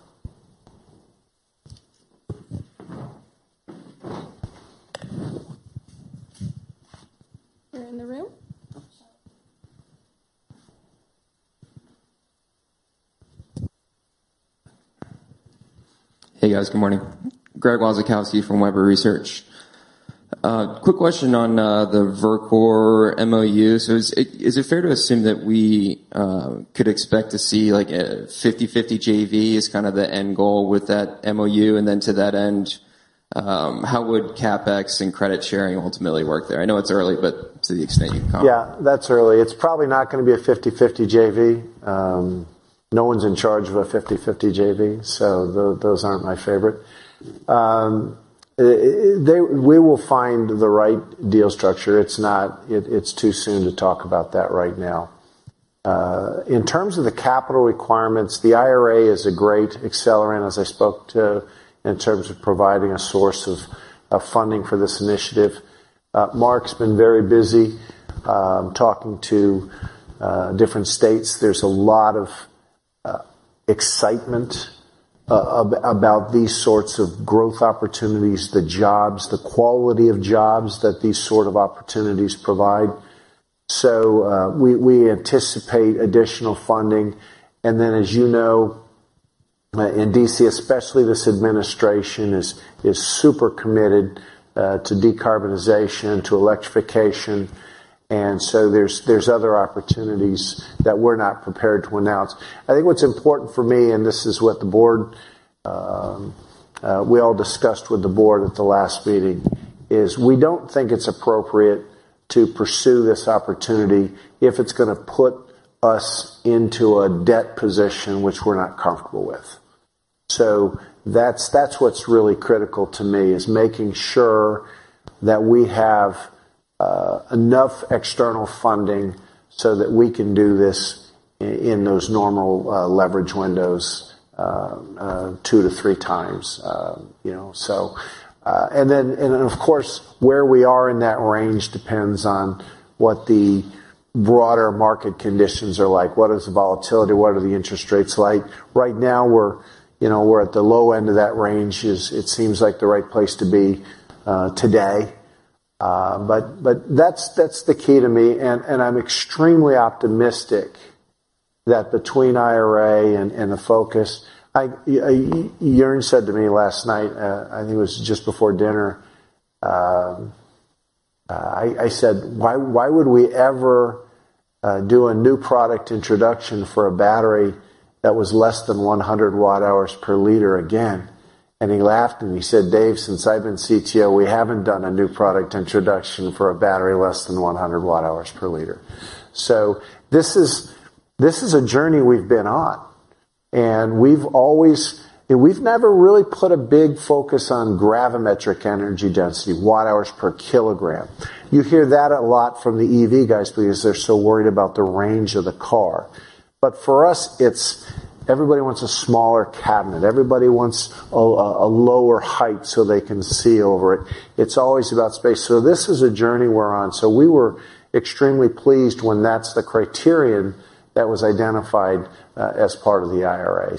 We're in the room? Hey, guys. Good morning. Greg Wasikowski from Webber Research. Quick question on the Verkor MOU. Is it fair to assume that we could expect to see, like, a 50/50 JV as kind of the end goal with that MOU? To that end, how would CapEx and credit sharing ultimately work there? I know it's early, but to the extent you can comment. Yeah, that's early. It's probably not gonna be a 50/50 JV. No one's in charge of a 50/50 JV, those aren't my favorite. We will find the right deal structure. It's not. It's too soon to talk about that right now. In terms of the capital requirements, the IRA is a great accelerant, as I spoke to, in terms of providing a source of funding for this initiative. Mark's been very busy talking to different states. There's a lot of excitement about these sorts of growth opportunities, the jobs, the quality of jobs that these sort of opportunities provide. We anticipate additional funding. As you know, in D.C., especially, this administration is super committed to decarbonization, to electrification, there's other opportunities that we're not prepared to announce. I think what's important for me, and this is what the board, we all discussed with the board at the last meeting, is we don't think it's appropriate to pursue this opportunity if it's gonna put us into a debt position which we're not comfortable with. That's what's really critical to me, is making sure that we have enough external funding so that we can do this in those normal leverage windows, two to three times, you know. Of course, where we are in that range depends on what the broader market conditions are like. What is the volatility? What are the interest rates like? Right now, we're, you know, at the low end of that range. It seems like the right place to be today. But that's the key to me, and I'm extremely optimistic that between IRA and the focus... I, Joern said to me last night, I think it was just before dinner, I said: "Why would we ever do a new product introduction for a battery that was less than 100 watt-hours per liter again?" He laughed, and he said, "Dave, since I've been CTO, we haven't done a new product introduction for a battery less than 100 watt-hours per liter." This is a journey we've been on, and we've always... We've never really put a big focus on gravimetric energy density, watt hours per kilogram. You hear that a lot from the EV guys because they're so worried about the range of the car. For us, it's everybody wants a smaller cabinet. Everybody wants a lower height so they can see over it. It's always about space. This is a journey we're on. We were extremely pleased when that's the criterion that was identified as part of the IRA.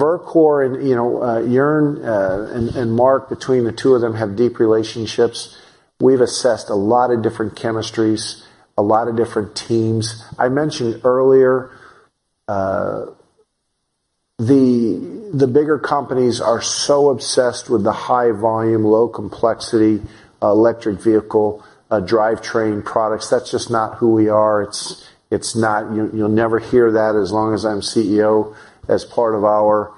Verkor and, you know, Joern and Mark, between the two of them, have deep relationships. We've assessed a lot of different chemistries, a lot of different teams. I mentioned earlier, the bigger companies are so obsessed with the high volume, low complexity, electric vehicle drivetrain products. That's just not who we are. It's not. You'll never hear that as long as I'm CEO, as part of our,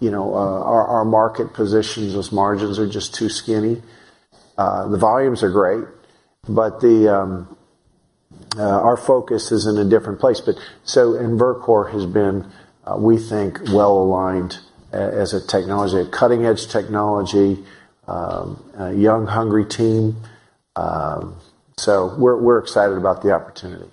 you know, our market positions, those margins are just too skinny. The volumes are great, but our focus is in a different place. Verkor has been, we think, well-aligned as a technology, a cutting-edge technology, a young, hungry team. We're excited about the opportunity.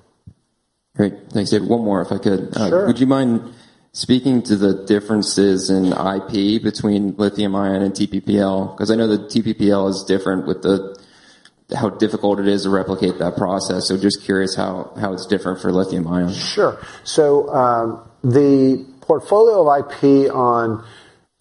Great. Thanks, Dave. One more, if I could. Sure. Would you mind speaking to the differences in IP between lithium-ion and TPPL? I know that TPPL is different with how difficult it is to replicate that process. Just curious how it's different for lithium-ion? Sure. The portfolio of IP on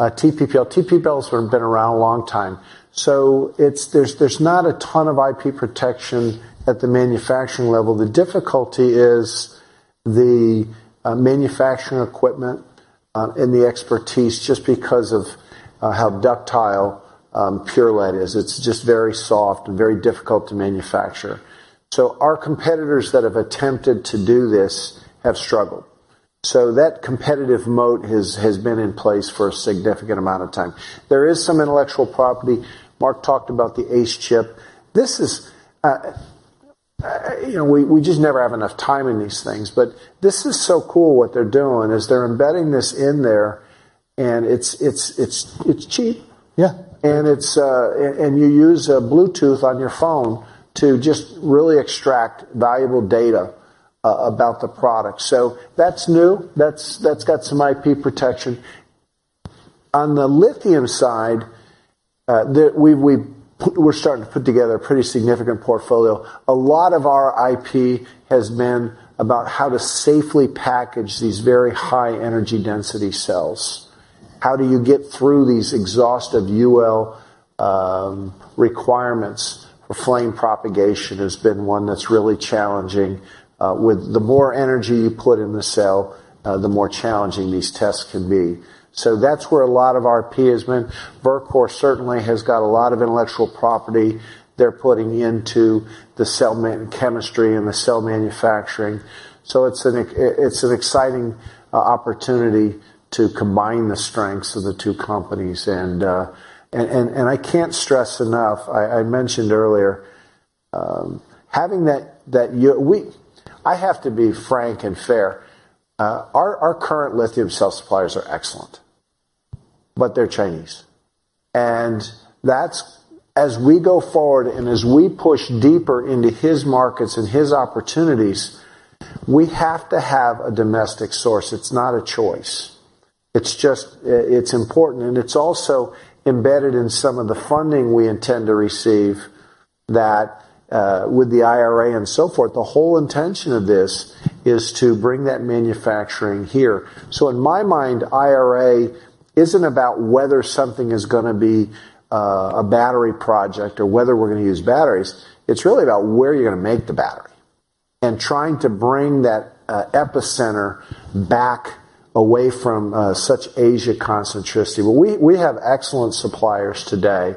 TPPL. TPPLs have been around a long time, so there's not a ton of IP protection at the manufacturing level. The difficulty is the manufacturing equipment and the expertise, just because of how ductile pure lead is. It's just very soft and very difficult to manufacture. Our competitors that have attempted to do this have struggled. That competitive moat has been in place for a significant amount of time. There is some intellectual property. Mark talked about the ACE chip. This is, you know, we just never have enough time in these things, but this is so cool what they're doing, is they're embedding this in there, and it's cheap. Yeah. It's, and you use a Bluetooth on your phone to just really extract valuable data about the product. That's new. That's, that's got some IP protection. On the lithium side, we've, we're starting to put together a pretty significant portfolio. A lot of our IP has been about how to safely package these very high energy density cells. How do you get through these exhaustive UL requirements? Flame propagation has been one that's really challenging, with the more energy you put in the cell, the more challenging these tests can be. That's where a lot of our IP has been. Verkor certainly has got a lot of intellectual property they're putting into the cell chemistry and the cell manufacturing. It's an exciting opportunity to combine the strengths of the two companies. I can't stress enough, I mentioned earlier, having that year we... I have to be frank and fair. Our current lithium cell suppliers are excellent, but they're Chinese, and that's as we go forward and as we push deeper into his markets and his opportunities, we have to have a domestic source. It's not a choice. It's just, it's important, and it's also embedded in some of the funding we intend to receive that with the IRA and so forth. The whole intention of this is to bring that manufacturing here. So in my mind, IRA isn't about whether something is gonna be a battery project or whether we're gonna use batteries. It's really about where you're gonna make the battery, and trying to bring that epicenter back away from such Asia concentricity. We have excellent suppliers today,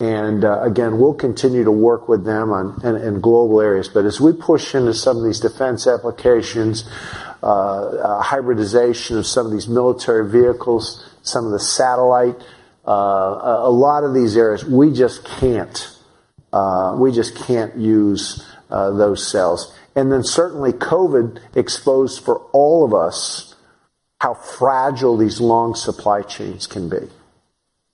again, we'll continue to work with them on, in global areas. As we push into some of these defense applications, hybridization of some of these military vehicles, some of the satellite, a lot of these areas, we just can't use those cells. Then certainly, COVID exposed for all of us, how fragile these long supply chains can be.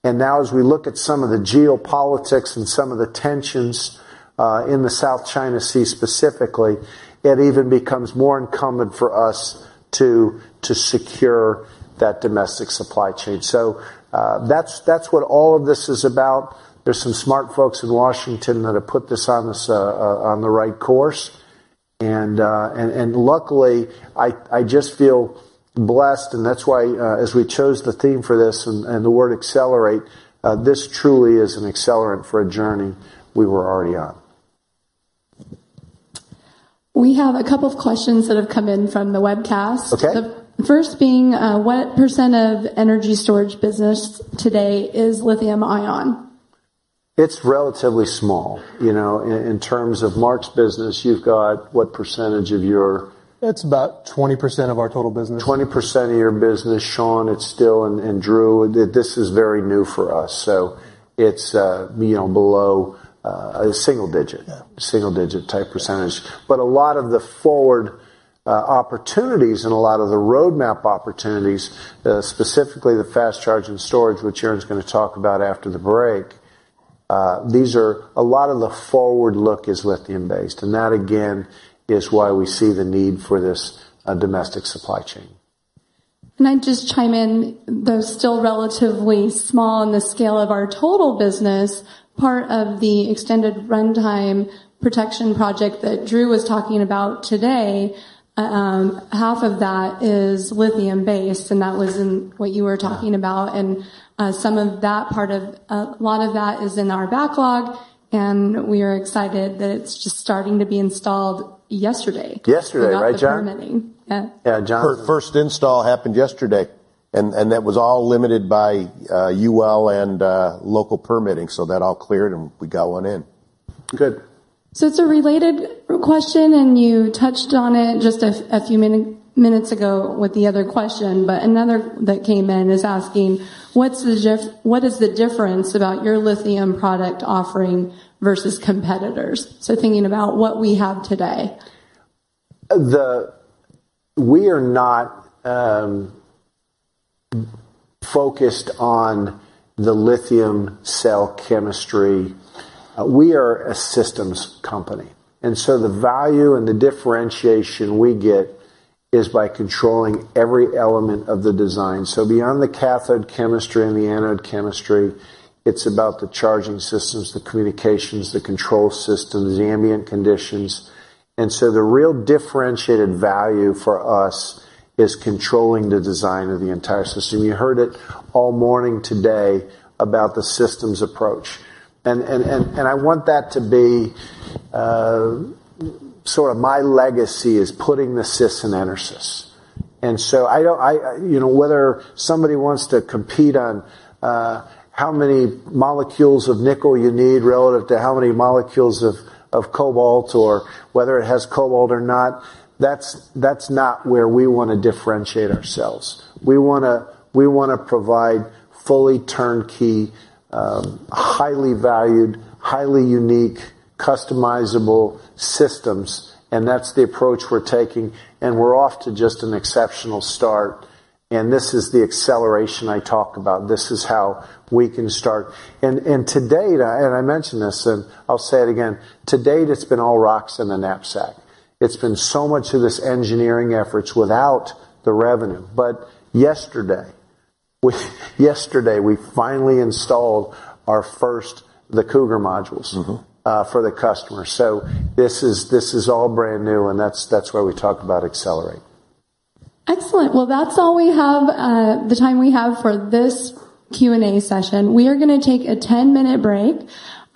Now, as we look at some of the geopolitics and some of the tensions in the South China Sea, specifically, it even becomes more incumbent for us to secure that domestic supply chain. That's what all of this is about. There's some smart folks in Washington that have put this on the right course, and luckily, I just feel blessed, and that's why as we chose the theme for this and the word accelerate, this truly is an accelerant for a journey we were already on. We have a couple of questions that have come in from the webcast. Okay. The first being, what % of energy storage business today is lithium-ion? It's relatively small. You know, in terms of Mark's business, you've got what percentage of your-? It's about 20% of our total business. 20% of your business, Shawn, it's still, and Drew, this is very new for us. It's, you know, below a single digit. Yeah. Single-digit type percentage. A lot of the forward opportunities and a lot of the roadmap opportunities, specifically the fast charge and storage, which Aaron's gonna talk about after the break, a lot of the forward look is lithium-based, and that, again, is why we see the need for this domestic supply chain. Can I just chime in, though, still relatively small in the scale of our total business, part of the extended runtime protection project that Drew was talking about today, half of that is lithium-based, and that was in what you were talking about. Some of that part of, a lot of that is in our backlog, and we are excited that it's just starting to be installed yesterday. Yesterday, right, Joern? Yeah. Yeah, Joern- First install happened yesterday, and that was all limited by UL and local permitting, so that all cleared, and we got one in. Good. It's a related question, and you touched on it just a few minutes ago with the other question. Another that came in is asking: what is the difference about your lithium product offering versus competitors? Thinking about what we have today. We are not focused on the lithium cell chemistry. We are a systems company. The value and the differentiation we get is by controlling every element of the design. Beyond the cathode chemistry and the anode chemistry, it's about the charging systems, the communications, the control systems, the ambient conditions. The real differentiated value for us is controlling the design of the entire system. You heard it all morning today about the systems approach. I want that to be sort of my legacy, is putting the sys in EnerSys. You know, whether somebody wants to compete on how many molecules of nickel you need relative to how many molecules of cobalt or whether it has cobalt or not, that's not where we wanna differentiate ourselves. We wanna provide fully turnkey, highly valued, highly unique, customizable systems, and that's the approach we're taking, and we're off to just an exceptional start. This is the acceleration I talk about. This is how we can start. To date, and I mentioned this, and I'll say it again: to date, it's been all rocks in the knapsack. It's been so much of this engineering efforts without the revenue. Yesterday, we yesterday, we finally installed our first, the Cougar modules. Mm-hmm. for the customer. This is all brand new, that's why we talk about accelerate. Excellent! Well, that's all we have the time we have for this Q&A session. We are gonna take a 10-minute break.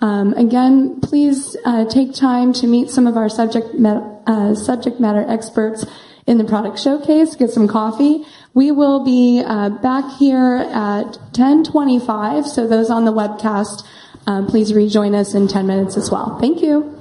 Again, please take time to meet some of our subject matter experts in the product showcase. Get some coffee. We will be back here at 10:25, so those on the webcast, please rejoin us in 10 minutes as well. Thank you.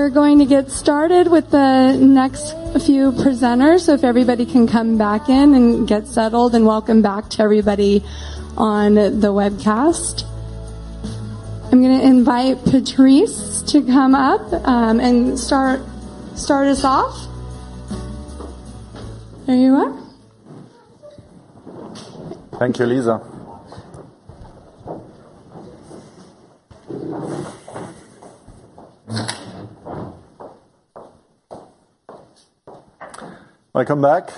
Nice job, boss. You too, buddy. We're going to get started with the next few presenters, so if everybody can come back in and get settled, and welcome back to everybody on the webcast. I'm gonna invite Patrice to come up, and start us off. Are you up? Thank you, Lisa. Welcome back.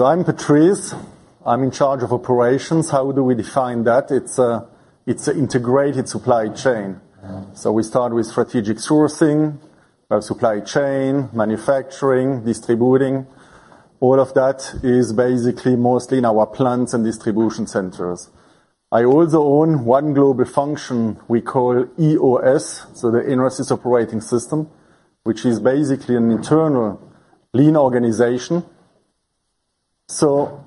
I'm Patrice. I'm in charge of Operations. How do we define that? It's an integrated supply chain. We start with strategic sourcing, supply chain, manufacturing, distributing. All of that is basically mostly in our plants and distribution centers. I also own one global function we call EOS, the EnerSys Operating System, which is basically an internal lean organization.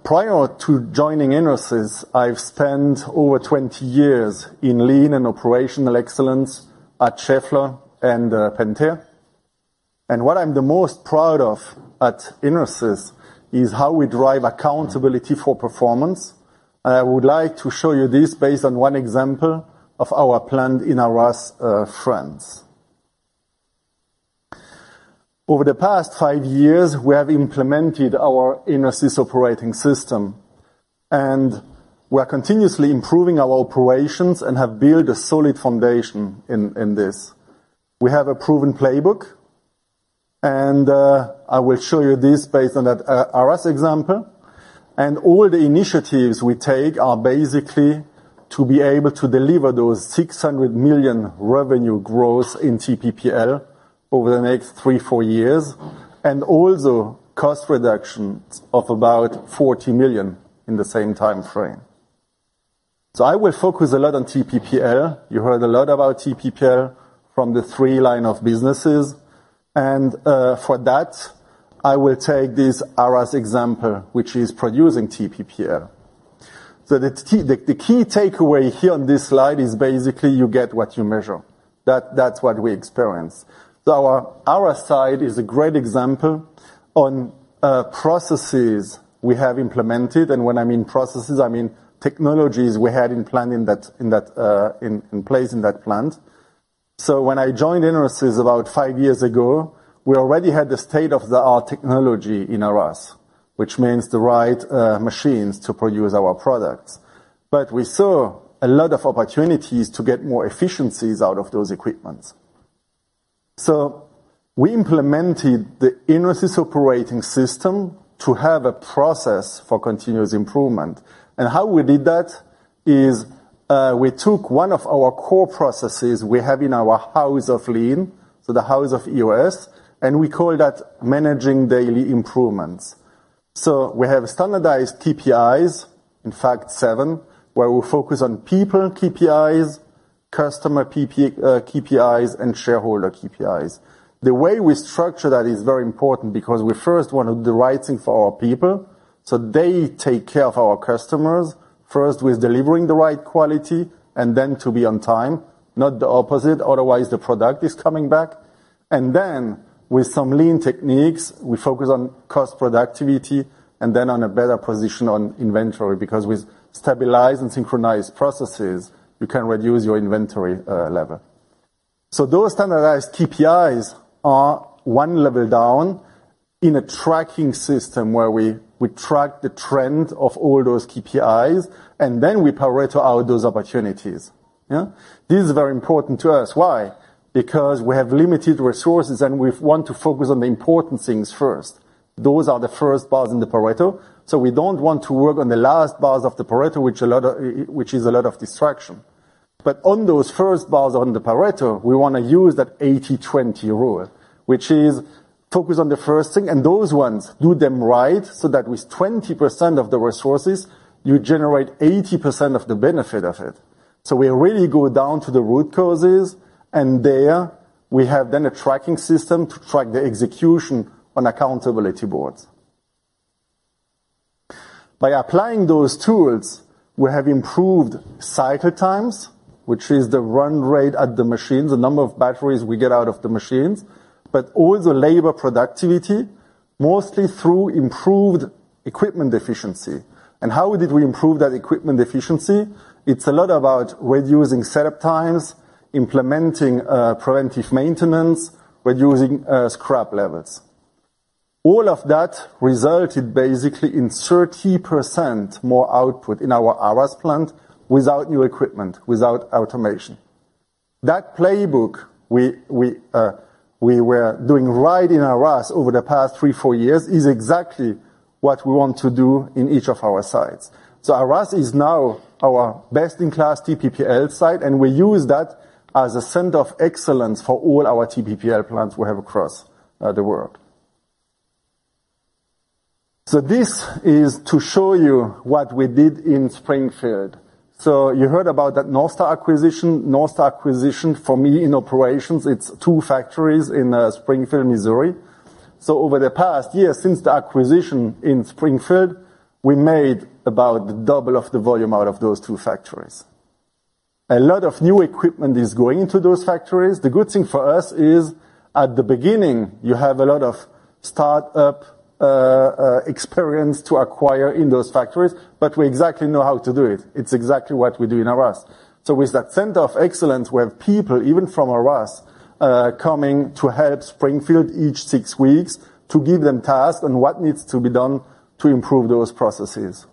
Prior to joining EnerSys, I've spent over 20 years in lean and operational excellence at Schaeffler and Pentair. What I'm the most proud of at EnerSys is how we drive accountability for performance, and I would like to show you this based on one example of our plant in Arras, France. Over the past five years, we have implemented our EnerSys Operating System. We are continuously improving our operations and have built a solid foundation in this. We have a proven playbook. I will show you this based on that Arras example. All the initiatives we take are basically to be able to deliver those $600 million revenue growth in TPPL over the next three, four years, and also cost reductions of about $40 million in the same time frame. I will focus a lot on TPPL. You heard a lot about TPPL from the three line of businesses. For that, I will take this Arras example, which is producing TPPL. The key takeaway here on this slide is basically you get what you measure. That's what we experience. Our Arras site is a great example on processes we have implemented, and when I mean processes, I mean technologies we had in place in that plant. When I joined EnerSys about five years ago, we already had the state-of-the-art technology in Arras, which means the right machines to produce our products. We saw a lot of opportunities to get more efficiencies out of those equipments. We implemented the EnerSys Operating System to have a process for continuous improvement. How we did that is, we took one of our core processes we have in our House of Lean, so the House of EOS, and we call that Managing Daily Improvements. We have standardized KPIs, in fact, seven, where we focus on people KPIs, customer KPIs, and shareholder KPIs. The way we structure that is very important because we first want to do the right thing for our people, so they take care of our customers, first, with delivering the right quality and then to be on time, not the opposite. Otherwise, the product is coming back. Then, with some lean techniques, we focus on cost productivity and then on a better position on inventory, because with stabilized and synchronized processes, you can reduce your inventory level. Those standardized KPIs are one level down... in a tracking system where we track the trend of all those KPIs, and then we Pareto out those opportunities. This is very important to us. Why? Because we have limited resources, and we want to focus on the important things first. Those are the first bars in the Pareto. We don't want to work on the last bars of the Pareto, which is a lot of distraction. On those first bars on the Pareto, we want to use that 80/20 rule, which is focus on the first thing, and those ones, do them right, so that with 20% of the resources, you generate 80% of the benefit of it. We really go down to the root causes, and there, we have then a tracking system to track the execution on accountability boards. By applying those tools, we have improved cycle times, which is the run rate at the machines, the number of batteries we get out of the machines, but all the labor productivity, mostly through improved equipment efficiency. How did we improve that equipment efficiency? It's a lot about reducing setup times, implementing, preventive maintenance, reducing, scrap levels. All of that resulted basically in 30% more output in our Arras plant without new equipment, without automation. That playbook we were doing right in Arras over the past three-four years is exactly what we want to do in each of our sites. Arras is now our best-in-class TPPL site, and we use that as a center of excellence for all our TPPL plants we have across the world. This is to show you what we did in Springfield. You heard about that NorthStar acquisition. NorthStar acquisition, for me, in operations, it's two factories in Springfield, Missouri. Over the past year, since the acquisition in Springfield, we made about double of the volume out of those two factories. A lot of new equipment is going into those factories. The good thing for us is, at the beginning, you have a lot of start-up experience to acquire in those factories, but we exactly know how to do it. It's exactly what we do in Arras. With that center of excellence, we have people, even from Arras, coming to help Springfield each six weeks to give them tasks and what needs to be done to improve those processes.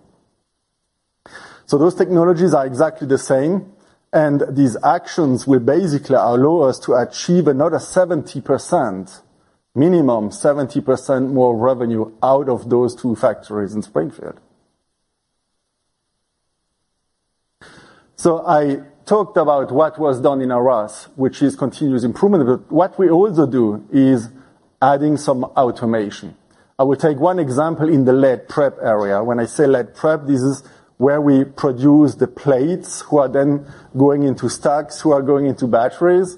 Those technologies are exactly the same, and these actions will basically allow us to achieve another 70%, minimum 70% more revenue out of those two factories in Springfield. I talked about what was done in Arras, which is continuous improvement, but what we also do is adding some automation. I will take 1 example in the lead prep area. When I say lead prep, this is where we produce the plates, who are then going into stacks, who are going into batteries.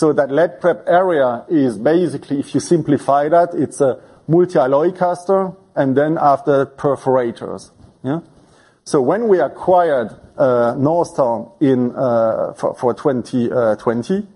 That lead prep area is basically, if you simplify that, it's a multi-alloy caster, and then after, perforators, yeah? When we acquired NorthStar in 2020,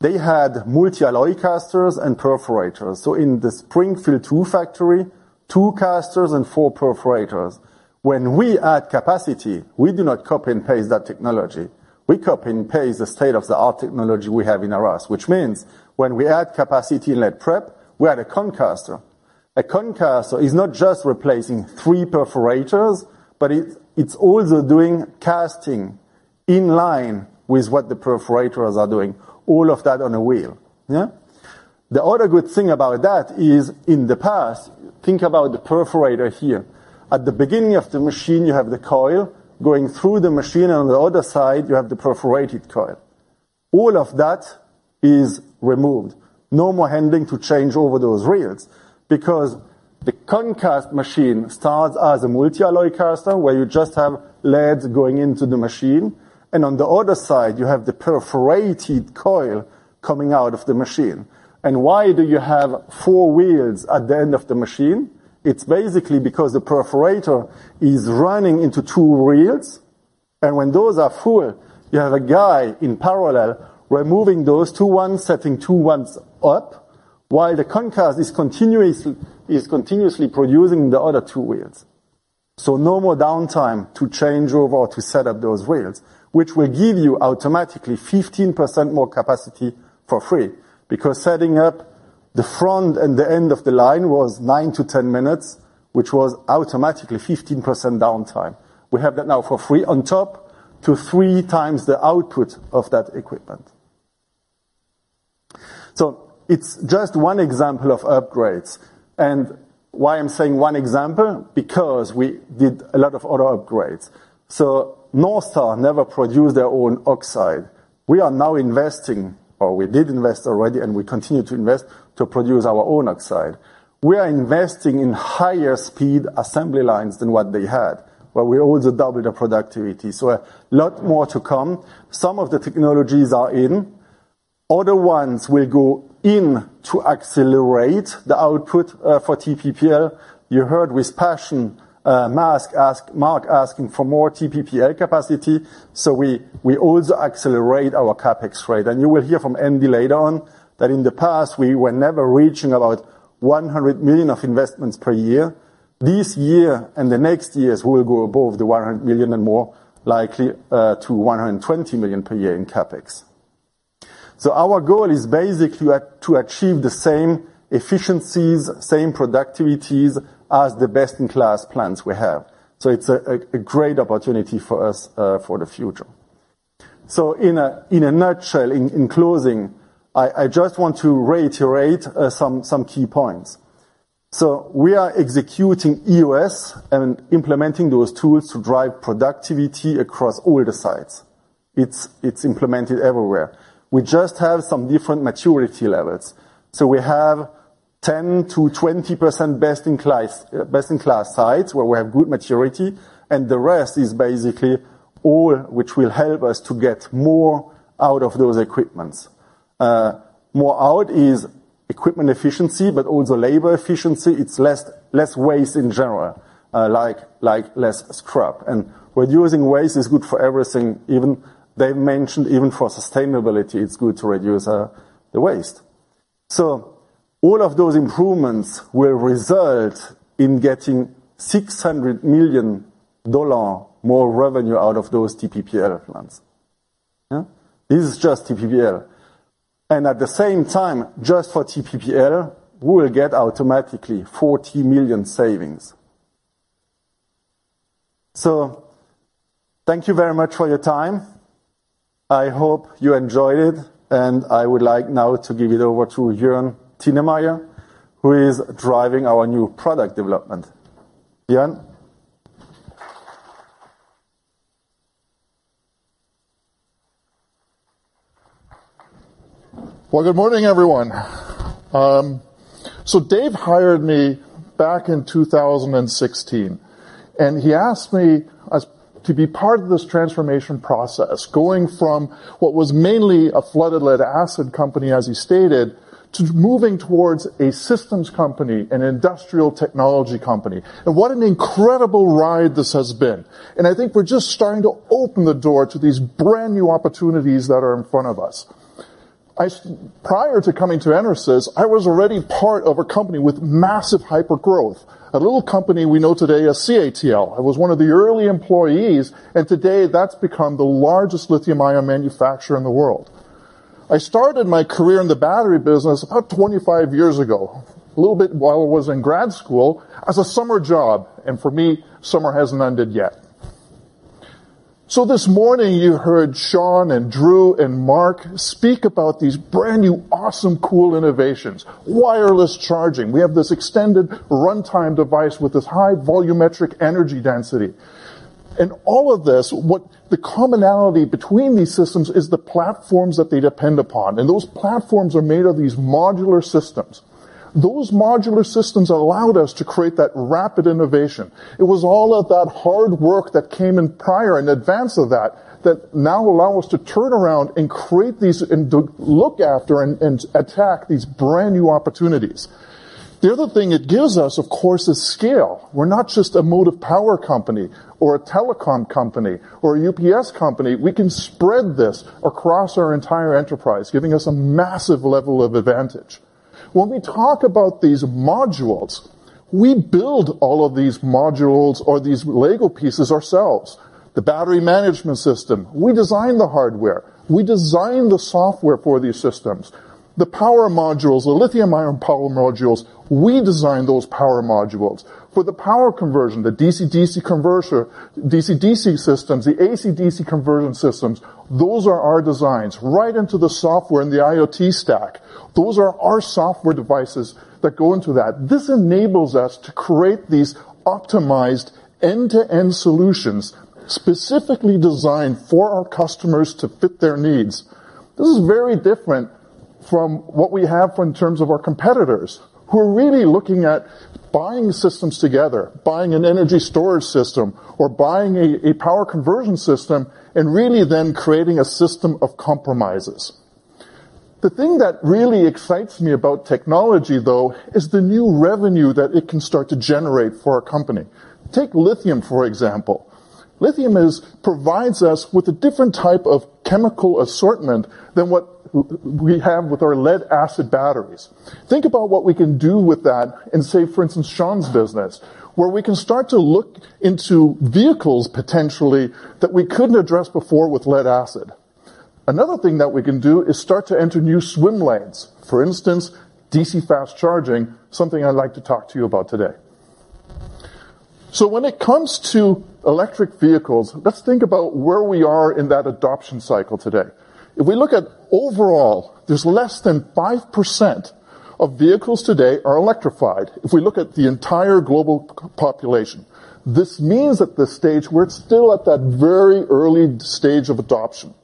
they had multi-alloy casters and perforators. In the Springfield two factory, two casters and four perforators. When we add capacity, we do not copy and paste that technology. We copy and paste the state-of-the-art technology we have in Arras, which means when we add capacity in lead prep, we add a Concast. A Concast is not just replacing three perforators, but it's also doing casting in line with what the perforators are doing, all of that on a wheel, yeah? The other good thing about that is, in the past, think about the perforator here. At the beginning of the machine, you have the coil. Going through the machine and on the other side, you have the perforated coil. All of that is removed. No more handling to change over those reels, because the Concast machine starts as a multi-alloy caster, where you just have leads going into the machine, and on the other side, you have the perforated coil coming out of the machine. Why do you have four wheels at the end of the machine? It's basically because the perforator is running into two reels, and when those are full, you have a guy in parallel, removing those two ones, setting two ones up, while the Concast is continuously producing the other two wheels. No more downtime to change over or to set up those wheels, which will give you automatically 15% more capacity for free, because setting up the front and the end of the line was 9-10 minutes, which was automatically 15% downtime. We have that now for free on top, to 3 times the output of that equipment. It's just 1 example of upgrades, and why I'm saying 1 example, because we did a lot of other upgrades. NorthStar never produced their own oxide. We are now investing, or we did invest already, and we continue to invest to produce our own oxide. We are investing in higher speed assembly lines than what they had, where we also double the productivity, so a lot more to come. Some of the technologies are in. Other ones will go in to accelerate the output for TPPL. You heard with passion, Mark asking for more TPPL capacity, so we also accelerate our CapEx rate. You will hear from Andi later on, that in the past, we were never reaching about $100 million of investments per year. This year and the next years, we'll go above the $100 million and more, likely, to $120 million per year in CapEx. Our goal is basically to achieve the same efficiencies, same productivities as the best-in-class plants we have. It's a great opportunity for us for the future. In a nutshell, in closing, I just want to reiterate some key points. We are executing EOS and implementing those tools to drive productivity across all the sites. It's implemented everywhere. We just have some different maturity levels. We have 10% to 20% best-in-class sites, where we have good maturity, and the rest is basically all which will help us to get more out of those equipments. More out is equipment efficiency, but also labor efficiency. It's less waste in general, like less scrap. Reducing waste is good for everything, even Dave mentioned, for sustainability, it's good to reduce the waste. All of those improvements will result in getting $600 million more revenue out of those TPPL plants. Yeah? This is just TPPL. At the same time, just for TPPL, we will get automatically $40 million savings. Thank you very much for your time. I hope you enjoyed it. I would like now to give it over to Joern Tinnemeyer, who is driving our new product development. Joern. Good morning, everyone. Dave hired me back in 2016, and he asked me to be part of this transformation process, going from what was mainly a flooded lead acid company, as he stated, to moving towards a systems company and industrial technology company. What an incredible ride this has been! I think we're just starting to open the door to these brand-new opportunities that are in front of us. Prior to coming to EnerSys, I was already part of a company with massive hypergrowth, a little company we know today as CATL. I was one of the early employees, today that's become the largest lithium-ion manufacturer in the world. I started my career in the battery business about 25 years ago, a little bit while I was in grad school, as a summer job, and for me, summer hasn't ended yet. This morning you heard Shawn and Drew and Mark speak about these brand-new, awesome, cool innovations. Wireless charging. We have this extended runtime device with this high volumetric energy density. All of this, what the commonality between these systems is the platforms that they depend upon, and those platforms are made of these modular systems. Those modular systems allowed us to create that rapid innovation. It was all of that hard work that came in prior, in advance of that now allow us to turn around and create these and to look after and attack these brand-new opportunities. The other thing it gives us, of course, is scale. We're not just a Motive Power company or a telecom company or a UPS company. We can spread this across our entire enterprise, giving us a massive level of advantage. When we talk about these modules, we build all of these modules or these Lego pieces ourselves. The battery management system, we design the hardware, we design the software for these systems. The power modules, the lithium-ion power modules, we design those power modules. For the power conversion, the DC-DC converter, DC-DC systems, the AC-DC conversion systems, those are our designs, right into the software and the IoT stack. Those are our software devices that go into that. This enables us to create these optimized end-to-end solutions, specifically designed for our customers to fit their needs. This is very different from what we have in terms of our competitors, who are really looking at buying systems together, buying an energy storage system, or buying a power conversion system, and really then creating a system of compromises. The thing that really excites me about technology, though, is the new revenue that it can start to generate for our company. Take lithium, for example. Lithium provides us with a different type of chemical assortment than what we have with our lead acid batteries. Think about what we can do with that in, say, for instance, Shawn's business, where we can start to look into vehicles potentially that we couldn't address before with lead acid. Another thing that we can do is start to enter new swim lanes, for instance, DC fast charging, something I'd like to talk to you about today. When it comes to electric vehicles, let's think about where we are in that adoption cycle today. If we look at overall, there's less than 5% of vehicles today are electrified, if we look at the entire global population. This means at this stage, we're still at that very early stage of adoption.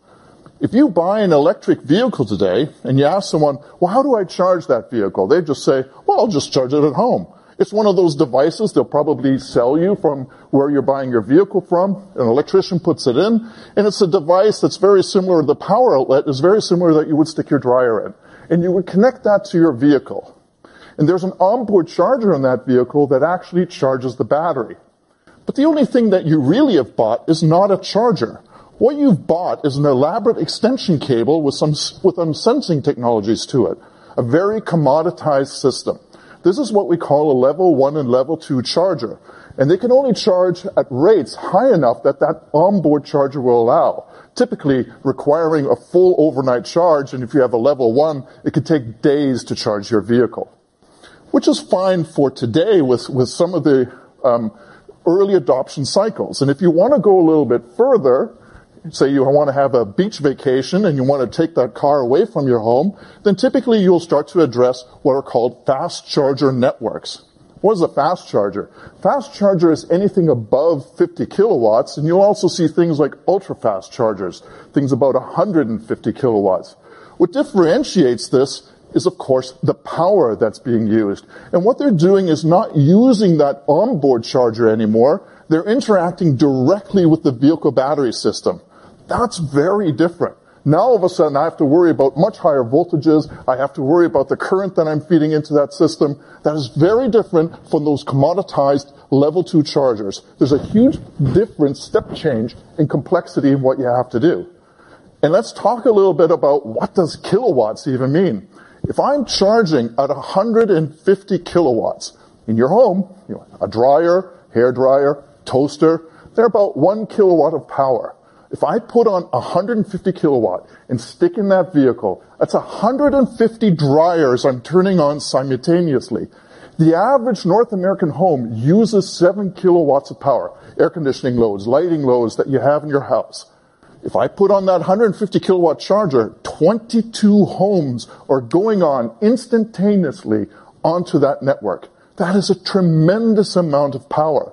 If you buy an electric vehicle today, you ask someone: "Well, how do I charge that vehicle?" They just say: "Well, I'll just charge it at home." It's one of those devices they'll probably sell you from where you're buying your vehicle from, an electrician puts it in, the power outlet is very similar that you would stick your dryer in, you would connect that to your vehicle. There's an onboard charger on that vehicle that actually charges the battery. The only thing that you really have bought is not a charger. What you've bought is an elaborate extension cable with some sensing technologies to it, a very commoditized system. This is what we call a level 1 and level 2 charger. They can only charge at rates high enough that that onboard charger will allow, typically requiring a full overnight charge. If you have a level 1, it could take days to charge your vehicle, which is fine for today with some of the early adoption cycles. If you want to go a little bit further, say you want to have a beach vacation and you want to take that car away from your home, then typically you'll start to address what are called fast charger networks. What is a fast charger? Fast charger is anything above 50 kW. You'll also see things like ultra-fast chargers, things about 150 kW. What differentiates this is, of course, the power that's being used. What they're doing is not using that onboard charger anymore, they're interacting directly with the vehicle battery system. That's very different. Now, all of a sudden, I have to worry about much higher voltages. I have to worry about the current that I'm feeding into that system. That is very different from those commoditized level two chargers. There's a huge different step change in complexity in what you have to do. Let's talk a little bit about what does kilowatts even mean. If I'm charging at 150 kW in your home, a dryer, hairdryer, toaster, they're about 1 kilowatt of power. If I put on 150 kW and stick in that vehicle, that's 150 dryers I'm turning on simultaneously. The average North American home uses 7 kW of power, air conditioning loads, lighting loads that you have in your house. If I put on that 150 kilowatt charger, 22 homes are going on instantaneously onto that network. That is a tremendous amount of power.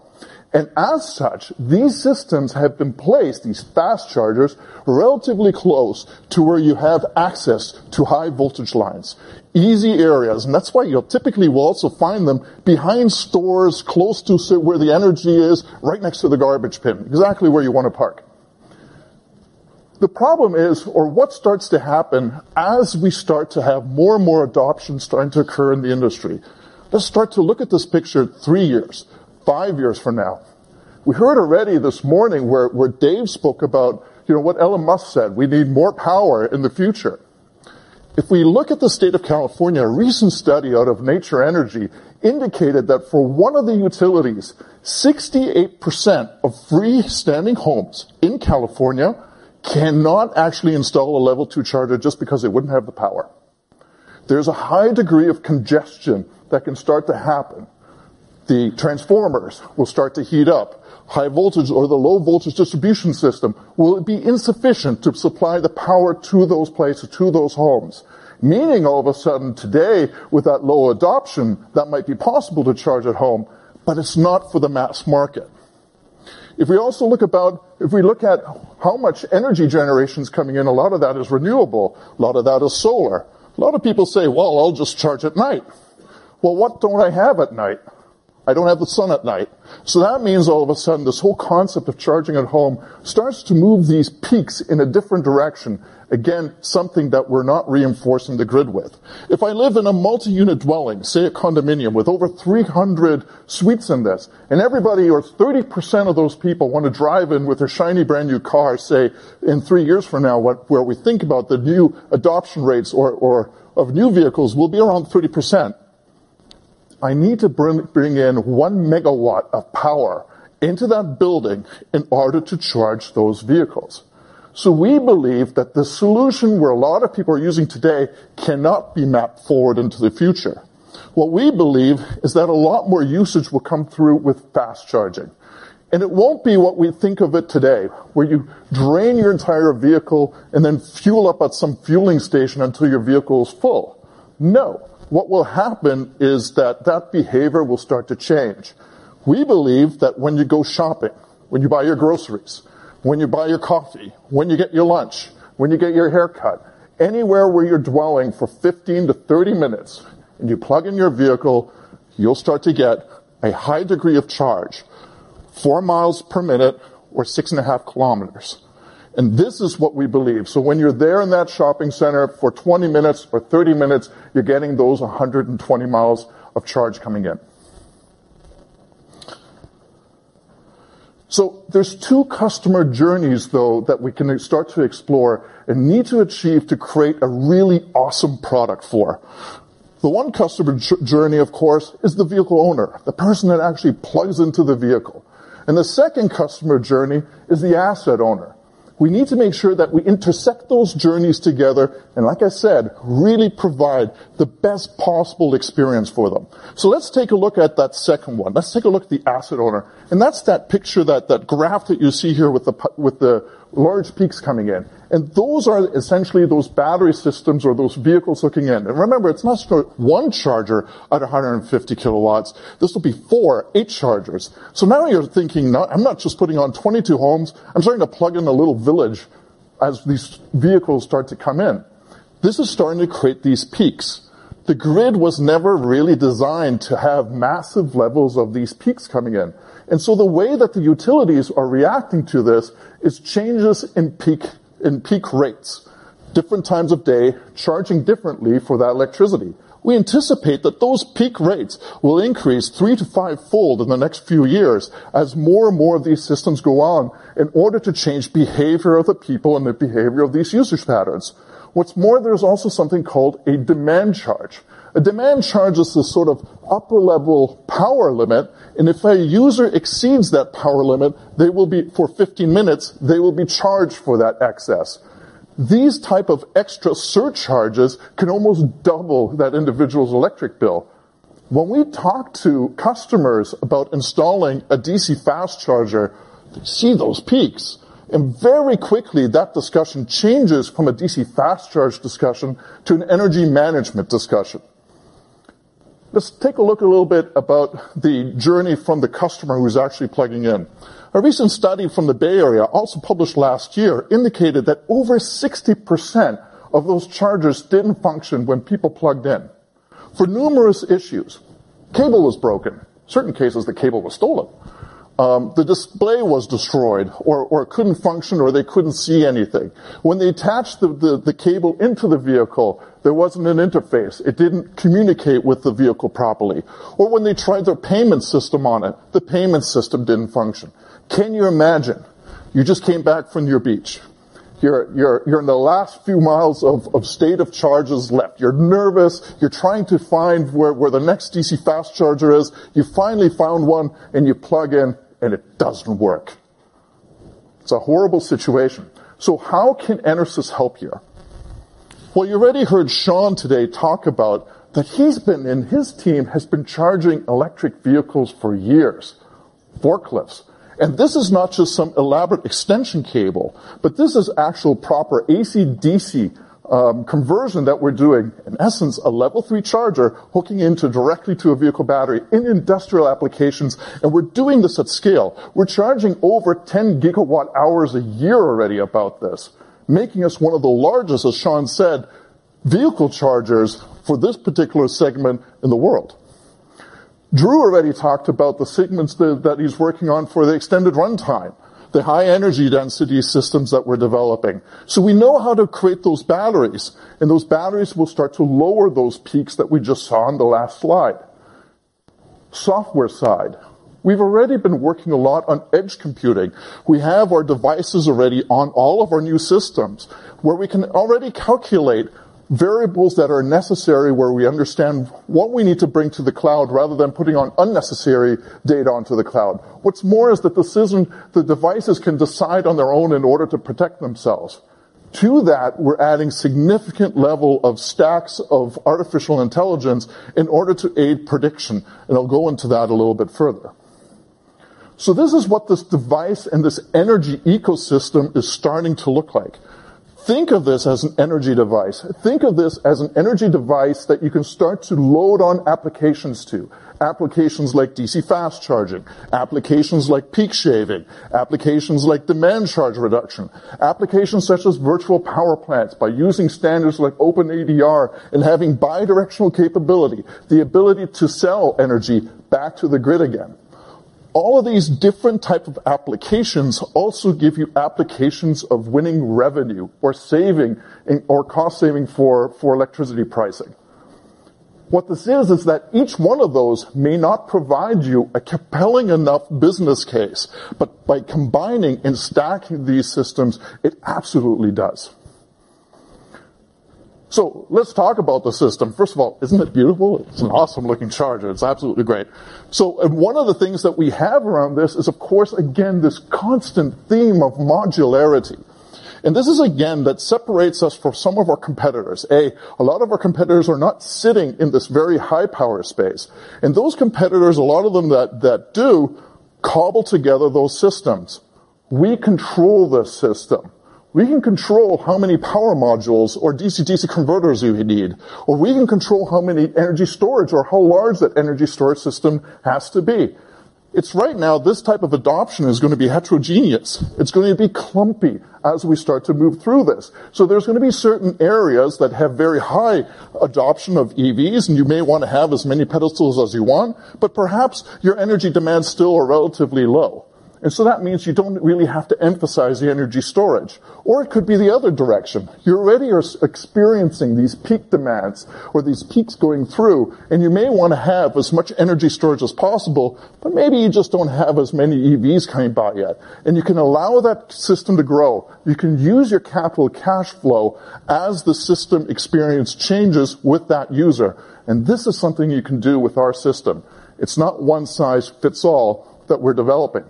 As such, these systems have been placed, these fast chargers, relatively close to where you have access to high voltage lines, easy areas, and that's why you typically will also find them behind stores, close to say, where the energy is, right next to the garbage bin, exactly where you want to park. The problem is, what starts to happen as we start to have more and more adoption starting to occur in the industry. Let's start to look at this picture three years, five years from now. We heard already this morning where Dave spoke about, you know, what Elon Musk said, we need more power in the future. If we look at the state of California, a recent study out of Nature Energy indicated that for one of the utilities, 68% of freestanding homes in California cannot actually install a level two charger just because they wouldn't have the power. There's a high degree of congestion that can start to happen. The transformers will start to heat up. High voltage or the low voltage distribution system will be insufficient to supply the power to those places, to those homes. Meaning all of a sudden today, with that low adoption, that might be possible to charge at home, but it's not for the mass market. If we look at how much energy generation is coming in, a lot of that is renewable, a lot of that is solar. A lot of people say, "Well, I'll just charge at night." Well, what don't I have at night? I don't have the sun at night. That means all of a sudden, this whole concept of charging at home starts to move these peaks in a different direction. Again, something that we're not reinforcing the grid with. If I live in a multi-unit dwelling, say, a condominium with over 300 suites in this, and everybody or 30% of those people want to drive in with their shiny, brand-new car, say, in three years from now, where we think about the new adoption rates or of new vehicles will be around 30%. I need to bring in 1 MW of power into that building in order to charge those vehicles. We believe that the solution where a lot of people are using today cannot be mapped forward into the future. What we believe is that a lot more usage will come through with fast charging. It won't be what we think of it today, where you drain your entire vehicle and then fuel up at some fueling station until your vehicle is full. No, what will happen is that that behavior will start to change. We believe that when you go shopping, when you buy your groceries, when you buy your coffee, when you get your lunch, when you get your haircut, anywhere where you're dwelling for 15 to 30 minutes, and you plug in your vehicle, you'll start to get a high degree of charge, 4 mi per minute or 6.5 km. This is what we believe. When you're there in that shopping center for 20 minutes or 30 minutes, you're getting those 120 mi of charge coming in. There's two customer journeys, though, that we can start to explore and need to achieve to create a really awesome product for. The one customer journey, of course, is the vehicle owner, the person that actually plugs into the vehicle, and the second customer journey is the asset owner. We need to make sure that we intersect those journeys together like I said, really provide the best possible experience for them. Let's take a look at that second one. Let's take a look at the asset owner, that's that picture, that graph that you see here with the large peaks coming in. Those are essentially those battery systems or those vehicles looking in. Remember, it's not just for one charger at 150 kW, this will be four, eight chargers. Now you're thinking, "I'm not just putting on 22 homes, I'm starting to plug in a little village as these vehicles start to come in." This is starting to create these peaks. The grid was never really designed to have massive levels of these peaks coming in. The way that the utilities are reacting to this is changes in peak rates. Different times of day, charging differently for that electricity. We anticipate that those peak rates will increase three to five-fold in the next few years as more and more of these systems go on in order to change behavior of the people and the behavior of these usage patterns. What's more, there's also something called a demand charge. A demand charge is the sort of upper-level power limit, and if a user exceeds that power limit, for 15 minutes, they will be charged for that access. These type of extra surcharges can almost double that individual's electric bill. We talk to customers about installing a D.C. fast charger, they see those peaks. Very quickly, that discussion changes from a D.C. fast charge discussion to an energy management discussion. Let's take a look a little bit about the journey from the customer who's actually plugging in. A recent study from the Bay Area, also published last year, indicated that over 60% of those chargers didn't function when people plugged in for numerous issues. Cable was broken. Certain cases, the cable was stolen. The display was destroyed or it couldn't function, or they couldn't see anything. They attached the cable into the vehicle, there wasn't an interface. It didn't communicate with the vehicle properly. When they tried their payment system on it, the payment system didn't function. Can you imagine? You just came back from your beach. You're in the last few miles of state of charges left. You're nervous. You're trying to find where the next DC fast charger is. You finally found one, and you plug in, and it doesn't work. It's a horrible situation. How can EnerSys help here? Well, you already heard Shawn today talk about that he's been, and his team, has been charging electric vehicles for years, forklifts. This is not just some elaborate extension cable, but this is actual proper AC/DC conversion that we're doing, in essence, a level three charger hooking into directly to a vehicle battery in industrial applications, and we're doing this at scale. We're charging over 10 GW hours a year already about this, making us one of the largest, as Shawn said, vehicle chargers for this particular segment in the world. Drew already talked about the segments that he's working on for the extended run time, the high energy density systems that we're developing. We know how to create those batteries, and those batteries will start to lower those peaks that we just saw on the last slide. Software side. We've already been working a lot on edge computing. We have our devices already on all of our new systems, where we can already calculate variables that are necessary, where we understand what we need to bring to the cloud, rather than putting on unnecessary data onto the cloud. What's more is that the system, the devices can decide on their own in order to protect themselves. To that, we're adding significant level of stacks of artificial intelligence in order to aid prediction, and I'll go into that a little bit further. This is what this device and this energy ecosystem is starting to look like. Think of this as an energy device. Think of this as an energy device that you can start to load on applications to, applications like DC fast charging, applications like peak shaving, applications like demand charge reduction, applications such as virtual power plants, by using standards like OpenADR and having bidirectional capability, the ability to sell energy back to the grid again. All of these different type of applications also give you applications of winning revenue or saving, or cost saving for electricity pricing. What this is that each one of those may not provide you a compelling enough business case, but by combining and stacking these systems, it absolutely does. Let's talk about the system. First of all, isn't it beautiful? It's an awesome-looking charger. It's absolutely great. One of the things that we have around this is, of course, again, this constant theme of modularity. This is, again, that separates us from some of our competitors. A lot of our competitors are not sitting in this very high-power space, and those competitors, a lot of them that do, cobble together those systems. We control the system. We can control how many power modules or DC-DC converters you need, or we can control how many energy storage or how large that energy storage system has to be. It's right now, this type of adoption is gonna be heterogeneous. It's gonna be clumpy as we start to move through this. There's gonna be certain areas that have very high adoption of EVs, and you may want to have as many pedestals as you want, but perhaps your energy demands still are relatively low. That means you don't really have to emphasize the energy storage. It could be the other direction. You already are experiencing these peak demands or these peaks going through, and you may wanna have as much energy storage as possible, but maybe you just don't have as many EVs coming by yet. You can allow that system to grow. You can use your capital cash flow as the system experience changes with that user, and this is something you can do with our system. It's not one size fits all that we're developing.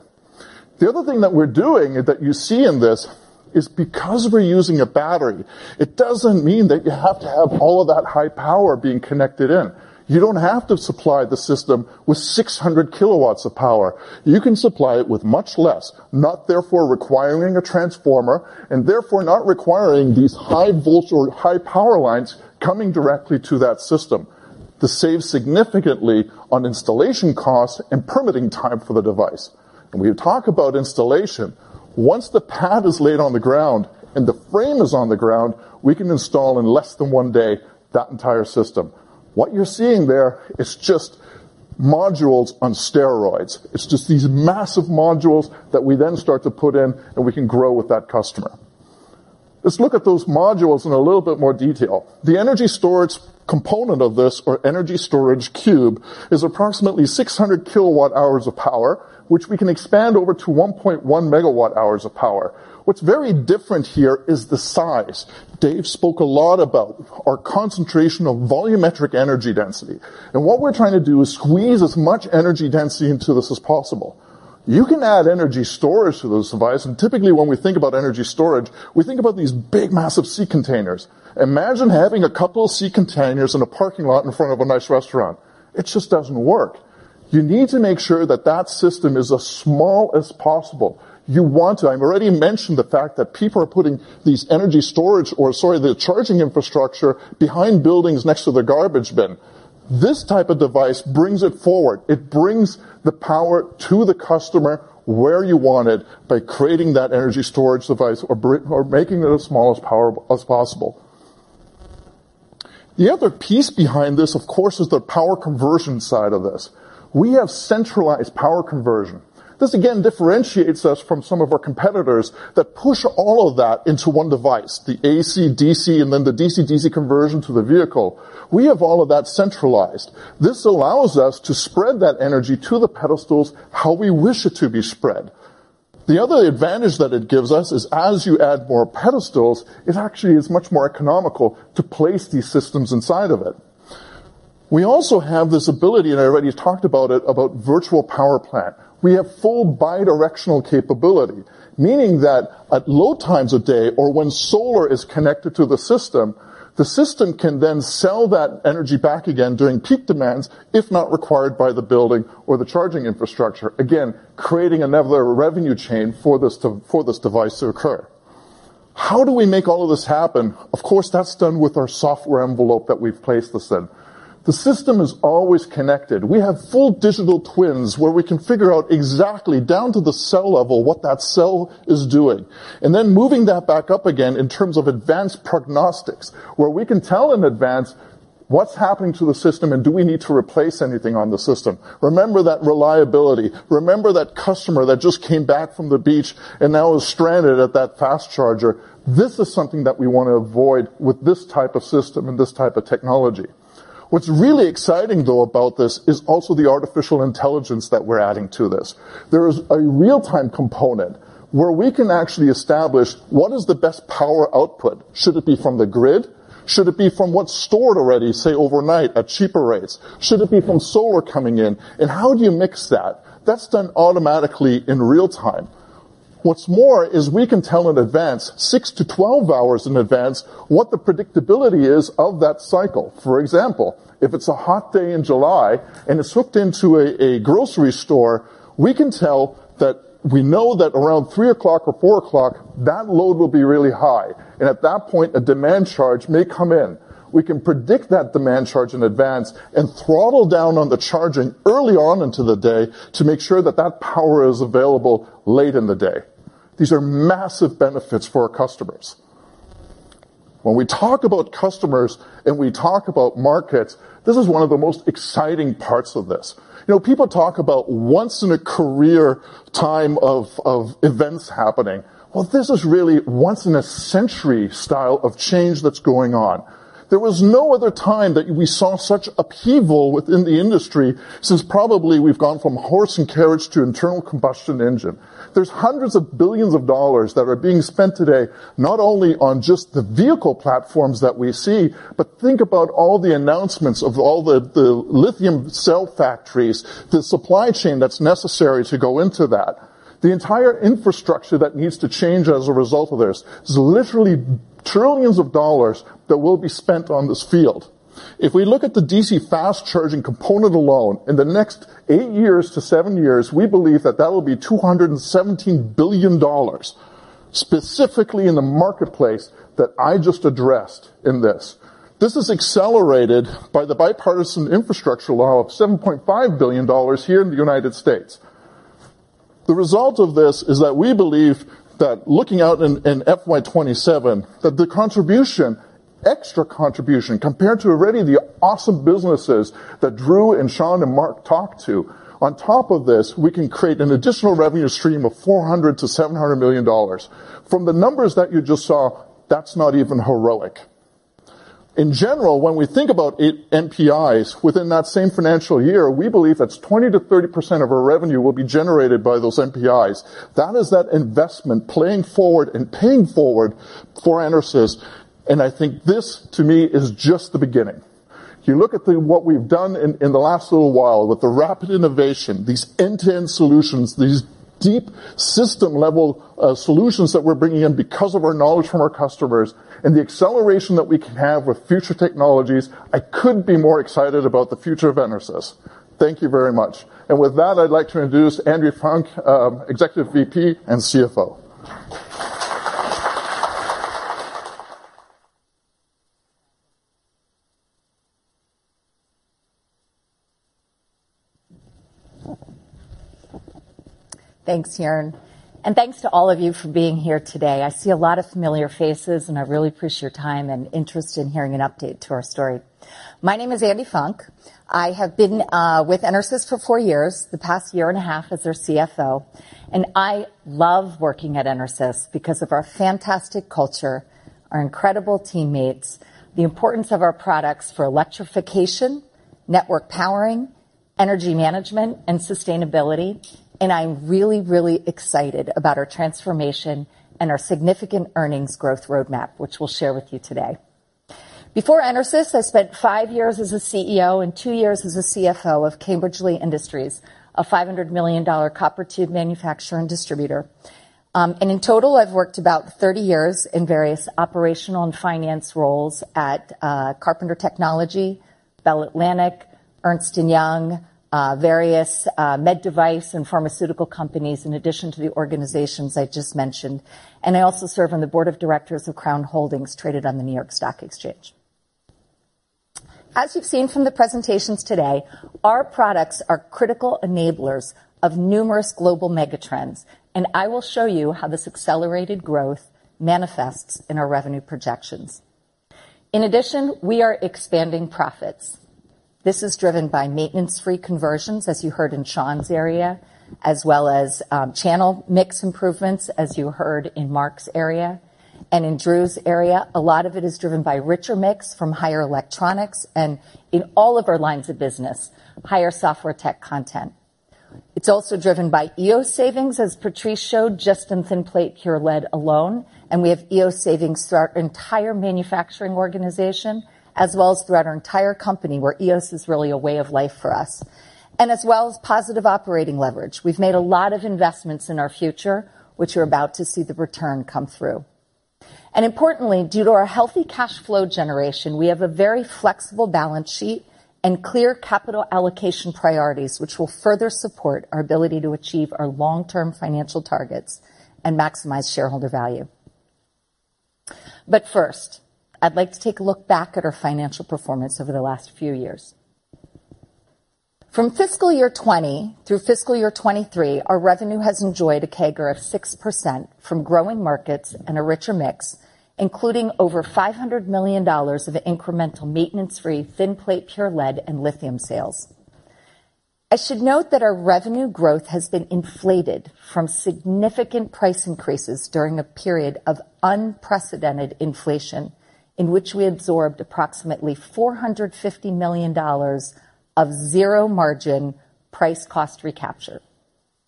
The other thing that we're doing that you see in this is because we're using a battery, it doesn't mean that you have to have all of that high power being connected in. You don't have to supply the system with 600 kW of power. You can supply it with much less, not therefore requiring a transformer, and therefore not requiring these high voltage or high power lines coming directly to that system. This saves significantly on installation costs and permitting time for the device. When we talk about installation, once the pad is laid on the ground and the frame is on the ground, we can install in less than one day, that entire system. What you're seeing there is just modules on steroids. It's just these massive modules that we then start to put in, and we can grow with that customer. Let's look at those modules in a little bit more detail. The energy storage component of this or energy storage cube, is approximately 600 kWh of power, which we can expand over to 1.1 MWh of power. What's very different here is the size. Dave spoke a lot about our concentration of volumetric energy density, and what we're trying to do is squeeze as much energy density into this as possible. You can add energy storage to those device, and typically, when we think about energy storage, we think about these big, massive sea containers. Imagine having a couple of sea containers in a parking lot in front of a nice restaurant. It just doesn't work. You need to make sure that that system is as small as possible. I've already mentioned the fact that people are putting these energy storage or, sorry, the charging infrastructure behind buildings next to the garbage bin. This type of device brings it forward. It brings the power to the customer where you want it, by creating that energy storage device or making it as small as possible. The other piece behind this, of course, is the power conversion side of this. We have centralized power conversion. This, again, differentiates us from some of our competitors that push all of that into one device, the AC, DC, and then the DC-DC conversion to the vehicle. We have all of that centralized. This allows us to spread that energy to the pedestals, how we wish it to be spread. The other advantage that it gives us is as you add more pedestals, it actually is much more economical to place these systems inside of it. We also have this ability, and I already talked about it, about virtual power plant. We have full bidirectional capability, meaning that at low times of day or when solar is connected to the system, the system can then sell that energy back again during peak demands, if not required by the building or the charging infrastructure, again, creating another revenue chain for this device to occur. How do we make all of this happen? Of course, that's done with our software envelope that we've placed this in. The system is always connected. We have full digital twins, where we can figure out exactly, down to the cell level, what that cell is doing, and then moving that back up again in terms of advanced prognostics, where we can tell in advance what's happening to the system and do we need to replace anything on the system. Remember that reliability. Remember that customer that just came back from the beach and now is stranded at that fast charger. This is something that we want to avoid with this type of system and this type of technology. What's really exciting, though, about this is also the artificial intelligence that we're adding to this. There is a real-time component where we can actually establish what is the best power output. Should it be from the grid? Should it be from what's stored already, say, overnight at cheaper rates? Should it be from solar coming in, and how do you mix that? That's done automatically in real time. What's more is we can tell in advance, six to 12 hours in advance, what the predictability is of that cycle. For example, if it's a hot day in July and it's hooked into a grocery store, we can tell that we know that around 3 o'clock or 4 o'clock, that load will be really high. At that point, a demand charge may come in. We can predict that demand charge in advance and throttle down on the charging early on into the day to make sure that that power is available late in the day. These are massive benefits for our customers. We talk about customers and we talk about markets, this is one of the most exciting parts of this. You know, people talk about once in a career time of events happening. Well, this is really once in a century style of change that's going on. There was no other time that we saw such upheaval within the industry, since probably we've gone from horse and carriage to internal combustion engine. There's hundreds of billions of dollars that are being spent today, not only on just the vehicle platforms that we see, but think about all the announcements of all the lithium cell factories, the supply chain that's necessary to go into that, the entire infrastructure that needs to change as a result of this. There's literally trillions of dollars that will be spent on this field. If we look at the DC fast charging component alone, in the next eight years to seven years, we believe that that will be $217 billion, specifically in the marketplace that I just addressed in this. This is accelerated by the Bipartisan Infrastructure Law of $7.5 billion here in the United States. The result of this is that we believe that looking out in FY 2027, that the contribution, extra contribution, compared to already the awesome businesses that Drew and Shawn and Mark talked to, on top of this, we can create an additional revenue stream of $400 million-$700 million. From the numbers that you just saw, that's not even heroic. In general, when we think about NPIs within that same financial year, we believe that 20%-30% of our revenue will be generated by those NPIs. That is that investment playing forward and paying forward for EnerSys. I think this, to me, is just the beginning. If you look at what we've done in the last little while with the rapid innovation, these end-to-end solutions, these deep system-level solutions that we're bringing in because of our knowledge from our customers and the acceleration that we can have with future technologies, I couldn't be more excited about the future of EnerSys. Thank you very much. With that, I'd like to introduce Andrea Funk, Executive VP and CFO. Thanks, Joern, thanks to all of you for being here today. I see a lot of familiar faces, and I really appreciate your time and interest in hearing an update to our story. My name is Andi Funk. I have been with EnerSys for four years, the past year and a half as their CFO, and I love working at EnerSys because of our fantastic culture, our incredible teammates, the importance of our products for electrification, network powering, energy management, and sustainability, and I'm really, really excited about our transformation and our significant earnings growth roadmap, which we'll share with you today. Before EnerSys, I spent five years as a CEO and two years as a CFO of Cambridge-Lee Industries, a $500 million copper tube manufacturer and distributor. In total, I've worked about 30 years in various operational and finance roles at Carpenter Technology, Bell Atlantic, Ernst & Young, various med device and pharmaceutical companies, in addition to the organizations I just mentioned. I also serve on the board of directors of Crown Holdings, traded on the New York Stock Exchange. As you've seen from the presentations today, our products are critical enablers of numerous global mega trends, and I will show you how this accelerated growth manifests in our revenue projections. In addition, we are expanding profits. This is driven by maintenance-free conversions, as you heard in Shawn's area, as well as channel mix improvements, as you heard in Mark's area and in Drew's area. A lot of it is driven by richer mix from higher electronics and in all of our lines of business, higher software tech content. It's also driven by EOS savings, as Patrice showed, just in thin plate pure lead alone, as well as positive operating leverage. We have EOS savings through our entire manufacturing organization, as well as throughout our entire company, where EOS is really a way of life for us. We've made a lot of investments in our future, which you're about to see the return come through. Importantly, due to our healthy cash flow generation, we have a very flexible balance sheet and clear capital allocation priorities, which will further support our ability to achieve our long-term financial targets and maximize shareholder value. First, I'd like to take a look back at our financial performance over the last few years. From fiscal year 2020 through fiscal year 2023, our revenue has enjoyed a CAGR of 6% from growing markets and a richer mix, including over $500 million of incremental maintenance-free thin plate, pure lead, and lithium sales. I should note that our revenue growth has been inflated from significant price increases during a period of unprecedented inflation, in which we absorbed approximately $450 million of zero-margin price cost recapture.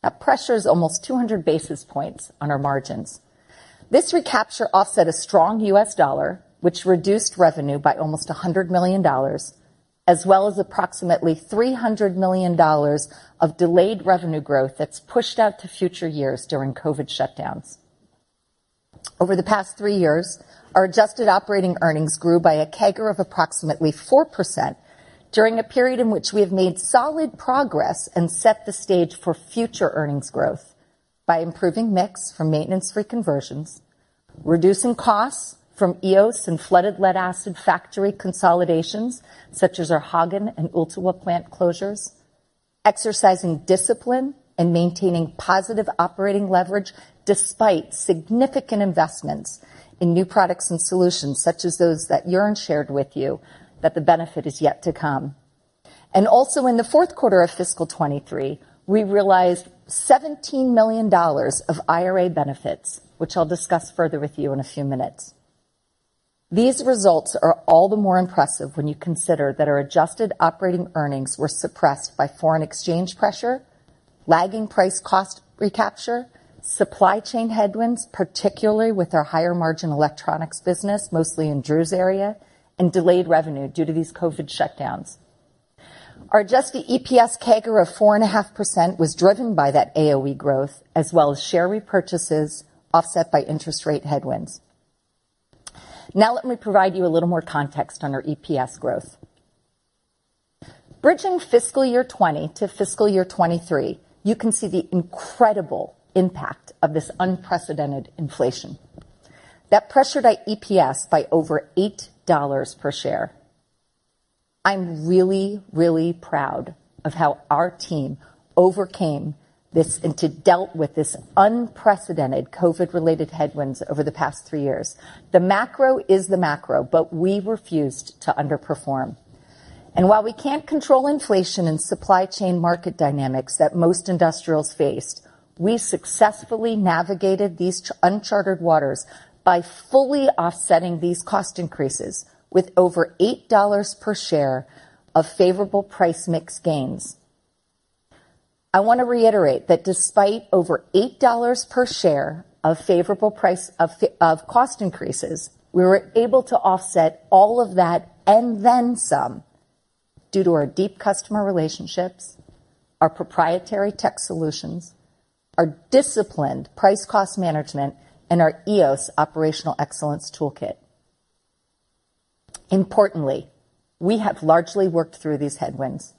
That pressures almost 200 basis points on our margins. This recapture offset a strong U.S. dollar, which reduced revenue by almost $100 million, as well as approximately $300 million of delayed revenue growth that's pushed out to future years during COVID shutdowns. Over the past three years, our adjusted operating earnings grew by a CAGR of approximately 4% during a period in which we have made solid progress and set the stage for future earnings growth by improving mix from maintenance-free conversions, reducing costs from EOS and flooded lead-acid factory consolidations, such as our Hagen and Ulma plant closures, exercising discipline and maintaining positive operating leverage, despite significant investments in new products and solutions, such as those that Joern shared with you, that the benefit is yet to come. Also in the fourth quarter of fiscal 2023, we realized $17 million of IRA benefits, which I'll discuss further with you in a few minutes. These results are all the more impressive when you consider that our adjusted operating earnings were suppressed by foreign exchange pressure, lagging price cost recapture, supply chain headwinds, particularly with our higher-margin electronics business, mostly in Drew's area, and delayed revenue due to these COVID shutdowns. Our adjusted EPS CAGR of 4.5% was driven by that AOE growth, as well as share repurchases offset by interest rate headwinds. Now, let me provide you a little more context on our EPS growth. Bridging fiscal year 2020 to fiscal year 2023, you can see the incredible impact of this unprecedented inflation. That pressured our EPS by over $8 per share. I'm really proud of how our team overcame this, and to dealt with this unprecedented COVID-related headwinds over the past three years. The macro is the macro, but we refused to underperform. While we can't control inflation and supply chain market dynamics that most industrials faced, we successfully navigated these uncharted waters by fully offsetting these cost increases with over $8 per share of favorable price mix gains. I want to reiterate that despite over $8 per share of favorable price, of cost increases, we were able to offset all of that and then some due to our deep customer relationships, our proprietary tech solutions, our disciplined price cost management, and our EOS operational excellence toolkit. Importantly, we have largely worked through these headwinds.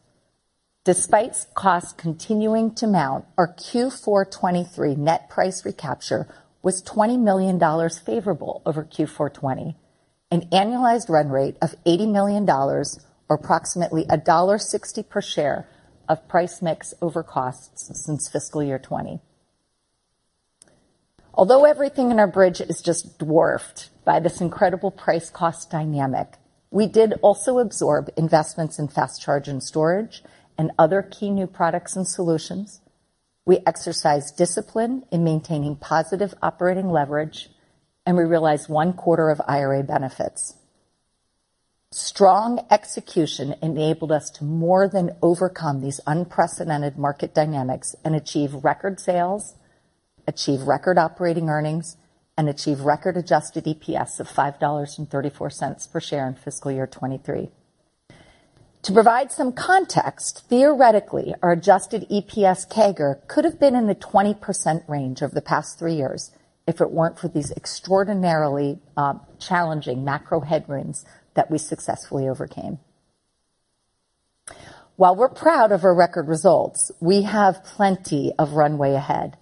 Despite costs continuing to mount, our Q4 2023 net price recapture was $20 million favorable over Q4 20.... an annualized run rate of $80 million or approximately $1.60 per share of price mix over costs since fiscal year 2020. Although everything in our bridge is just dwarfed by this incredible price cost dynamic, we did also absorb investments in fast charge and storage and other key new products and solutions. We exercised discipline in maintaining positive operating leverage, and we realized one quarter of IRA benefits. Strong execution enabled us to more than overcome these unprecedented market dynamics and achieve record sales, achieve record operating earnings, and achieve record adjusted EPS of $5.34 per share in fiscal year 2023. To provide some context, theoretically, our adjusted EPS CAGR could have been in the 20% range over the past three years if it weren't for these extraordinarily challenging macro headrooms that we successfully overcame. While we're proud of our record results, we have plenty of runway ahead,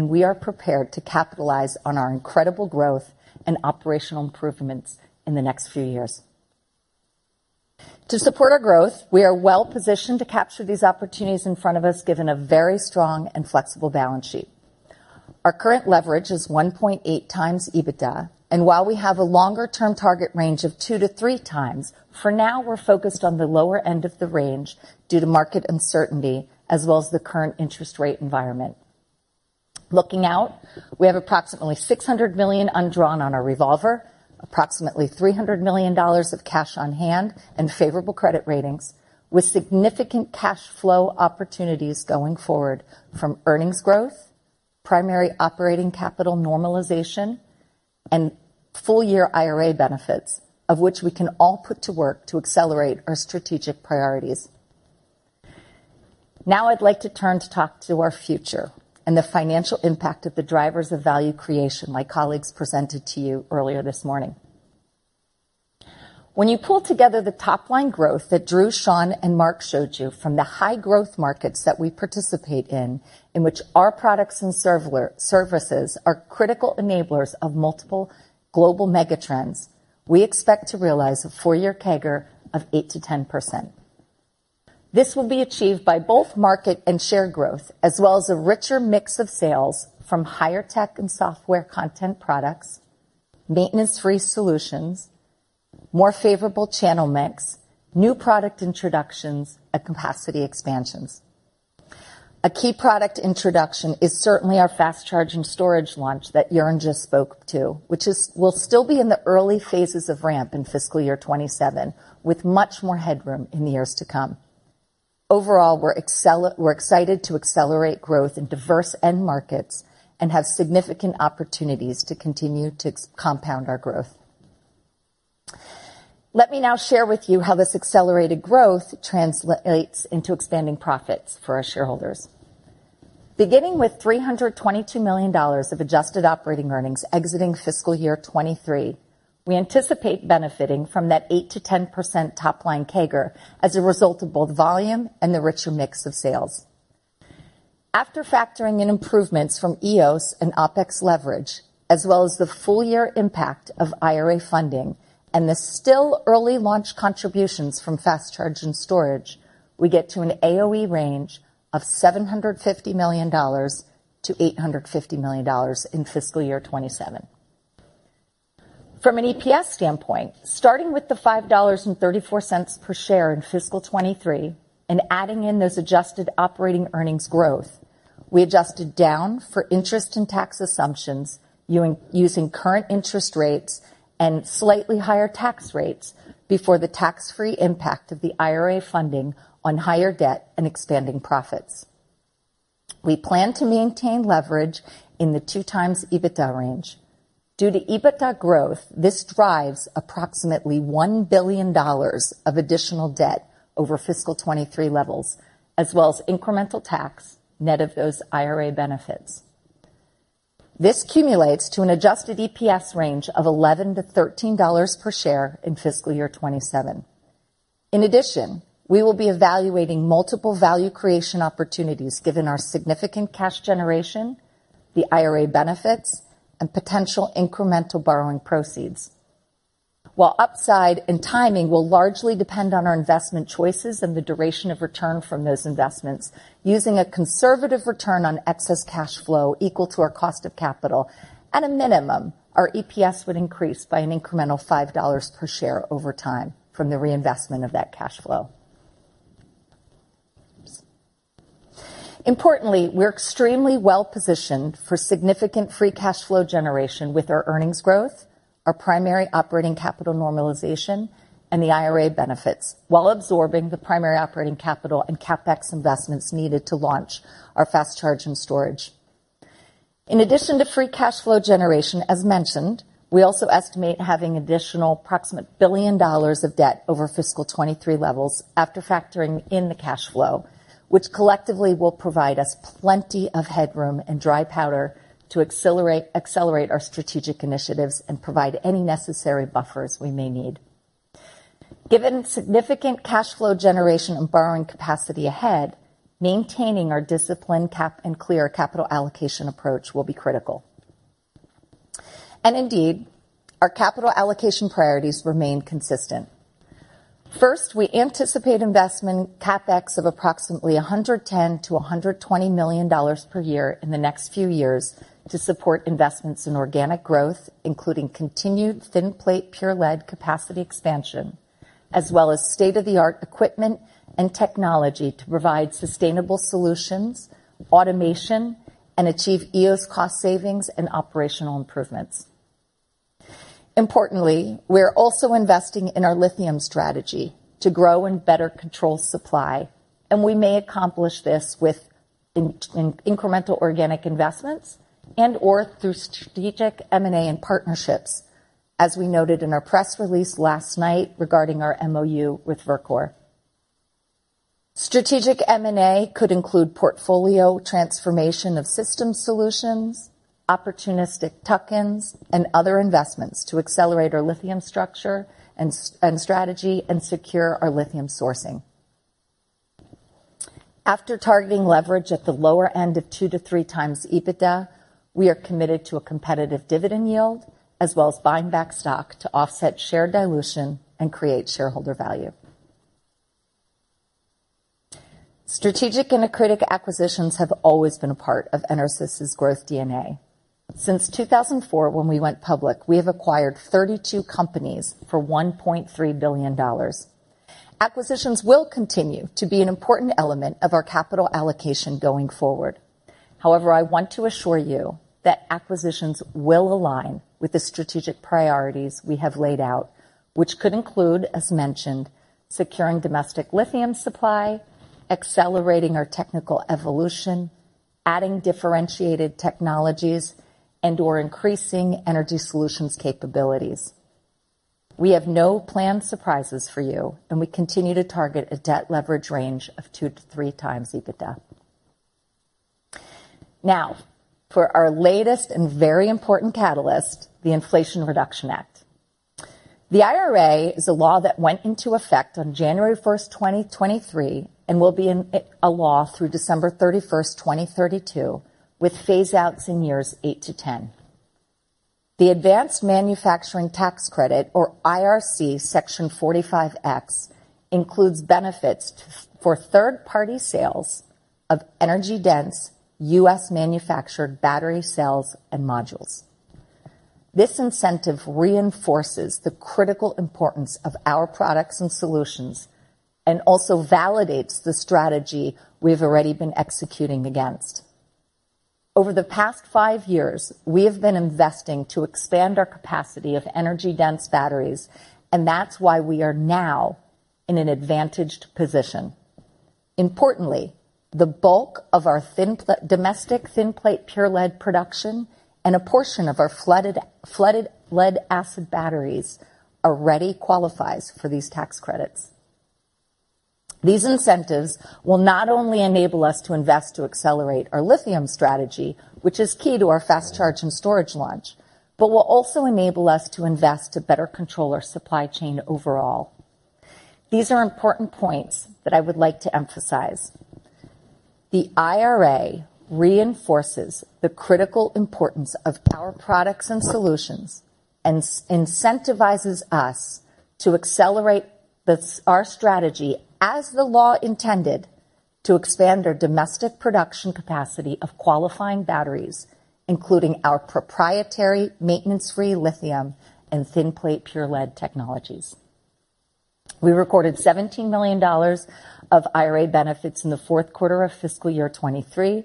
we are prepared to capitalize on our incredible growth and operational improvements in the next few years. To support our growth, we are well-positioned to capture these opportunities in front of us, given a very strong and flexible balance sheet. Our current leverage is 1.8 times EBITDA, while we have a longer-term target range of two-three times, for now, we're focused on the lower end of the range due to market uncertainty as well as the current interest rate environment. Looking out, we have approximately $600 million undrawn on our revolver, approximately $300 million of cash on hand and favorable credit ratings, with significant cash flow opportunities going forward from earnings growth, primary operating capital normalization, and full-year IRA benefits, of which we can all put to work to accelerate our strategic priorities. Now, I'd like to turn to talk to our future and the financial impact of the drivers of value creation my colleagues presented to you earlier this morning. When you pull together the top-line growth that Drew, Shawn, and Mark showed you from the high-growth markets that we participate in which our products and services are critical enablers of multiple global mega trends, we expect to realize a four-year CAGR of 8%-10%. This will be achieved by both market and share growth, as well as a richer mix of sales from higher tech and software content products, maintenance-free solutions, more favorable channel mix, new product introductions, and capacity expansions. A key product introduction is certainly our fast charge and storage launch that Joern just spoke to, which will still be in the early phases of ramp in fiscal year 2027, with much more headroom in the years to come. Overall, we're excited to accelerate growth in diverse end markets and have significant opportunities to continue to compound our growth. Let me now share with you how this accelerated growth translates into expanding profits for our shareholders. Beginning with $322 million of adjusted operating earnings exiting fiscal year 2023, we anticipate benefiting from that 8%-10% top-line CAGR as a result of both volume and the richer mix of sales. After factoring in improvements from EOS and OpEx leverage, as well as the full year impact of IRA funding and the still early launch contributions from fast charge and storage, we get to an AOE range of $750 million-$850 million in fiscal year 2027. From an EPS standpoint, starting with the $5.34 per share in fiscal 2023 and adding in those adjusted operating earnings growth, we adjusted down for interest and tax assumptions using current interest rates and slightly higher tax rates before the tax-free impact of the IRA funding on higher debt and expanding profits. We plan to maintain leverage in the two times EBITDA range. Due to EBITDA growth, this drives approximately $1 billion of additional debt over fiscal 2023 levels, as well as incremental tax net of those IRA benefits. This cumulates to an adjusted EPS range of $11-$13 per share in fiscal year 2027. In addition, we will be evaluating multiple value creation opportunities, given our significant cash generation, the IRA benefits, and potential incremental borrowing proceeds. While upside and timing will largely depend on our investment choices and the duration of return from those investments, using a conservative return on excess cash flow equal to our cost of capital, at a minimum, our EPS would increase by an incremental $5 per share over time from the reinvestment of that cash flow. Importantly, we're extremely well-positioned for significant free cash flow generation with our earnings growth, our primary operating capital normalization, and the IRA benefits, while absorbing the primary operating capital and CapEx investments needed to launch our fast charge and storage. In addition to free cash flow generation, as mentioned, we also estimate having additional approximate $1 billion of debt over fiscal 2023 levels after factoring in the cash flow, which collectively will provide us plenty of headroom and dry powder to accelerate our strategic initiatives and provide any necessary buffers we may need. Given significant cash flow generation and borrowing capacity ahead, maintaining our disciplined cap and clear capital allocation approach will be critical. Indeed, our capital allocation priorities remain consistent. First, we anticipate investment CapEx of approximately $110 million-$120 million per year in the next few years to support investments in organic growth, including continued thin plate pure lead capacity expansion, as well as state-of-the-art equipment and technology to provide sustainable solutions, automation, and achieve EOS cost savings and operational improvements. Importantly, we are also investing in our lithium strategy to grow and better control supply, and we may accomplish this with incremental organic investments and/or through strategic M&A and partnerships, as we noted in our press release last night regarding our MOU with Verkor. Strategic M&A could include portfolio transformation of system solutions, opportunistic tuck-ins, and other investments to accelerate our lithium structure and strategy and secure our lithium sourcing. After targeting leverage at the lower end of two to three times EBITDA, we are committed to a competitive dividend yield as well as buying back stock to offset share dilution and create shareholder value. Strategic and accretive acquisitions have always been a part of EnerSys' growth DNA. Since 2004, when we went public, we have acquired 32 companies for $1.3 billion. Acquisitions will continue to be an important element of our capital allocation going forward. I want to assure you that acquisitions will align with the strategic priorities we have laid out, which could include, as mentioned, securing domestic lithium supply, accelerating our technical evolution, adding differentiated technologies, and/or increasing energy solutions capabilities. We have no planned surprises for you, we continue to target a debt leverage range of two to three times EBITDA. For our latest and very important catalyst, the Inflation Reduction Act. The IRA is a law that went into effect on January 1st, 2023, and will be a law through December 31st, 2032, with phase outs in years eight to 10. The Advanced Manufacturing Tax Credit, or IRC Section 45X, includes benefits for third-party sales of energy-dense, U.S.-manufactured battery cells and modules. This incentive reinforces the critical importance of our products and solutions and also validates the strategy we've already been executing against. Over the past five years, we have been investing to expand our capacity of energy-dense batteries, and that's why we are now in an advantaged position. Importantly, the bulk of our domestic thin plate pure lead production and a portion of our flooded lead acid batteries already qualifies for these tax credits. These incentives will not only enable us to invest to accelerate our lithium strategy, which is key to our fast charge and storage launch, but will also enable us to invest to better control our supply chain overall. These are important points that I would like to emphasize. The IRA reinforces the critical importance of our products and solutions, and incentivizes us to accelerate our strategy, as the law intended, to expand our domestic production capacity of qualifying batteries, including our proprietary maintenance-free lithium and thin plate pure lead technologies. We recorded $17 million of IRA benefits in the fourth quarter of fiscal year 2023,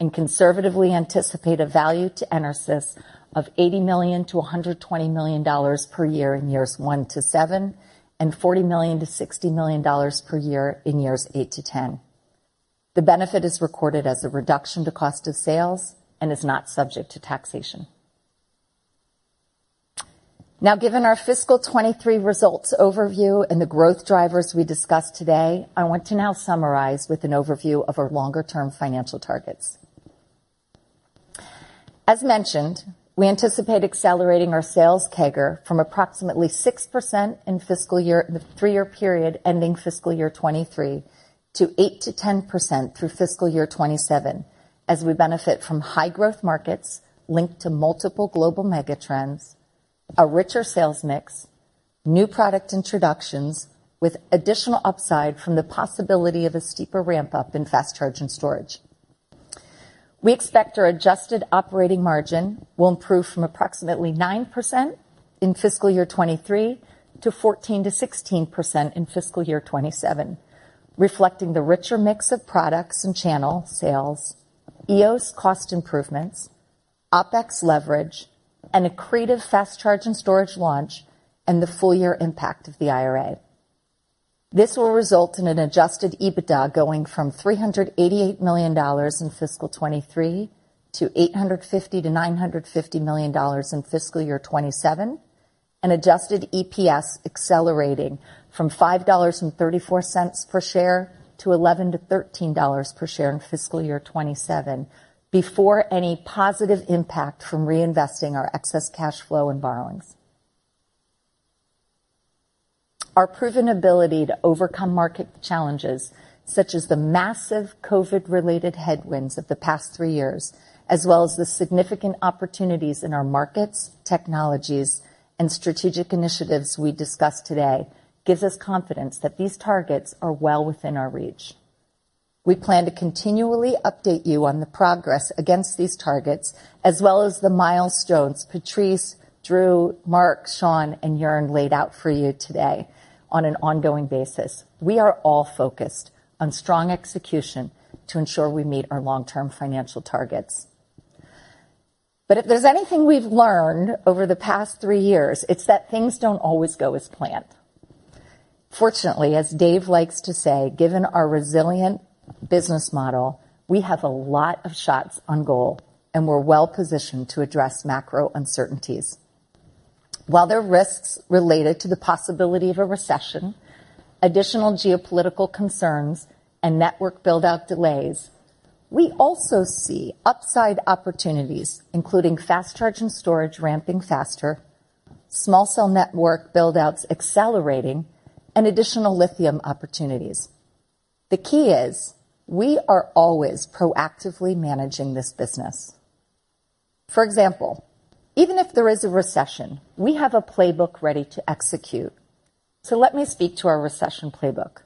and conservatively anticipate a value to EnerSys of $80 million-$120 million per year in years one to seven, and $40 million-$60 million per year in years eight to 10. The benefit is recorded as a reduction to cost of sales and is not subject to taxation. Given our fiscal 2023 results overview and the growth drivers we discussed today, I want to now summarize with an overview of our longer-term financial targets. As mentioned, we anticipate accelerating our sales CAGR from approximately 6% in the three-year period ending fiscal year 2023, to 8%-10% through fiscal year 2027, as we benefit from high growth markets linked to multiple global mega trends, a richer sales mix, new product introductions with additional upside from the possibility of a steeper ramp-up in fast charge and storage. We expect our adjusted operating margin will improve from approximately 9% in fiscal year 2023 to 14%-16% in fiscal year 2027, reflecting the richer mix of products and channel sales, EOS cost improvements, OpEx leverage, an accretive fast charge and storage launch, and the full year impact of the IRA. This will result in an adjusted EBITDA going from $388 million in fiscal 2023 to $850 million-$950 million in fiscal year 2027, and adjusted EPS accelerating from $5.34 per share to $11-$13 per share in fiscal year 2027, before any positive impact from reinvesting our excess cash flow and borrowings. Our proven ability to overcome market challenges, such as the massive COVID-related headwinds of the past three years, as well as the significant opportunities in our markets, technologies, and strategic initiatives we discussed today, gives us confidence that these targets are well within our reach. We plan to continually update you on the progress against these targets, as well as the milestones Patrice, Drew, Mark, Shawn, and Joern laid out for you today on an ongoing basis. We are all focused on strong execution to ensure we meet our long-term financial targets. If there's anything we've learned over the past three years, it's that things don't always go as planned. Fortunately, as Dave likes to say, given our resilient business model, we have a lot of shots on goal, and we're well-positioned to address macro uncertainties. While there are risks related to the possibility of a recession, additional geopolitical concerns, and network build-out delays, we also see upside opportunities, including fast charge and storage ramping faster, small cell network build-outs accelerating, and additional lithium opportunities. The key is, we are always proactively managing this business. For example, even if there is a recession, we have a playbook ready to execute. Let me speak to our recession playbook.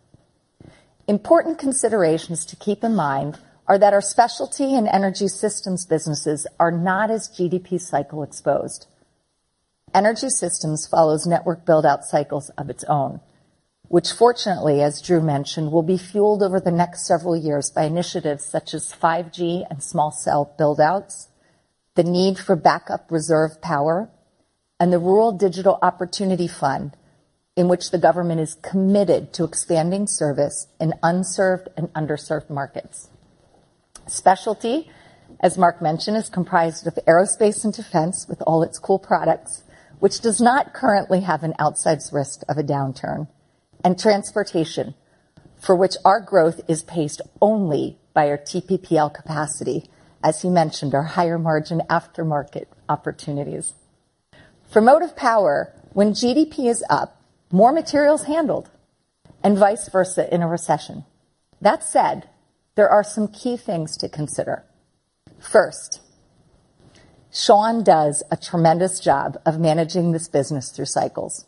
Important considerations to keep in mind are that our Specialty and Energy Systems businesses are not as GDP cycle exposed. Energy Systems follows network build-out cycles of its own, which fortunately, as Drew mentioned, will be fueled over the next several years by initiatives such as 5G and small cell build-outs, the need for backup reserve power, and the Rural Digital Opportunity Fund, in which the government is committed to expanding service in unserved and underserved markets. Specialty, as Mark mentioned, is comprised of aerospace and defense, with all its cool products, which does not currently have an outsized risk of a downturn, and transportation, for which our growth is paced only by our TPPL capacity, as he mentioned, our higher-margin aftermarket opportunities. For Motive Power, when GDP is up, more material is handled, and vice versa in a recession. That said, there are some key things to consider. First, Shawn does a tremendous job of managing this business through cycles.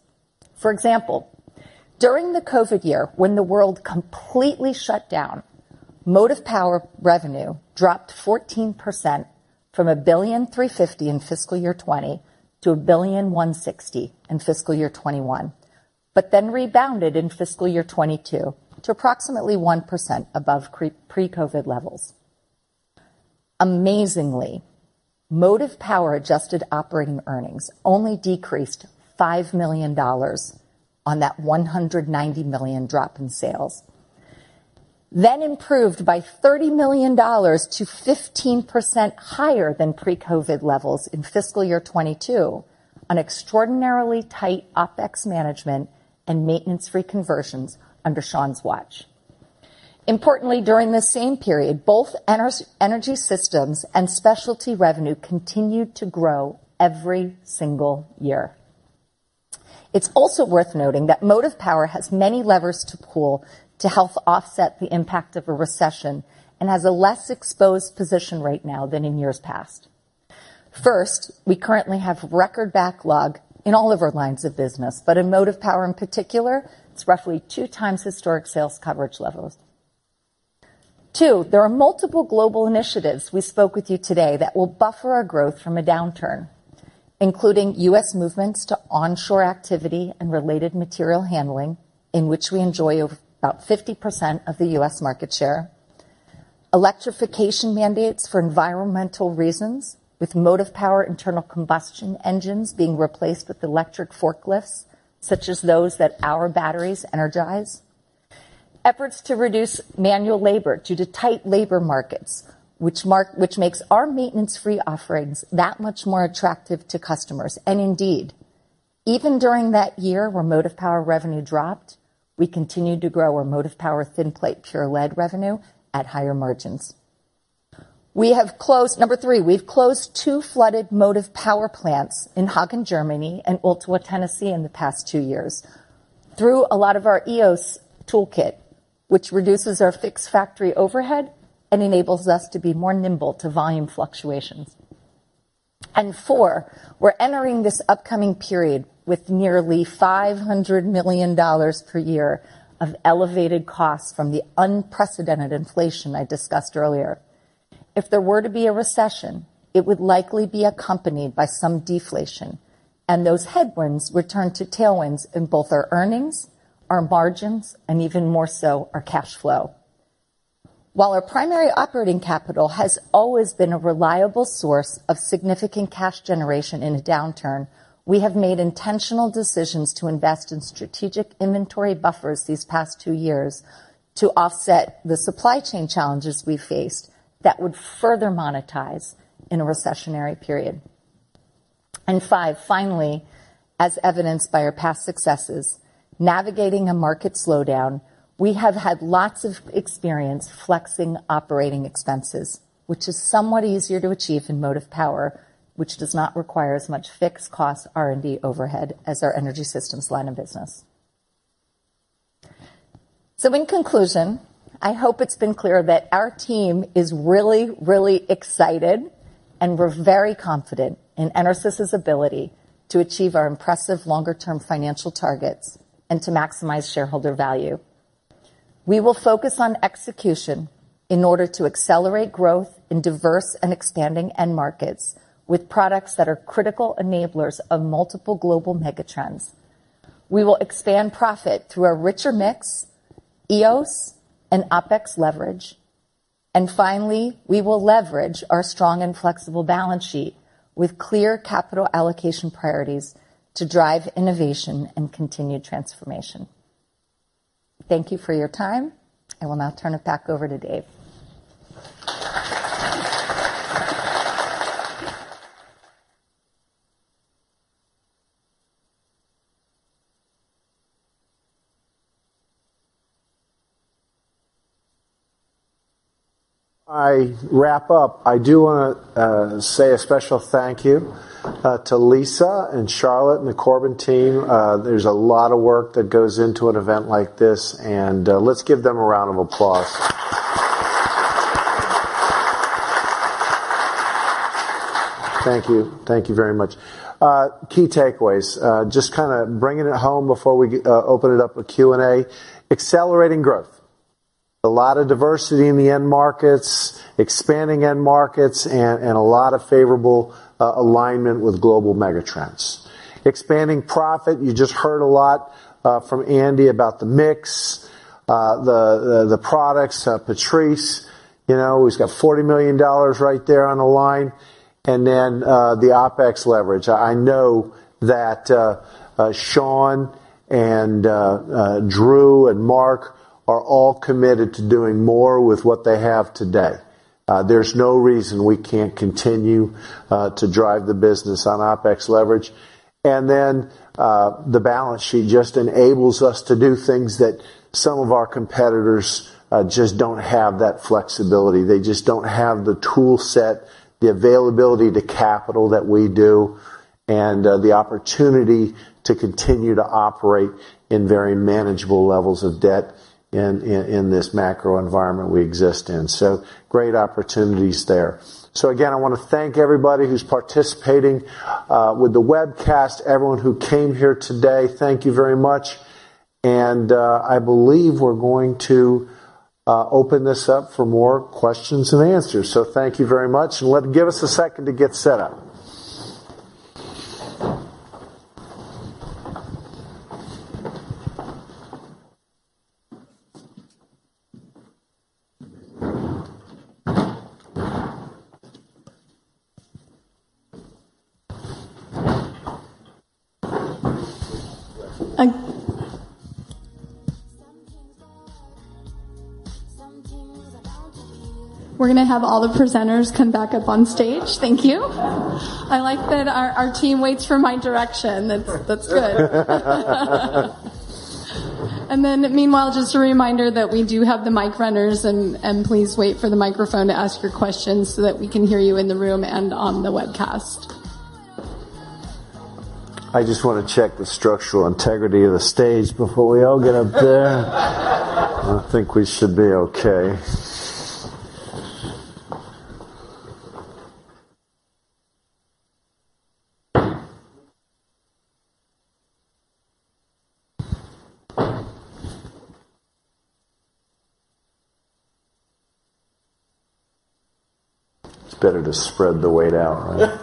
For example, during the COVID year, when the world completely shut down, Motive Power revenue dropped 14% from $1.35 billion in fiscal year 2020 to $1.16 billion in fiscal year 2021, but then rebounded in fiscal year 2022 to approximately 1% above pre-COVID levels. Amazingly, Motive Power adjusted operating earnings only decreased $5 million on that $190 million drop in sales, then improved by $30 million to 15% higher than pre-COVID levels in fiscal year 2022, on extraordinarily tight OPEX management and maintenance-free conversions under Shawn's watch. Importantly, during the same period, both Energy Systems and Specialty revenue continued to grow every single year. It's also worth noting that Motive Power has many levers to pull to help offset the impact of a recession and has a less exposed position right now than in years past. First, we currently have record backlog in all of our lines of business, but in Motive Power, in particular, it's roughly two times historic sales coverage levels. Two, there are multiple global initiatives we spoke with you today that will buffer our growth from a downturn, including U.S. movements to onshore activity and related material handling, in which we enjoy over about 50% of the U.S. market share. Electrification mandates for environmental reasons, with Motive Power internal combustion engines being replaced with electric forklifts, such as those that our batteries energize. Efforts to reduce manual labor due to tight labor markets, which makes our maintenance-free offerings that much more attractive to customers. Indeed, even during that year, where Motive Power revenue dropped, we continued to grow our Motive Power thin plate pure lead revenue at higher margins. We have closed. Number three, we've closed two flooded Motive Power plants in Hagen, Germany, and Ooltewah, Tennessee, in the past two years. Through a lot of our EOS toolkit, which reduces our fixed factory overhead and enables us to be more nimble to volume fluctuations. Four, we're entering this upcoming period with nearly $500 million per year of elevated costs from the unprecedented inflation I discussed earlier. If there were to be a recession, it would likely be accompanied by some deflation, and those headwinds return to tailwinds in both our earnings, our margins, and even more so, our cash flow. While our primary operating capital has always been a reliable source of significant cash generation in a downturn, we have made intentional decisions to invest in strategic inventory buffers these past two years to offset the supply chain challenges we faced that would further monetize in a recessionary period. Five, finally, as evidenced by our past successes, navigating a market slowdown, we have had lots of experience flexing operating expenses, which is somewhat easier to achieve in Motive Power, which does not require as much fixed cost R&D overhead as our Energy Systems line of business. In conclusion, I hope it's been clear that our team is really, really excited, and we're very confident in EnerSys' ability to achieve our impressive longer-term financial targets and to maximize shareholder value. We will focus on execution in order to accelerate growth in diverse and expanding end markets, with products that are critical enablers of multiple global megatrends. We will expand profit through a richer mix, EOS, and OpEx leverage. Finally, we will leverage our strong and flexible balance sheet with clear capital allocation priorities to drive innovation and continued transformation. Thank you for your time. I will now turn it back over to Dave. I wrap up, I do wanna say a special thank you to Lisa, and Charlotte, and the Corbin team. There's a lot of work that goes into an event like this, and let's give them a round of applause. Thank you. Thank you very much. Key takeaways, just kinda bringing it home before we open it up with Q&A. Accelerating growth. A lot of diversity in the end markets, expanding end markets, and a lot of favorable alignment with global megatrends. Expanding profit, you just heard a lot from Andi about the mix, the products. Patrice, you know, he's got $40 million right there on the line. The OpEx leverage. I know that, Shawn and Drew and Mark are all committed to doing more with what they have today. There's no reason we can't continue to drive the business on OpEx leverage. The balance sheet just enables us to do things that some of our competitors just don't have that flexibility. They just don't have the toolset, the availability to capital that we do, and the opportunity to continue to operate in very manageable levels of debt in this macro environment we exist in. Great opportunities there. Again, I wanna thank everybody who's participating with the webcast, everyone who came here today. Thank you very much. I believe we're going to open this up for more questions and answers. Thank you very much, and give us a second to get set up. We're gonna have all the presenters come back up on stage. Thank you. I like that our team waits for my direction. That's good. Meanwhile, just a reminder that we do have the mic runners, and please wait for the microphone to ask your questions so that we can hear you in the room and on the webcast. I just wanna check the structural integrity of the stage before we all get up there. I think we should be okay. It's better to spread the weight out, right?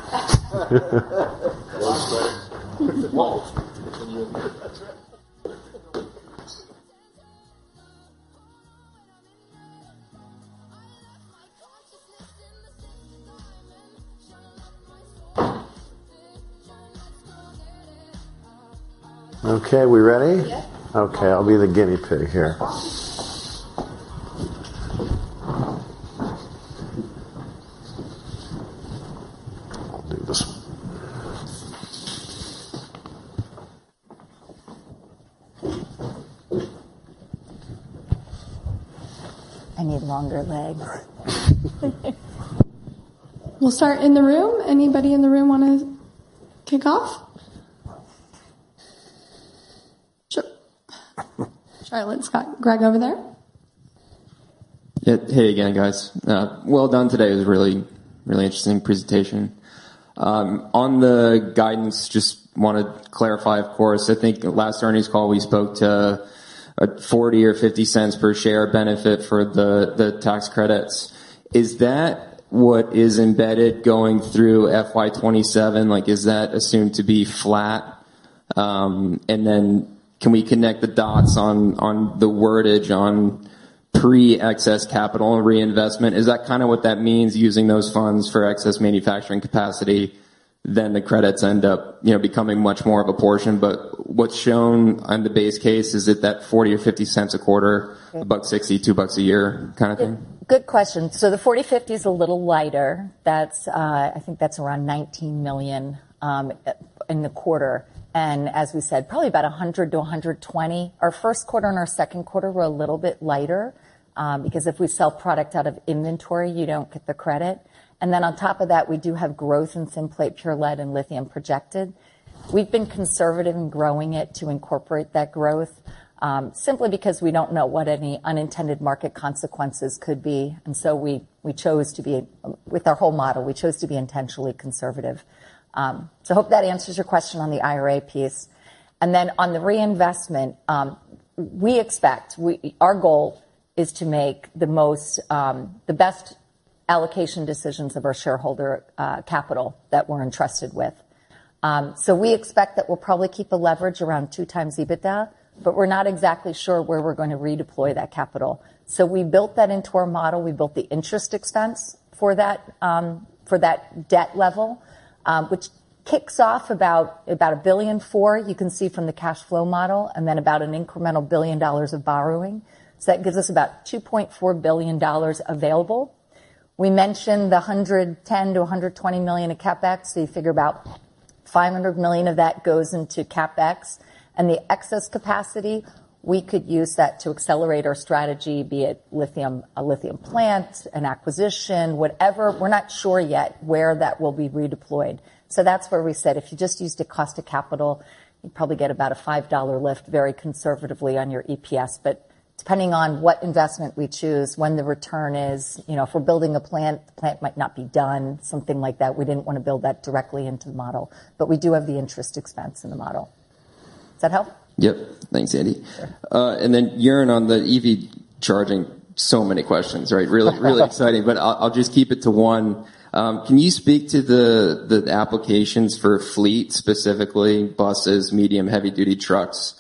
Okay, we ready? Yep. Okay, I'll be the guinea pig here. I need longer legs. We'll start in the room. Anybody in the room wanna kick off? Sure. Charlotte's got Greg over there. Yeah. Hey again, guys. Well done today. It was a really interesting presentation. On the guidance, just wanna clarify, of course. I think last earnings call, we spoke to a $0.40 or $0.50 per share benefit for the tax credits. Is that what is embedded going through FY 2027? Like, is that assumed to be flat? Can we connect the dots on the wording on pre-excess capital and reinvestment? Is that kinda what that means, using those funds for excess manufacturing capacity, then the credits end up, you know, becoming much more of a portion? What's shown on the base case, is it that $0.40 or $0.50 a quarter, a $1.60, $2 a year kind of thing? Good question. The 45X is a little lighter. That's, I think that's around $19 million in the quarter. As we said, probably about $100-$120. Our first quarter and our second quarter were a little bit lighter because if we sell product out of inventory, you don't get the credit. On top of that, we do have growth in thin plate pure lead and lithium projected. We've been conservative in growing it to incorporate that growth simply because we don't know what any unintended market consequences could be, and so we, with our whole model, we chose to be intentionally conservative. I hope that answers your question on the IRA piece. On the reinvestment, We expect, our goal is to make the most, the best allocation decisions of our shareholder, capital that we're entrusted with. We expect that we'll probably keep the leverage around 2 times EBITDA, but we're not exactly sure where we're going to redeploy that capital. We built that into our model. We built the interest expense for that, for that debt level, which kicks off about $1.4 billion, you can see from the cash flow model, and then about an incremental $1 billion of borrowing. That gives us about $2.4 billion available. We mentioned the $110 million-$120 million of CapEx, so you figure about $500 million of that goes into CapEx. The excess capacity, we could use that to accelerate our strategy, be it lithium, a lithium plant, an acquisition, whatever. We're not sure yet where that will be redeployed. That's where we said, if you just used a cost of capital, you'd probably get about a $5 lift, very conservatively, on your EPS. Depending on what investment we choose, when the return is, you know, if we're building a plant, the plant might not be done, something like that. We didn't wanna build that directly into the model, but we do have the interest expense in the model. Does that help? Yep. Thanks, Andi. Joern, on the EV charging, many questions, right? Really, really exciting, but I'll just keep it to one. Can you speak to the applications for fleet, specifically buses, medium, heavy-duty trucks,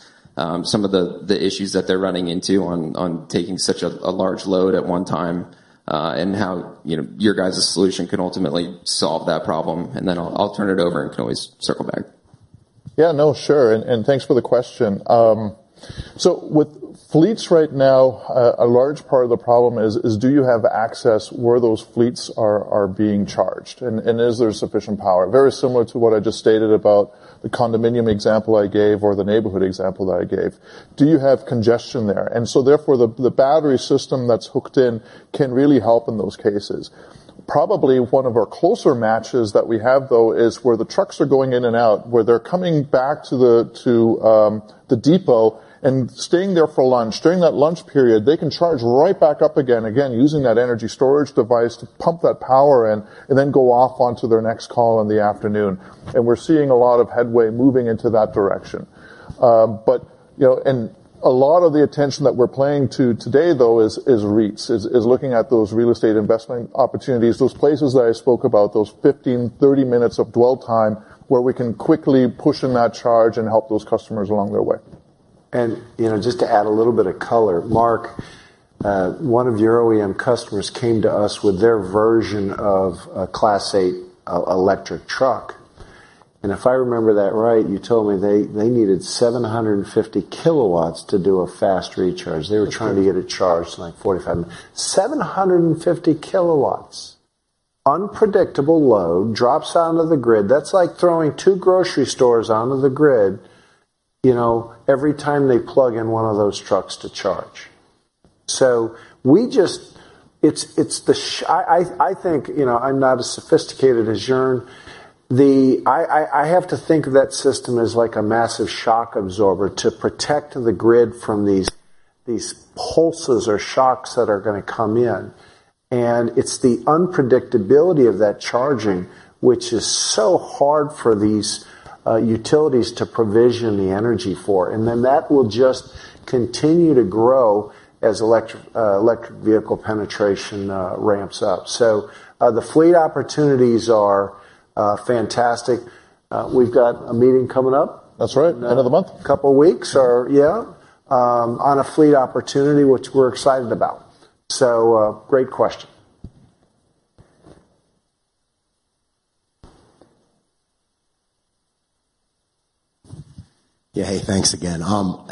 some of the issues that they're running into on taking such a large load at one time, and how, you know, your guys' solution can ultimately solve that problem? Then I'll turn it over, and can always circle back. Yeah, no, sure. Thanks for the question. With fleets right now, a large part of the problem is do you have access where those fleets are being charged, and is there sufficient power? Very similar to what I just stated about the condominium example I gave, or the neighborhood example that I gave. Do you have congestion there? Therefore, the battery system that's hooked in can really help in those cases. Probably one of our closer matches that we have, though, is where the trucks are going in and out, where they're coming back to the depot and staying there for lunch. During that lunch period, they can charge right back up again, using that energy storage device to pump that power in, and then go off onto their next call in the afternoon. We're seeing a lot of headway moving into that direction. You know, a lot of the attention that we're paying to today, though, is REITs, is looking at those real estate investment opportunities, those places that I spoke about, those 15, 30 minutes of dwell time, where we can quickly push in that charge and help those customers along their way. You know, just to add a little bit of color, Mark, one of your OEM customers came to us with their version of a Class 8 electric truck. If I remember that right, you told me they needed 750 kW to do a fast recharge. They were trying to get a charge in. 750 kW, unpredictable load, drops onto the grid. That's like throwing two grocery stores onto the grid, you know, every time they plug in one of those trucks to charge. I think, you know, I'm not as sophisticated as Joern. I have to think of that system as, like, a massive shock absorber to protect the grid from these pulses or shocks that are gonna come in. It's the unpredictability of that charging which is so hard for these utilities to provision the energy for, and then that will just continue to grow as electric electric vehicle penetration ramps up. The fleet opportunities are fantastic. We've got a meeting coming up? That's right. End of the month. A couple of weeks or, yeah, on a fleet opportunity, which we're excited about. Great question. Yeah. Hey, thanks again.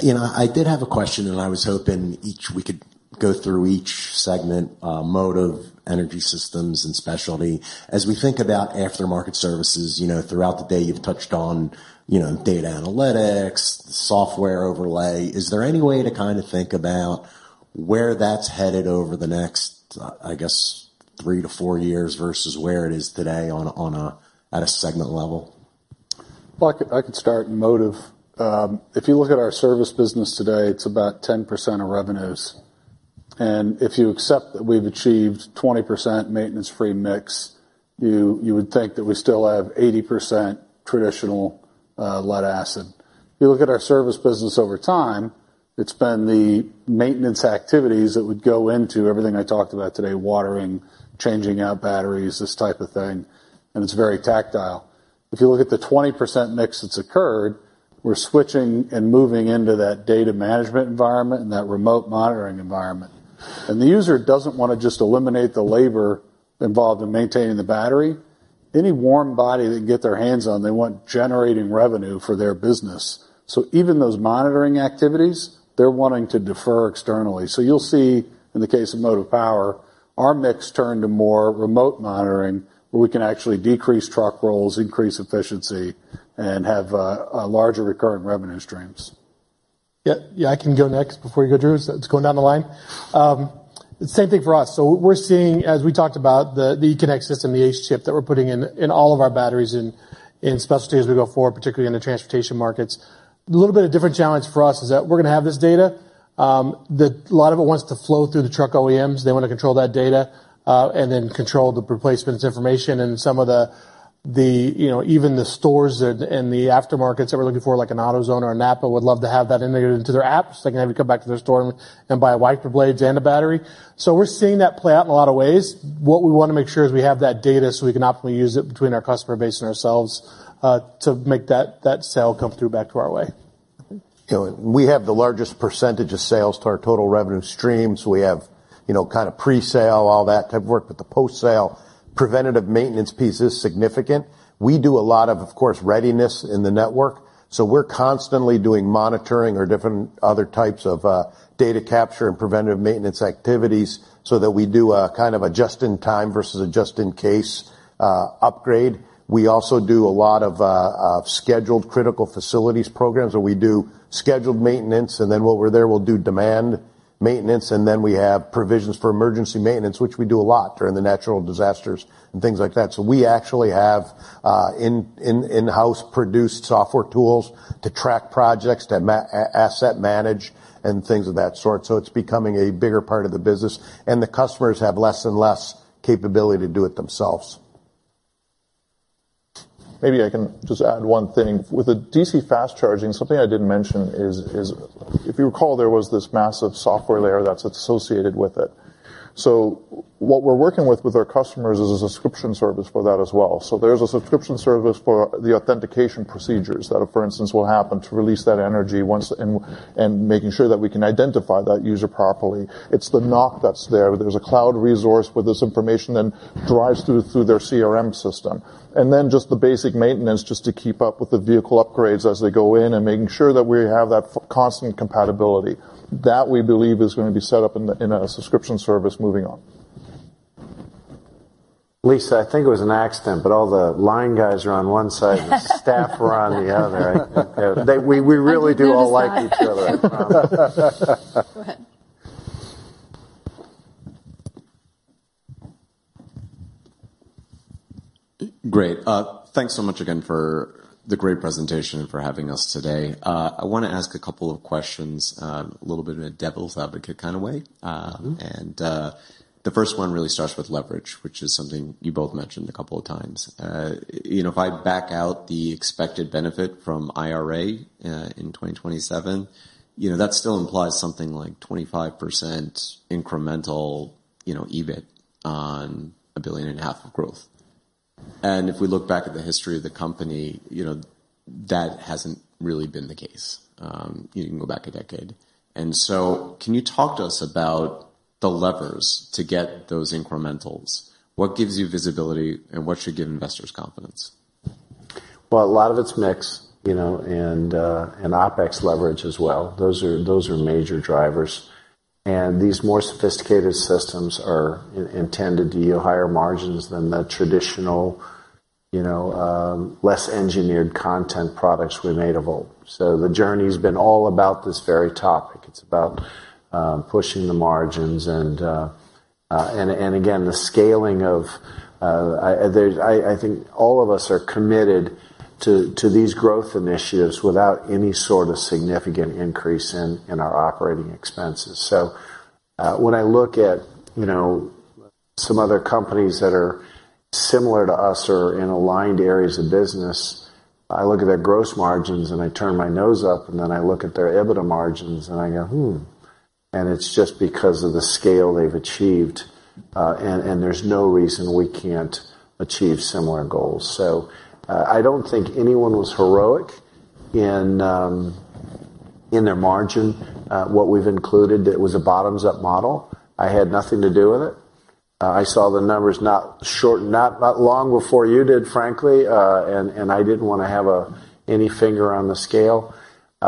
you know, I did have a question, and I was hoping we could go through each segment, Motive, Energy Systems, and Specialty. As we think about aftermarket services, you know, throughout the day, you've touched on, you know, data analytics, software overlay. Is there any way to kind of think about where that's headed over the next, I guess, three-four years versus where it is today at a segment level? Well, I could start in Motive. If you look at our service business today, it's about 10% of revenues, and if you accept that we've achieved 20% maintenance-free mix, you would think that we still have 80% traditional lead acid. If you look at our service business over time, it's been the maintenance activities that would go into everything I talked about today, watering, changing out batteries, this type of thing, and it's very tactile. If you look at the 20% mix that's occurred, we're switching and moving into that data management environment and that remote monitoring environment. The user doesn't want to just eliminate the labor involved in maintaining the battery. Any warm body they can get their hands on, they want generating revenue for their business. Even those monitoring activities, they're wanting to defer externally. You'll see, in the case of Motive Power, our mix turn to more remote monitoring, where we can actually decrease truck rolls, increase efficiency, and have a larger recurring revenue streams. Yeah, I can go next before you go, Drew. It's going down the line. Same thing for us. What we're seeing, as we talked about the Connect system, the ACE chip that we're putting in all of our batteries in Specialty as we go forward, particularly in the transportation markets. A little bit of different challenge for us is that we're gonna have this data, that a lot of it wants to flow through the truck OEMs. They wanna control that data, and then control the replacements information and some of the, ... the, you know, even the stores and the aftermarkets that we're looking for, like an AutoZone or a NAPA, would love to have that integrated into their apps. They can have you come back to their store and buy a wiper blades and a battery. We're seeing that play out in a lot of ways. What we wanna make sure is we have that data, so we can optimally use it between our customer base and ourselves, to make that sale come through back to our way. You know, we have the largest percentage of sales to our total revenue streams. We have, you know, kind of presale, all that type of work. The post-sale preventative maintenance piece is significant. We do a lot of course, readiness in the network, so we're constantly doing monitoring or different other types of data capture and preventative maintenance activities so that we do a kind of a just-in-time versus a just-in-case upgrade. We also do a lot of scheduled critical facilities programs, where we do scheduled maintenance. While we're there, we'll do demand maintenance. We have provisions for emergency maintenance, which we do a lot during the natural disasters and things like that. We actually have in-house produced software tools to track projects, to asset manage, and things of that sort. It's becoming a bigger part of the business, and the customers have less and less capability to do it themselves. Maybe I can just add one thing. With the DC fast charging, something I didn't mention is if you recall, there was this massive software layer that's associated with it. What we're working with with our customers is a subscription service for that as well. There's a subscription service for the authentication procedures that, for instance, will happen to release that energy once and making sure that we can identify that user properly. It's the knock that's there. There's a cloud resource where this information then drives through their CRM system. Just the basic maintenance, just to keep up with the vehicle upgrades as they go in, and making sure that we have that constant compatibility. That, we believe, is gonna be set up in a subscription service moving on. Lisa, I think it was an accident, but all the line guys are on one side, the staff are on the other. I think, we really do all like each other. Go ahead. Great. Thanks so much again for the great presentation and for having us today. I wanna ask a couple of questions, a little bit in a devil's advocate kind of way. Mm-hmm. The first one really starts with leverage, which is something you both mentioned a couple of times. You know, if I back out the expected benefit from IRA in 2027, you know, that still implies something like 25% incremental, you know, EBIT on $1.5 billion of growth. If we look back at the history of the company, you know, that hasn't really been the case, you can go back a decade. Can you talk to us about the levers to get those incrementals? What gives you visibility, and what should give investors confidence? A lot of it's mix, you know, and OpEx leverage as well. Those are major drivers, and these more sophisticated systems are intended to yield higher margins than the traditional, you know, less engineered content products we made of old. The journey's been all about this very topic. It's about pushing the margins and again, the scaling of... I think all of us are committed to these growth initiatives without any sort of significant increase in our operating expenses. When I look at, you know, some other companies that are similar to us or in aligned areas of business, I look at their gross margins, and I turn my nose up, and then I look at their EBITDA margins, and I go, "Hmm." It's just because of the scale they've achieved, and there's no reason we can't achieve similar goals. I don't think anyone was heroic in their margin. What we've included, it was a bottoms-up model. I had nothing to do with it. I saw the numbers not long before you did, frankly, and I didn't wanna have any finger on the scale.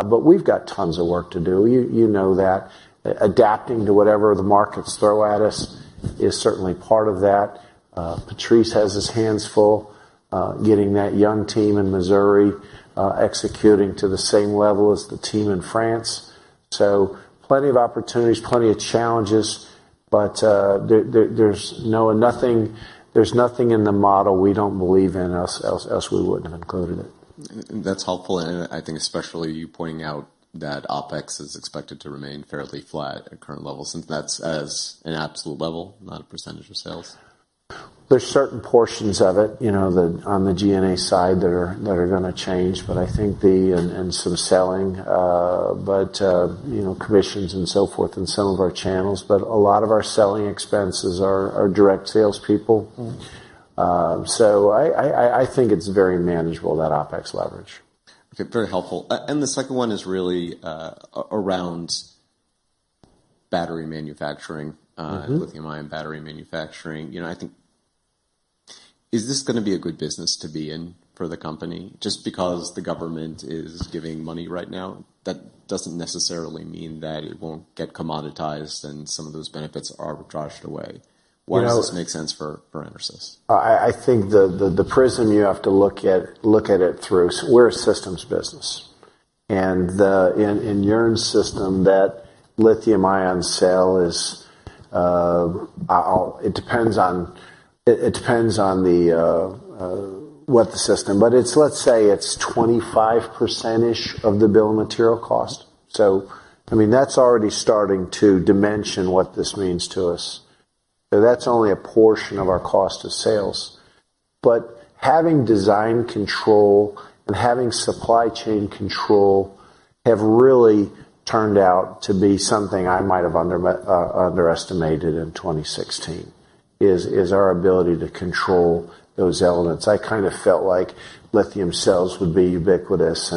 We've got tons of work to do. You know that. Adapting to whatever the markets throw at us is certainly part of that. Patrice has his hands full, getting that young team in Missouri, executing to the same level as the team in France. Plenty of opportunities, plenty of challenges, but there's nothing in the model we don't believe in, else we wouldn't have included it. That's helpful, and I think especially you pointing out that OpEx is expected to remain fairly flat at current levels, and that's as an absolute level, not a percentage of sales. There's certain portions of it, you know, on the SG&A side that are gonna change, but I think and some selling, but, you know, commissions and so forth, in some of our channels, but a lot of our selling expenses are direct salespeople. I think it's very manageable, that OpEx leverage. Okay, very helpful. The second one is really around battery manufacturing. Mm-hmm. Lithium-ion battery manufacturing. You know, I think. Is this gonna be a good business to be in for the company? Just because the government is giving money right now, that doesn't necessarily mean that it won't get commoditized, and some of those benefits are arbitraged away. You know. Why does this make sense for EnerSys? I think the prism you have to look at it through, we're a systems business. The in your system, that lithium-ion cell is it depends on what the system. It's, let's say it's 25%-ish of the bill of material cost. I mean, that's already starting to dimension what this means to us. That's only a portion of our cost of sales. Having design control and having supply chain control have really turned out to be something I might have underestimated in 2016, is our ability to control those elements. I kind of felt like lithium cells would be ubiquitous,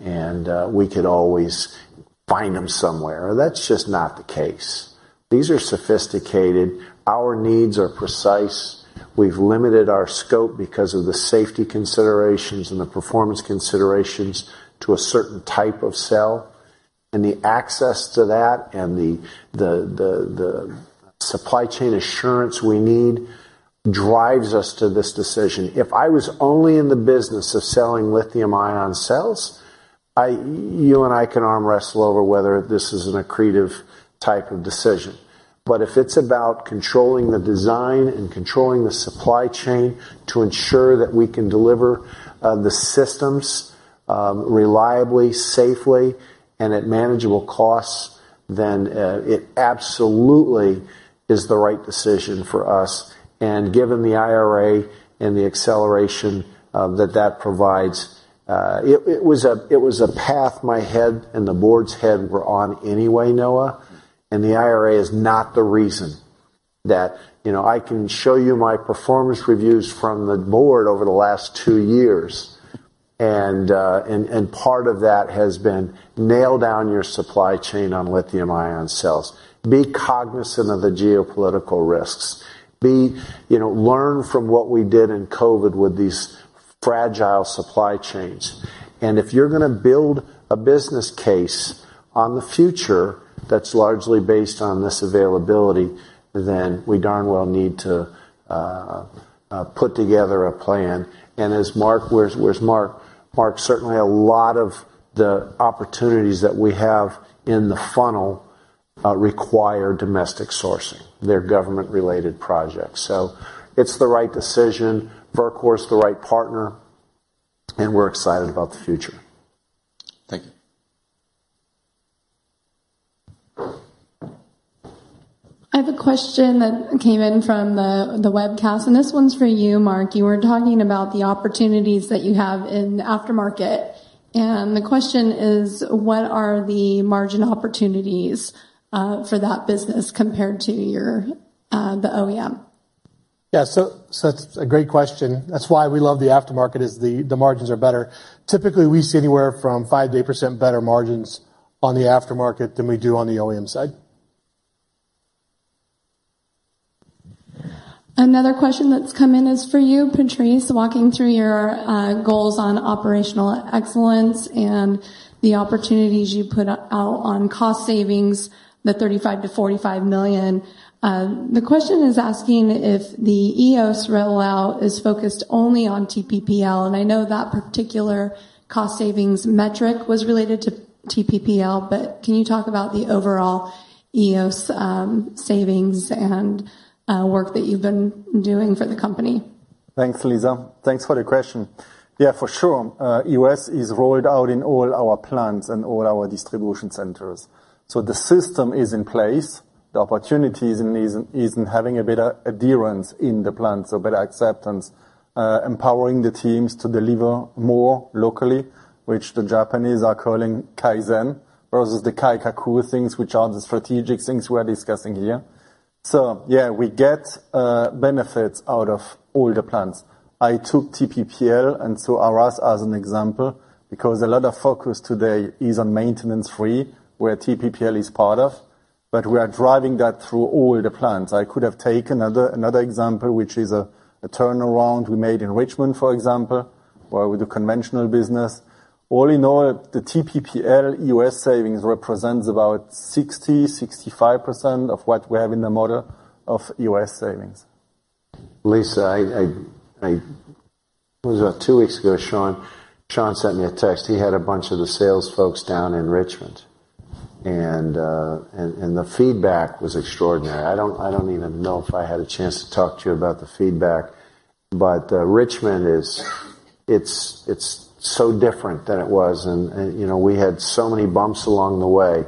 and we could always find them somewhere. That's just not the case. These are sophisticated. Our needs are precise. We've limited our scope because of the safety considerations and the performance considerations to a certain type of cell, and the access to that and the supply chain assurance we need drives us to this decision. If I was only in the business of selling lithium-ion cells, you and I can arm wrestle over whether this is an accretive type of decision. If it's about controlling the design and controlling the supply chain to ensure that we can deliver the systems reliably, safely, and at manageable costs, then it absolutely is the right decision for us. Given the IRA and the acceleration that provides, it was a path my head and the board's head were on anyway, Noah, and the IRA is not the reason that... You know, I can show you my performance reviews from the board over the last two years, and part of that has been, "Nail down your supply chain on lithium-ion cells. Be cognizant of the geopolitical risks. You know, learn from what we did in COVID with these fragile supply chains." If you're gonna build a business case on the future that's largely based on this availability, then we darn well need to put together a plan. As Mark, where's Mark? Mark, certainly a lot of the opportunities that we have in the funnel require domestic sourcing. They're government-related projects. It's the right decision, Berkshire's the right partner, and we're excited about the future. Thank you. I have a question that came in from the webcast. This one's for you, Mark. You were talking about the opportunities that you have in the aftermarket. The question is: What are the margin opportunities for that business compared to your the OEM? Yeah, so that's a great question. That's why we love the aftermarket, is the margins are better. Typically, we see anywhere from 5% to 8% better margins on the aftermarket than we do on the OEM side. Another question that's come in is for you, Patrice. Walking through your goals on operational excellence and the opportunities you put out on cost savings, the $35 million-$45 million. The question is asking if the EOS rollout is focused only on TPPL, and I know that particular cost savings metric was related to TPPL, but can you talk about the overall EOS, savings and work that you've been doing for the company? Thanks, Lisa. Thanks for the question. Yeah, for sure. EOS is rolled out in all our plants and all our distribution centers, so the system is in place. The opportunity is in having a better adherence in the plants, a better acceptance, empowering the teams to deliver more locally, which the Japanese are calling Kaizen, versus the Kaikaku things, which are the strategic things we're discussing here. Yeah, we get benefits out of all the plants. I took TPPL, and so Arras, as an example, because a lot of focus today is on maintenance-free, where TPPL is part of, but we are driving that through all the plants. I could have taken another example, which is a turnaround we made in Richmond, for example, where we do conventional business. All in all, the TPPL U.S. savings represents about 60%-65% of what we have in the model of U.S. savings. Lisa, It was about two weeks ago, Shawn O'Connell sent me a text. He had a bunch of the sales folks down in Richmond, and the feedback was extraordinary. I don't even know if I had a chance to talk to you about the feedback, but Richmond it's so different than it was, and, you know, we had so many bumps along the way.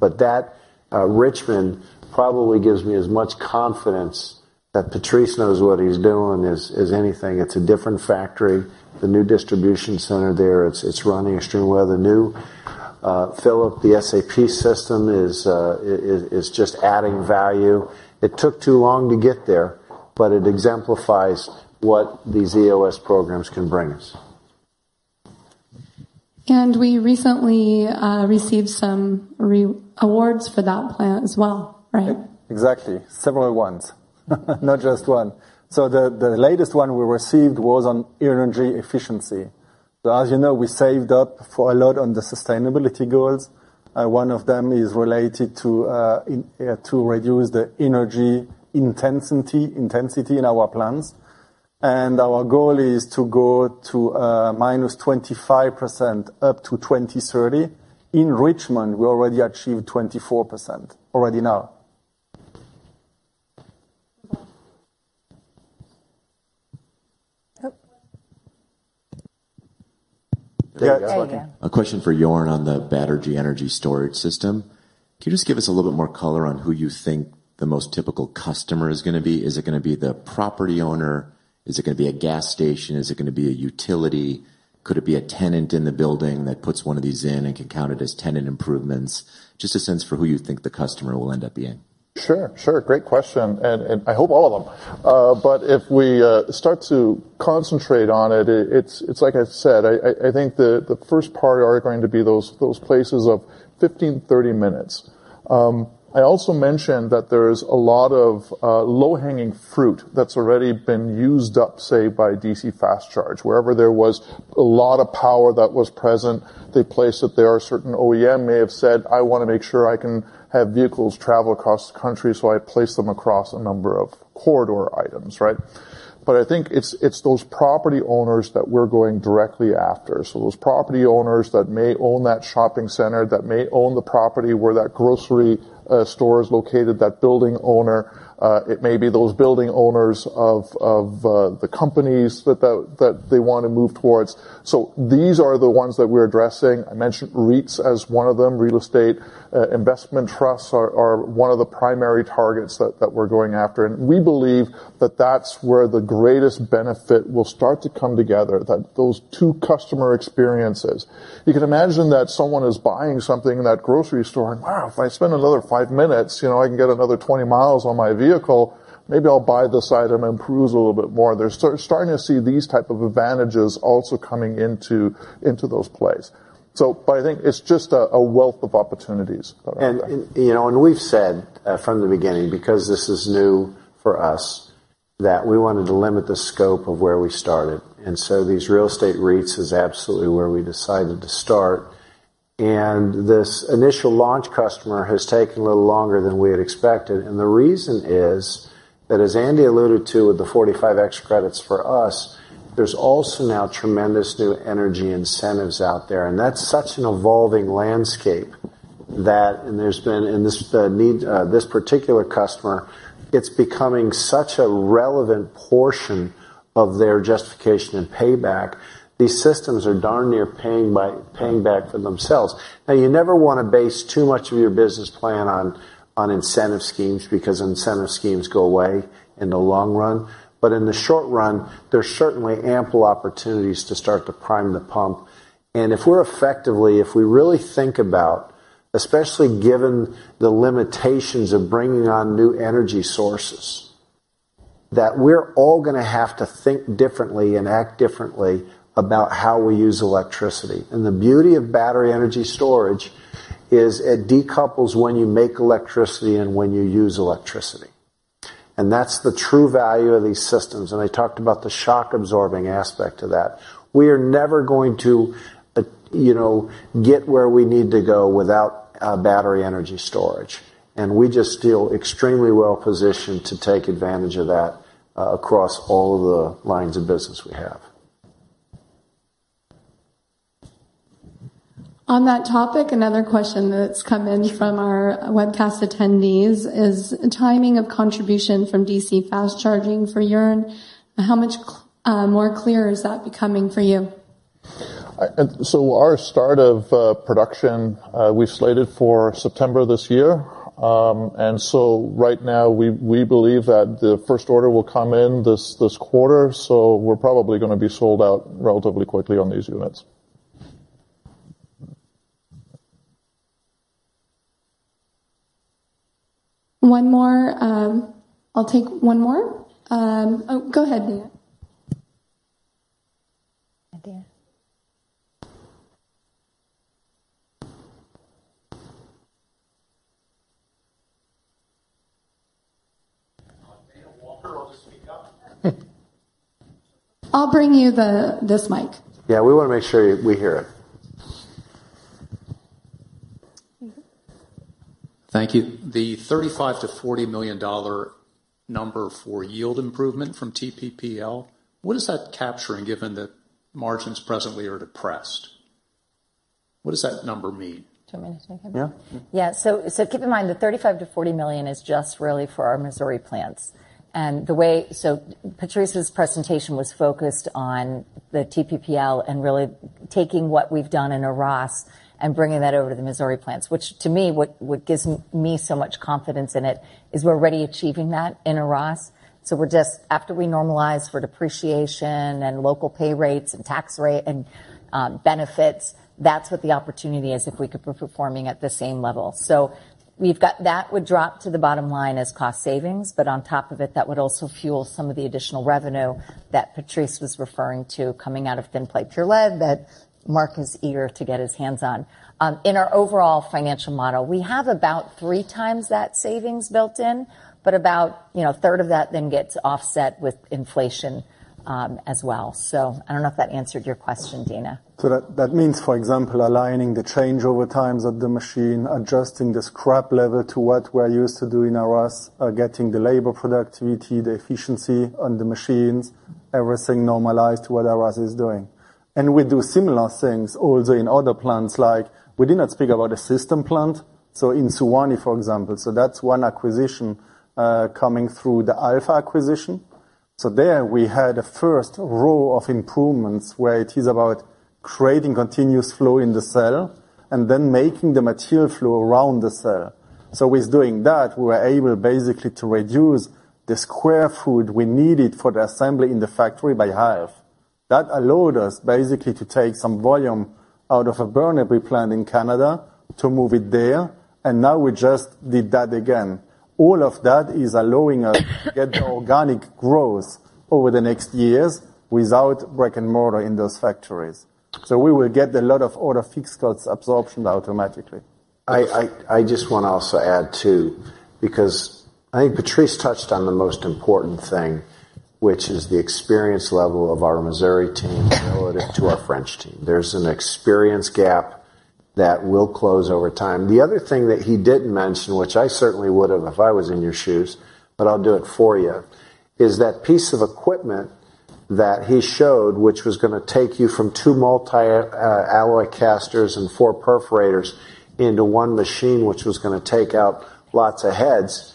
That Richmond probably gives me as much confidence that Patrice knows what he's doing as anything. It's a different factory. The new distribution center there, it's running extremely well. The new PYLOT, the SAP system is just adding value. It took too long to get there, but it exemplifies what these EOS programs can bring us. We recently received some awards for that plant as well, right? Exactly. Several ones, not just one. The latest one we received was on energy efficiency. As you know, we saved up for a lot on the sustainability goals. One of them is related to reduce the energy intensity in our plants, and our goal is to go to -25% up to 2030. In Richmond, we already achieved 24% already now. A question for Joern on the Battery Energy Storage System. Can you just give us a little bit more color on who you think the most typical customer is gonna be? Is it gonna be the property owner? Is it gonna be a gas station? Is it gonna be a utility? Could it be a tenant in the building that puts one of these in and can count it as tenant improvements? Just a sense for who you think the customer will end up being. Sure, sure. Great question. I hope all of them. If we start to concentrate on it's like I said, I think the first part are going to be those places of 15, 30 minutes. I also mentioned that there's a lot of low-hanging fruit that's already been used up, say, by DC fast charge. Wherever there was a lot of power that was present, they placed it there. A certain OEM may have said, "I wanna make sure I can have vehicles travel across the country, so I place them across a number of corridor items," right? I think it's those property owners that we're going directly after. Those property owners that may own that shopping center, that may own the property where that grocery store is located, that building owner, it may be those building owners of, the companies that they wanna move towards. These are the ones that we're addressing. I mentioned REITs as one of them, real estate investment trusts are one of the primary targets that we're going after. We believe that that's where the greatest benefit will start to come together, that those two customer experiences. You can imagine that someone is buying something in that grocery store, and, "Wow, if I spend another five minutes, you know, I can get another 20 mi on my vehicle, maybe I'll buy this item and cruise a little bit more." They're starting to see these type of advantages also coming into those plays. But I think it's just a wealth of opportunities. You know, and we've said from the beginning, because this is new for us, that we wanted to limit the scope of where we started, and so these real estate REITs is absolutely where we decided to start. This initial launch customer has taken a little longer than we had expected, and the reason is, that as Andi alluded to, with the 45X credits for us, there's also now tremendous new energy incentives out there. That's such an evolving landscape that. There's been, and this, the need, this particular customer, it's becoming such a relevant portion of their justification and payback. These systems are darn near paying back for themselves. Now, you never wanna base too much of your business plan on incentive schemes, because incentive schemes go away in the long run. In the short run, there are certainly ample opportunities to start to prime the pump. If we're effectively, if we really think about, especially given the limitations of bringing on new energy sources, that we're all gonna have to think differently and act differently about how we use electricity. The beauty of battery energy storage is it decouples when you make electricity and when you use electricity, and that's the true value of these systems. I talked about the shock-absorbing aspect to that. We are never going to, you know, get where we need to go without battery energy storage, and we're just still extremely well-positioned to take advantage of that across all of the lines of business we have. On that topic, another question that's come in from our webcast attendees is: timing of contribution from DC fast charging for Joern. How much more clear is that becoming for you? Our start of production, we've slated for September this year. Right now, we believe that the first order will come in this quarter, so we're probably gonna be sold out relatively quickly on these units. One more. I'll take one more. Oh, go ahead, Dana. Dana Walker. I'll just speak up. I'll bring you this mic. Yeah, we wanna make sure we hear it. Thank you. The $35 million-$40 million number for yield improvement from TPPL, what is that capturing, given that margins presently are depressed? What does that number mean? Do you want me to take it? Yeah. Yeah. Keep in mind, the $35 million-$40 million is just really for our Missouri plants. The way Patrice's presentation was focused on the TPPL and really taking what we've done in Arras and bringing that over to the Missouri plants, which, to me, what gives me so much confidence in it is we're already achieving that in Arras. After we normalize for depreciation and local pay rates and tax rate and benefits, that's what the opportunity is if we could be performing at the same level. That would drop to the bottom line as cost savings, but on top of it, that would also fuel some of the additional revenue that Patrice was referring to coming out of thin plate pure lead that Mark is eager to get his hands on. In our overall financial model, we have about three times that savings built in, but about, you know, a third of that then gets offset with inflation as well. I don't know if that answered your question, Dana. That means, for example, aligning the change over times of the machine, adjusting the scrap level to what we're used to do in Arras, getting the labor productivity, the efficiency on the machines, everything normalized to what Arras is doing. We do similar things also in other plants, like we did not speak about a system plant, in Suwanee, for example. That's one acquisition, coming through the Alpha acquisition. There, we had a first row of improvements where it is about creating continuous flow in the cell and then making the material flow around the cell. With doing that, we were able basically to reduce the square foot we needed for the assembly in the factory by half. That allowed us basically to take some volume out of a Burnaby plant in Canada to move it there, and now we just did that again. All of that is allowing us to get the organic growth over the next years without brick and mortar in those factories. We will get a lot of order fixed costs absorption automatically. I just want to also add, too, because I think Patrice touched on the most important thing, which is the experience level of our Missouri team relative to our French team. There's an experience gap that will close over time. The other thing that he didn't mention, which I certainly would've if I was in your shoes, but I'll do it for you, is that piece of equipment that he showed, which was gonna take you from two multi-alloy casters and four perforators into one machine, which was gonna take out lots of heads.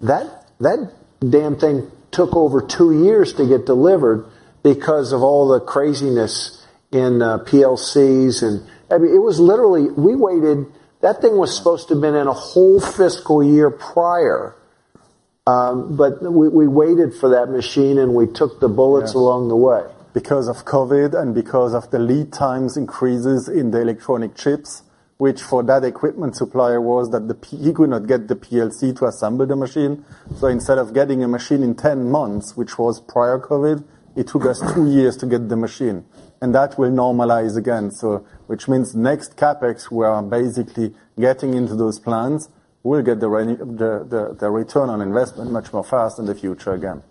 That damn thing took over two years to get delivered because of all the craziness in PLCs. I mean, it was literally. We waited. That thing was supposed to have been in a whole fiscal year prior, but we waited for that machine, and we took the bullets along the way. Yes. Because of COVID and because of the lead times increases in the electronic chips, which for that equipment supplier was that he could not get the PLC to assemble the machine. Instead of getting a machine in 10 months, which was prior COVID, it took us two years to get the machine, and that will normalize again. Which means next CapEx, we are basically getting into those plans, we'll get the return on investment much more fast in the future again.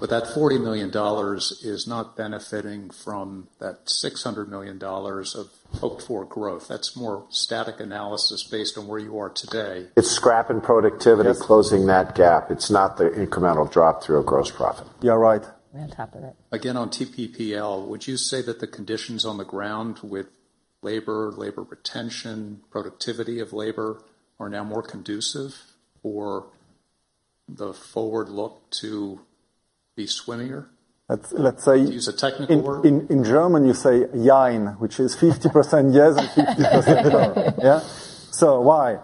That $40 million is not benefiting from that $600 million of hoped-for growth. That's more static analysis based on where you are today. It's scrap and productivity closing that gap. It's not the incremental drop through of gross profit. Yeah, right. We're on top of it. Again, on TPPL, would you say that the conditions on the ground with labor retention, productivity of labor, are now more conducive or the forward look to be Suwanee-er? Let's say. To use a technical word. In German, you say, nein, which is 50% yes and 50% no. Yeah. Why?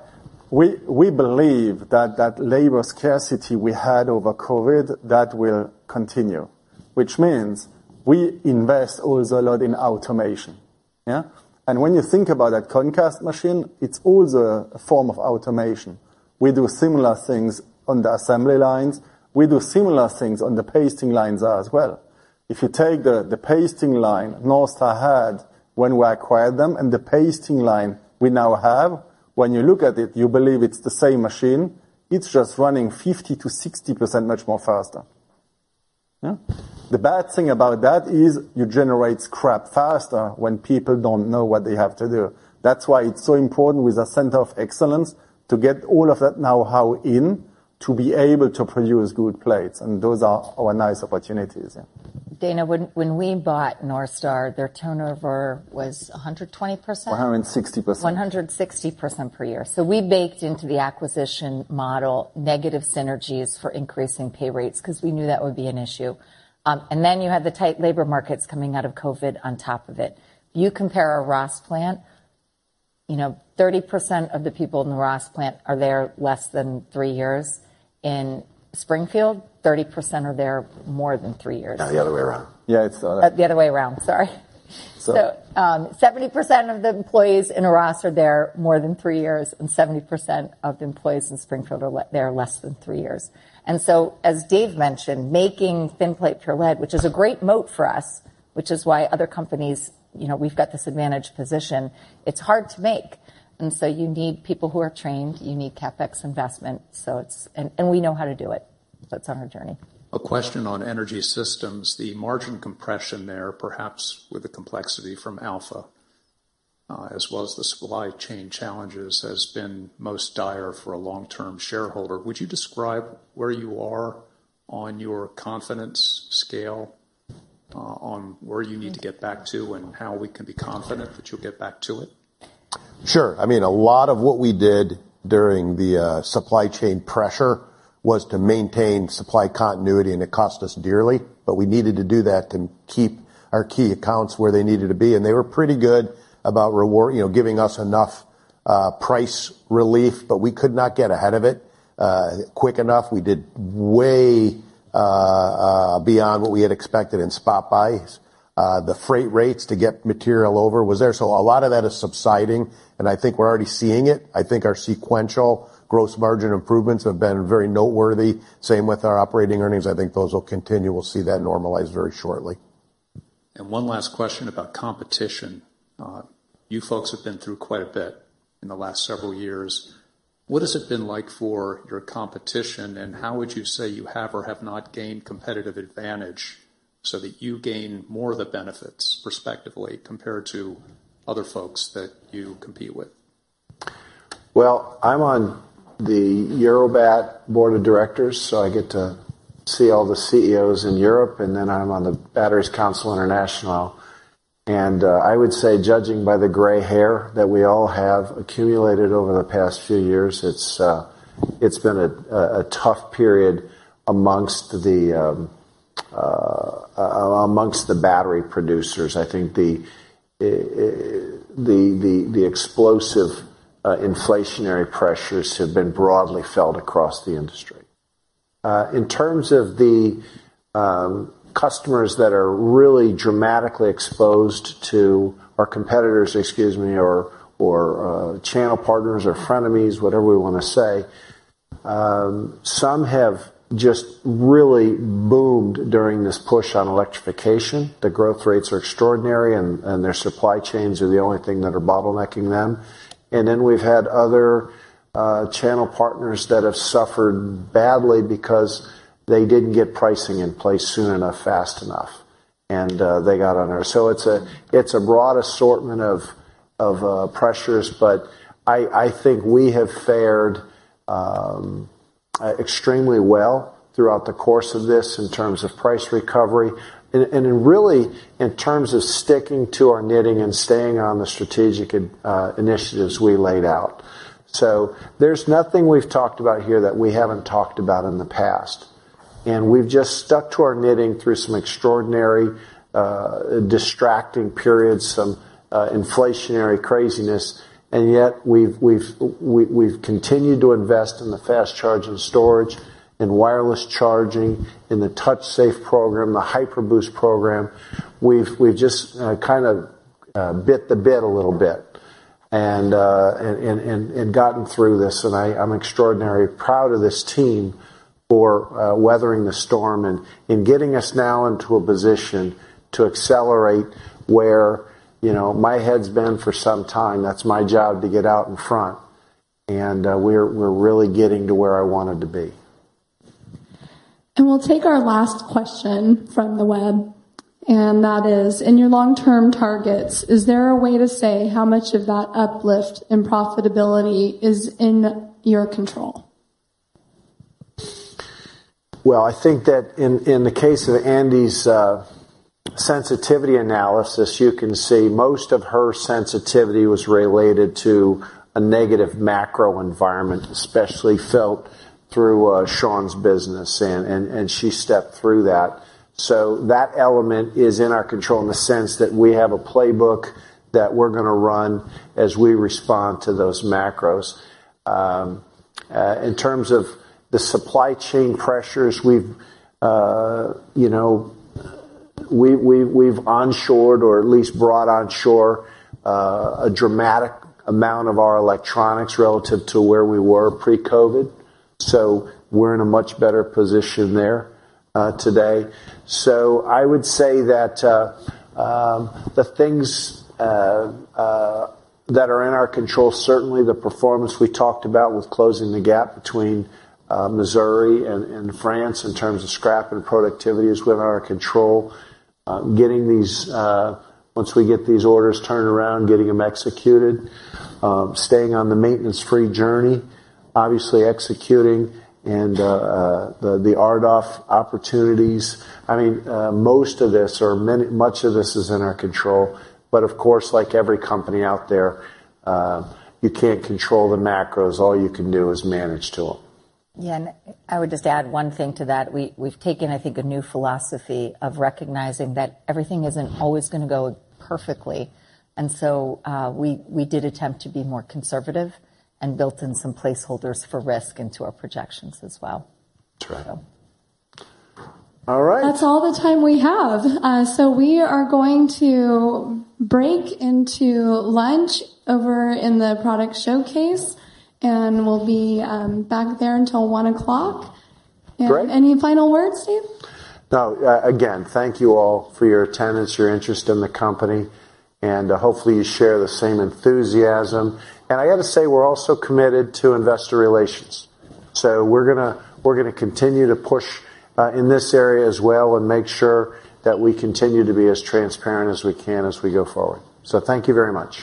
We believe that labor scarcity we had over COVID, that will continue, which means we invest also a lot in automation, yeah? When you think about that Concast machine, it's also a form of automation. We do similar things on the assembly lines. We do similar things on the pasting lines as well. If you take the pasting line NorthStar had when we acquired them and the pasting line we now have, when you look at it, you believe it's the same machine, it's just running 50%-60% much more faster. Yeah? The bad thing about that is you generate scrap faster when people don't know what they have to do. That's why it's so important with a center of excellence to get all of that know-how in, to be able to produce good plates. Those are our nice opportunities, yeah. Dana, when we bought NorthStar, their turnover was 120%? 160%. 160% per year. We baked into the acquisition model negative synergies for increasing pay rates, 'cause we knew that would be an issue. You had the tight labor markets coming out of COVID on top of it. You compare our Arras plant, you know, 30% of the people in the Arras plant are there less than three years. In Springfield, 30% are there more than three years. No, the other way around. Yeah, it's the other-. The other way around, sorry. Sorry. 70% of the employees in Arras are there more than three years, and 70% of the employees in Springfield are there less than three years. As Dave mentioned, making thin plate pure lead, which is a great moat for us, which is why other companies, you know, we've got this advantage position, it's hard to make, and so you need people who are trained, you need CapEx investment, so it's. We know how to do it. That's on our journey. A question on Energy Systems. The margin compression there, perhaps with the complexity from Alpha, as well as the supply chain challenges, has been most dire for a long-term shareholder. Would you describe where you are on your confidence scale, on where you need to get back to and how we can be confident that you'll get back to it? Sure. I mean, a lot of what we did during the supply chain pressure was to maintain supply continuity, and it cost us dearly, but we needed to do that to keep our key accounts where they needed to be, and they were pretty good about reward, you know, giving us enough price relief, but we could not get ahead of it quick enough. We did way beyond what we had expected in spot buys. The freight rates to get material over was there. A lot of that is subsiding, and I think we're already seeing it. I think our sequential gross margin improvements have been very noteworthy. Same with our operating earnings. I think those will continue. We'll see that normalized very shortly. One last question about competition. You folks have been through quite a bit in the last several years. What has it been like for your competition, and how would you say you have or have not gained competitive advantage so that you gain more of the benefits respectively, compared to other folks that you compete with? Well, I'm on the EUROBAT board of directors, so I get to see all the CEOs in Europe, and then I'm on the Battery Council International. I would say, judging by the gray hair that we all have accumulated over the past few years, it's been a tough period amongst the battery producers. I think the explosive inflationary pressures have been broadly felt across the industry. In terms of the customers that are really dramatically exposed to our competitors, excuse me, or channel partners or frenemies, whatever we wanna say, some have just really boomed during this push on electrification. The growth rates are extraordinary, and their supply chains are the only thing that are bottlenecking them. We've had other channel partners that have suffered badly because they didn't get pricing in place soon enough, fast enough, and they got on there. It's a, it's a broad assortment of pressures, but I think we have fared extremely well throughout the course of this in terms of price recovery and, and really, in terms of sticking to our knitting and staying on the strategic initiatives we laid out. There's nothing we've talked about here that we haven't talked about in the past, and we've just stuck to our knitting through some extraordinary distracting periods, some inflationary craziness. Yet, we've, we've continued to invest in the fast charge and storage, in wireless charging, in the TouchSafe program, the HyperBoost program. We've just, kind of, bit the bit a little bit and gotten through this, and I'm extraordinarily proud of this team for weathering the storm and getting us now into a position to accelerate where, you know, my head's been for some time. That's my job, to get out in front, and we're really getting to where I wanted to be. We'll take our last question from the web, and that is: In your long-term targets, is there a way to say how much of that uplift in profitability is in your control? I think that in the case of Andi's sensitivity analysis, you can see most of her sensitivity was related to a negative macro environment, especially felt through Shawn's business, and she stepped through that. That element is in our control in the sense that we have a playbook that we're gonna run as we respond to those macros. In terms of the supply chain pressures, we've, you know, we've onshored or at least brought onshore a dramatic amount of our electronics relative to where we were pre-COVID, so we're in a much better position there today. I would say that the things that are in our control, certainly the performance we talked about with closing the gap between Missouri and France in terms of scrap and productivity is within our control. Getting these, once we get these orders turned around, getting them executed, staying on the maintenance-free journey, obviously executing and the RDOF opportunities. I mean, most of this or much of this is in our control, of course, like every company out there, you can't control the macros. All you can do is manage to them. Yeah, and I would just add one thing to that. We've taken, I think, a new philosophy of recognizing that everything isn't always gonna go perfectly, and so, we did attempt to be more conservative and built in some placeholders for risk into our projections as well. That's right. All right. That's all the time we have. We are going to break into lunch over in the product showcase, and we'll be back there until 1 o'clock. Great. Any final words, Dave? No. Again, thank you all for your attendance, your interest in the company, and, hopefully you share the same enthusiasm. I gotta say, we're also committed to investor relations, so we're gonna continue to push in this area as well and make sure that we continue to be as transparent as we can as we go forward. Thank you very much.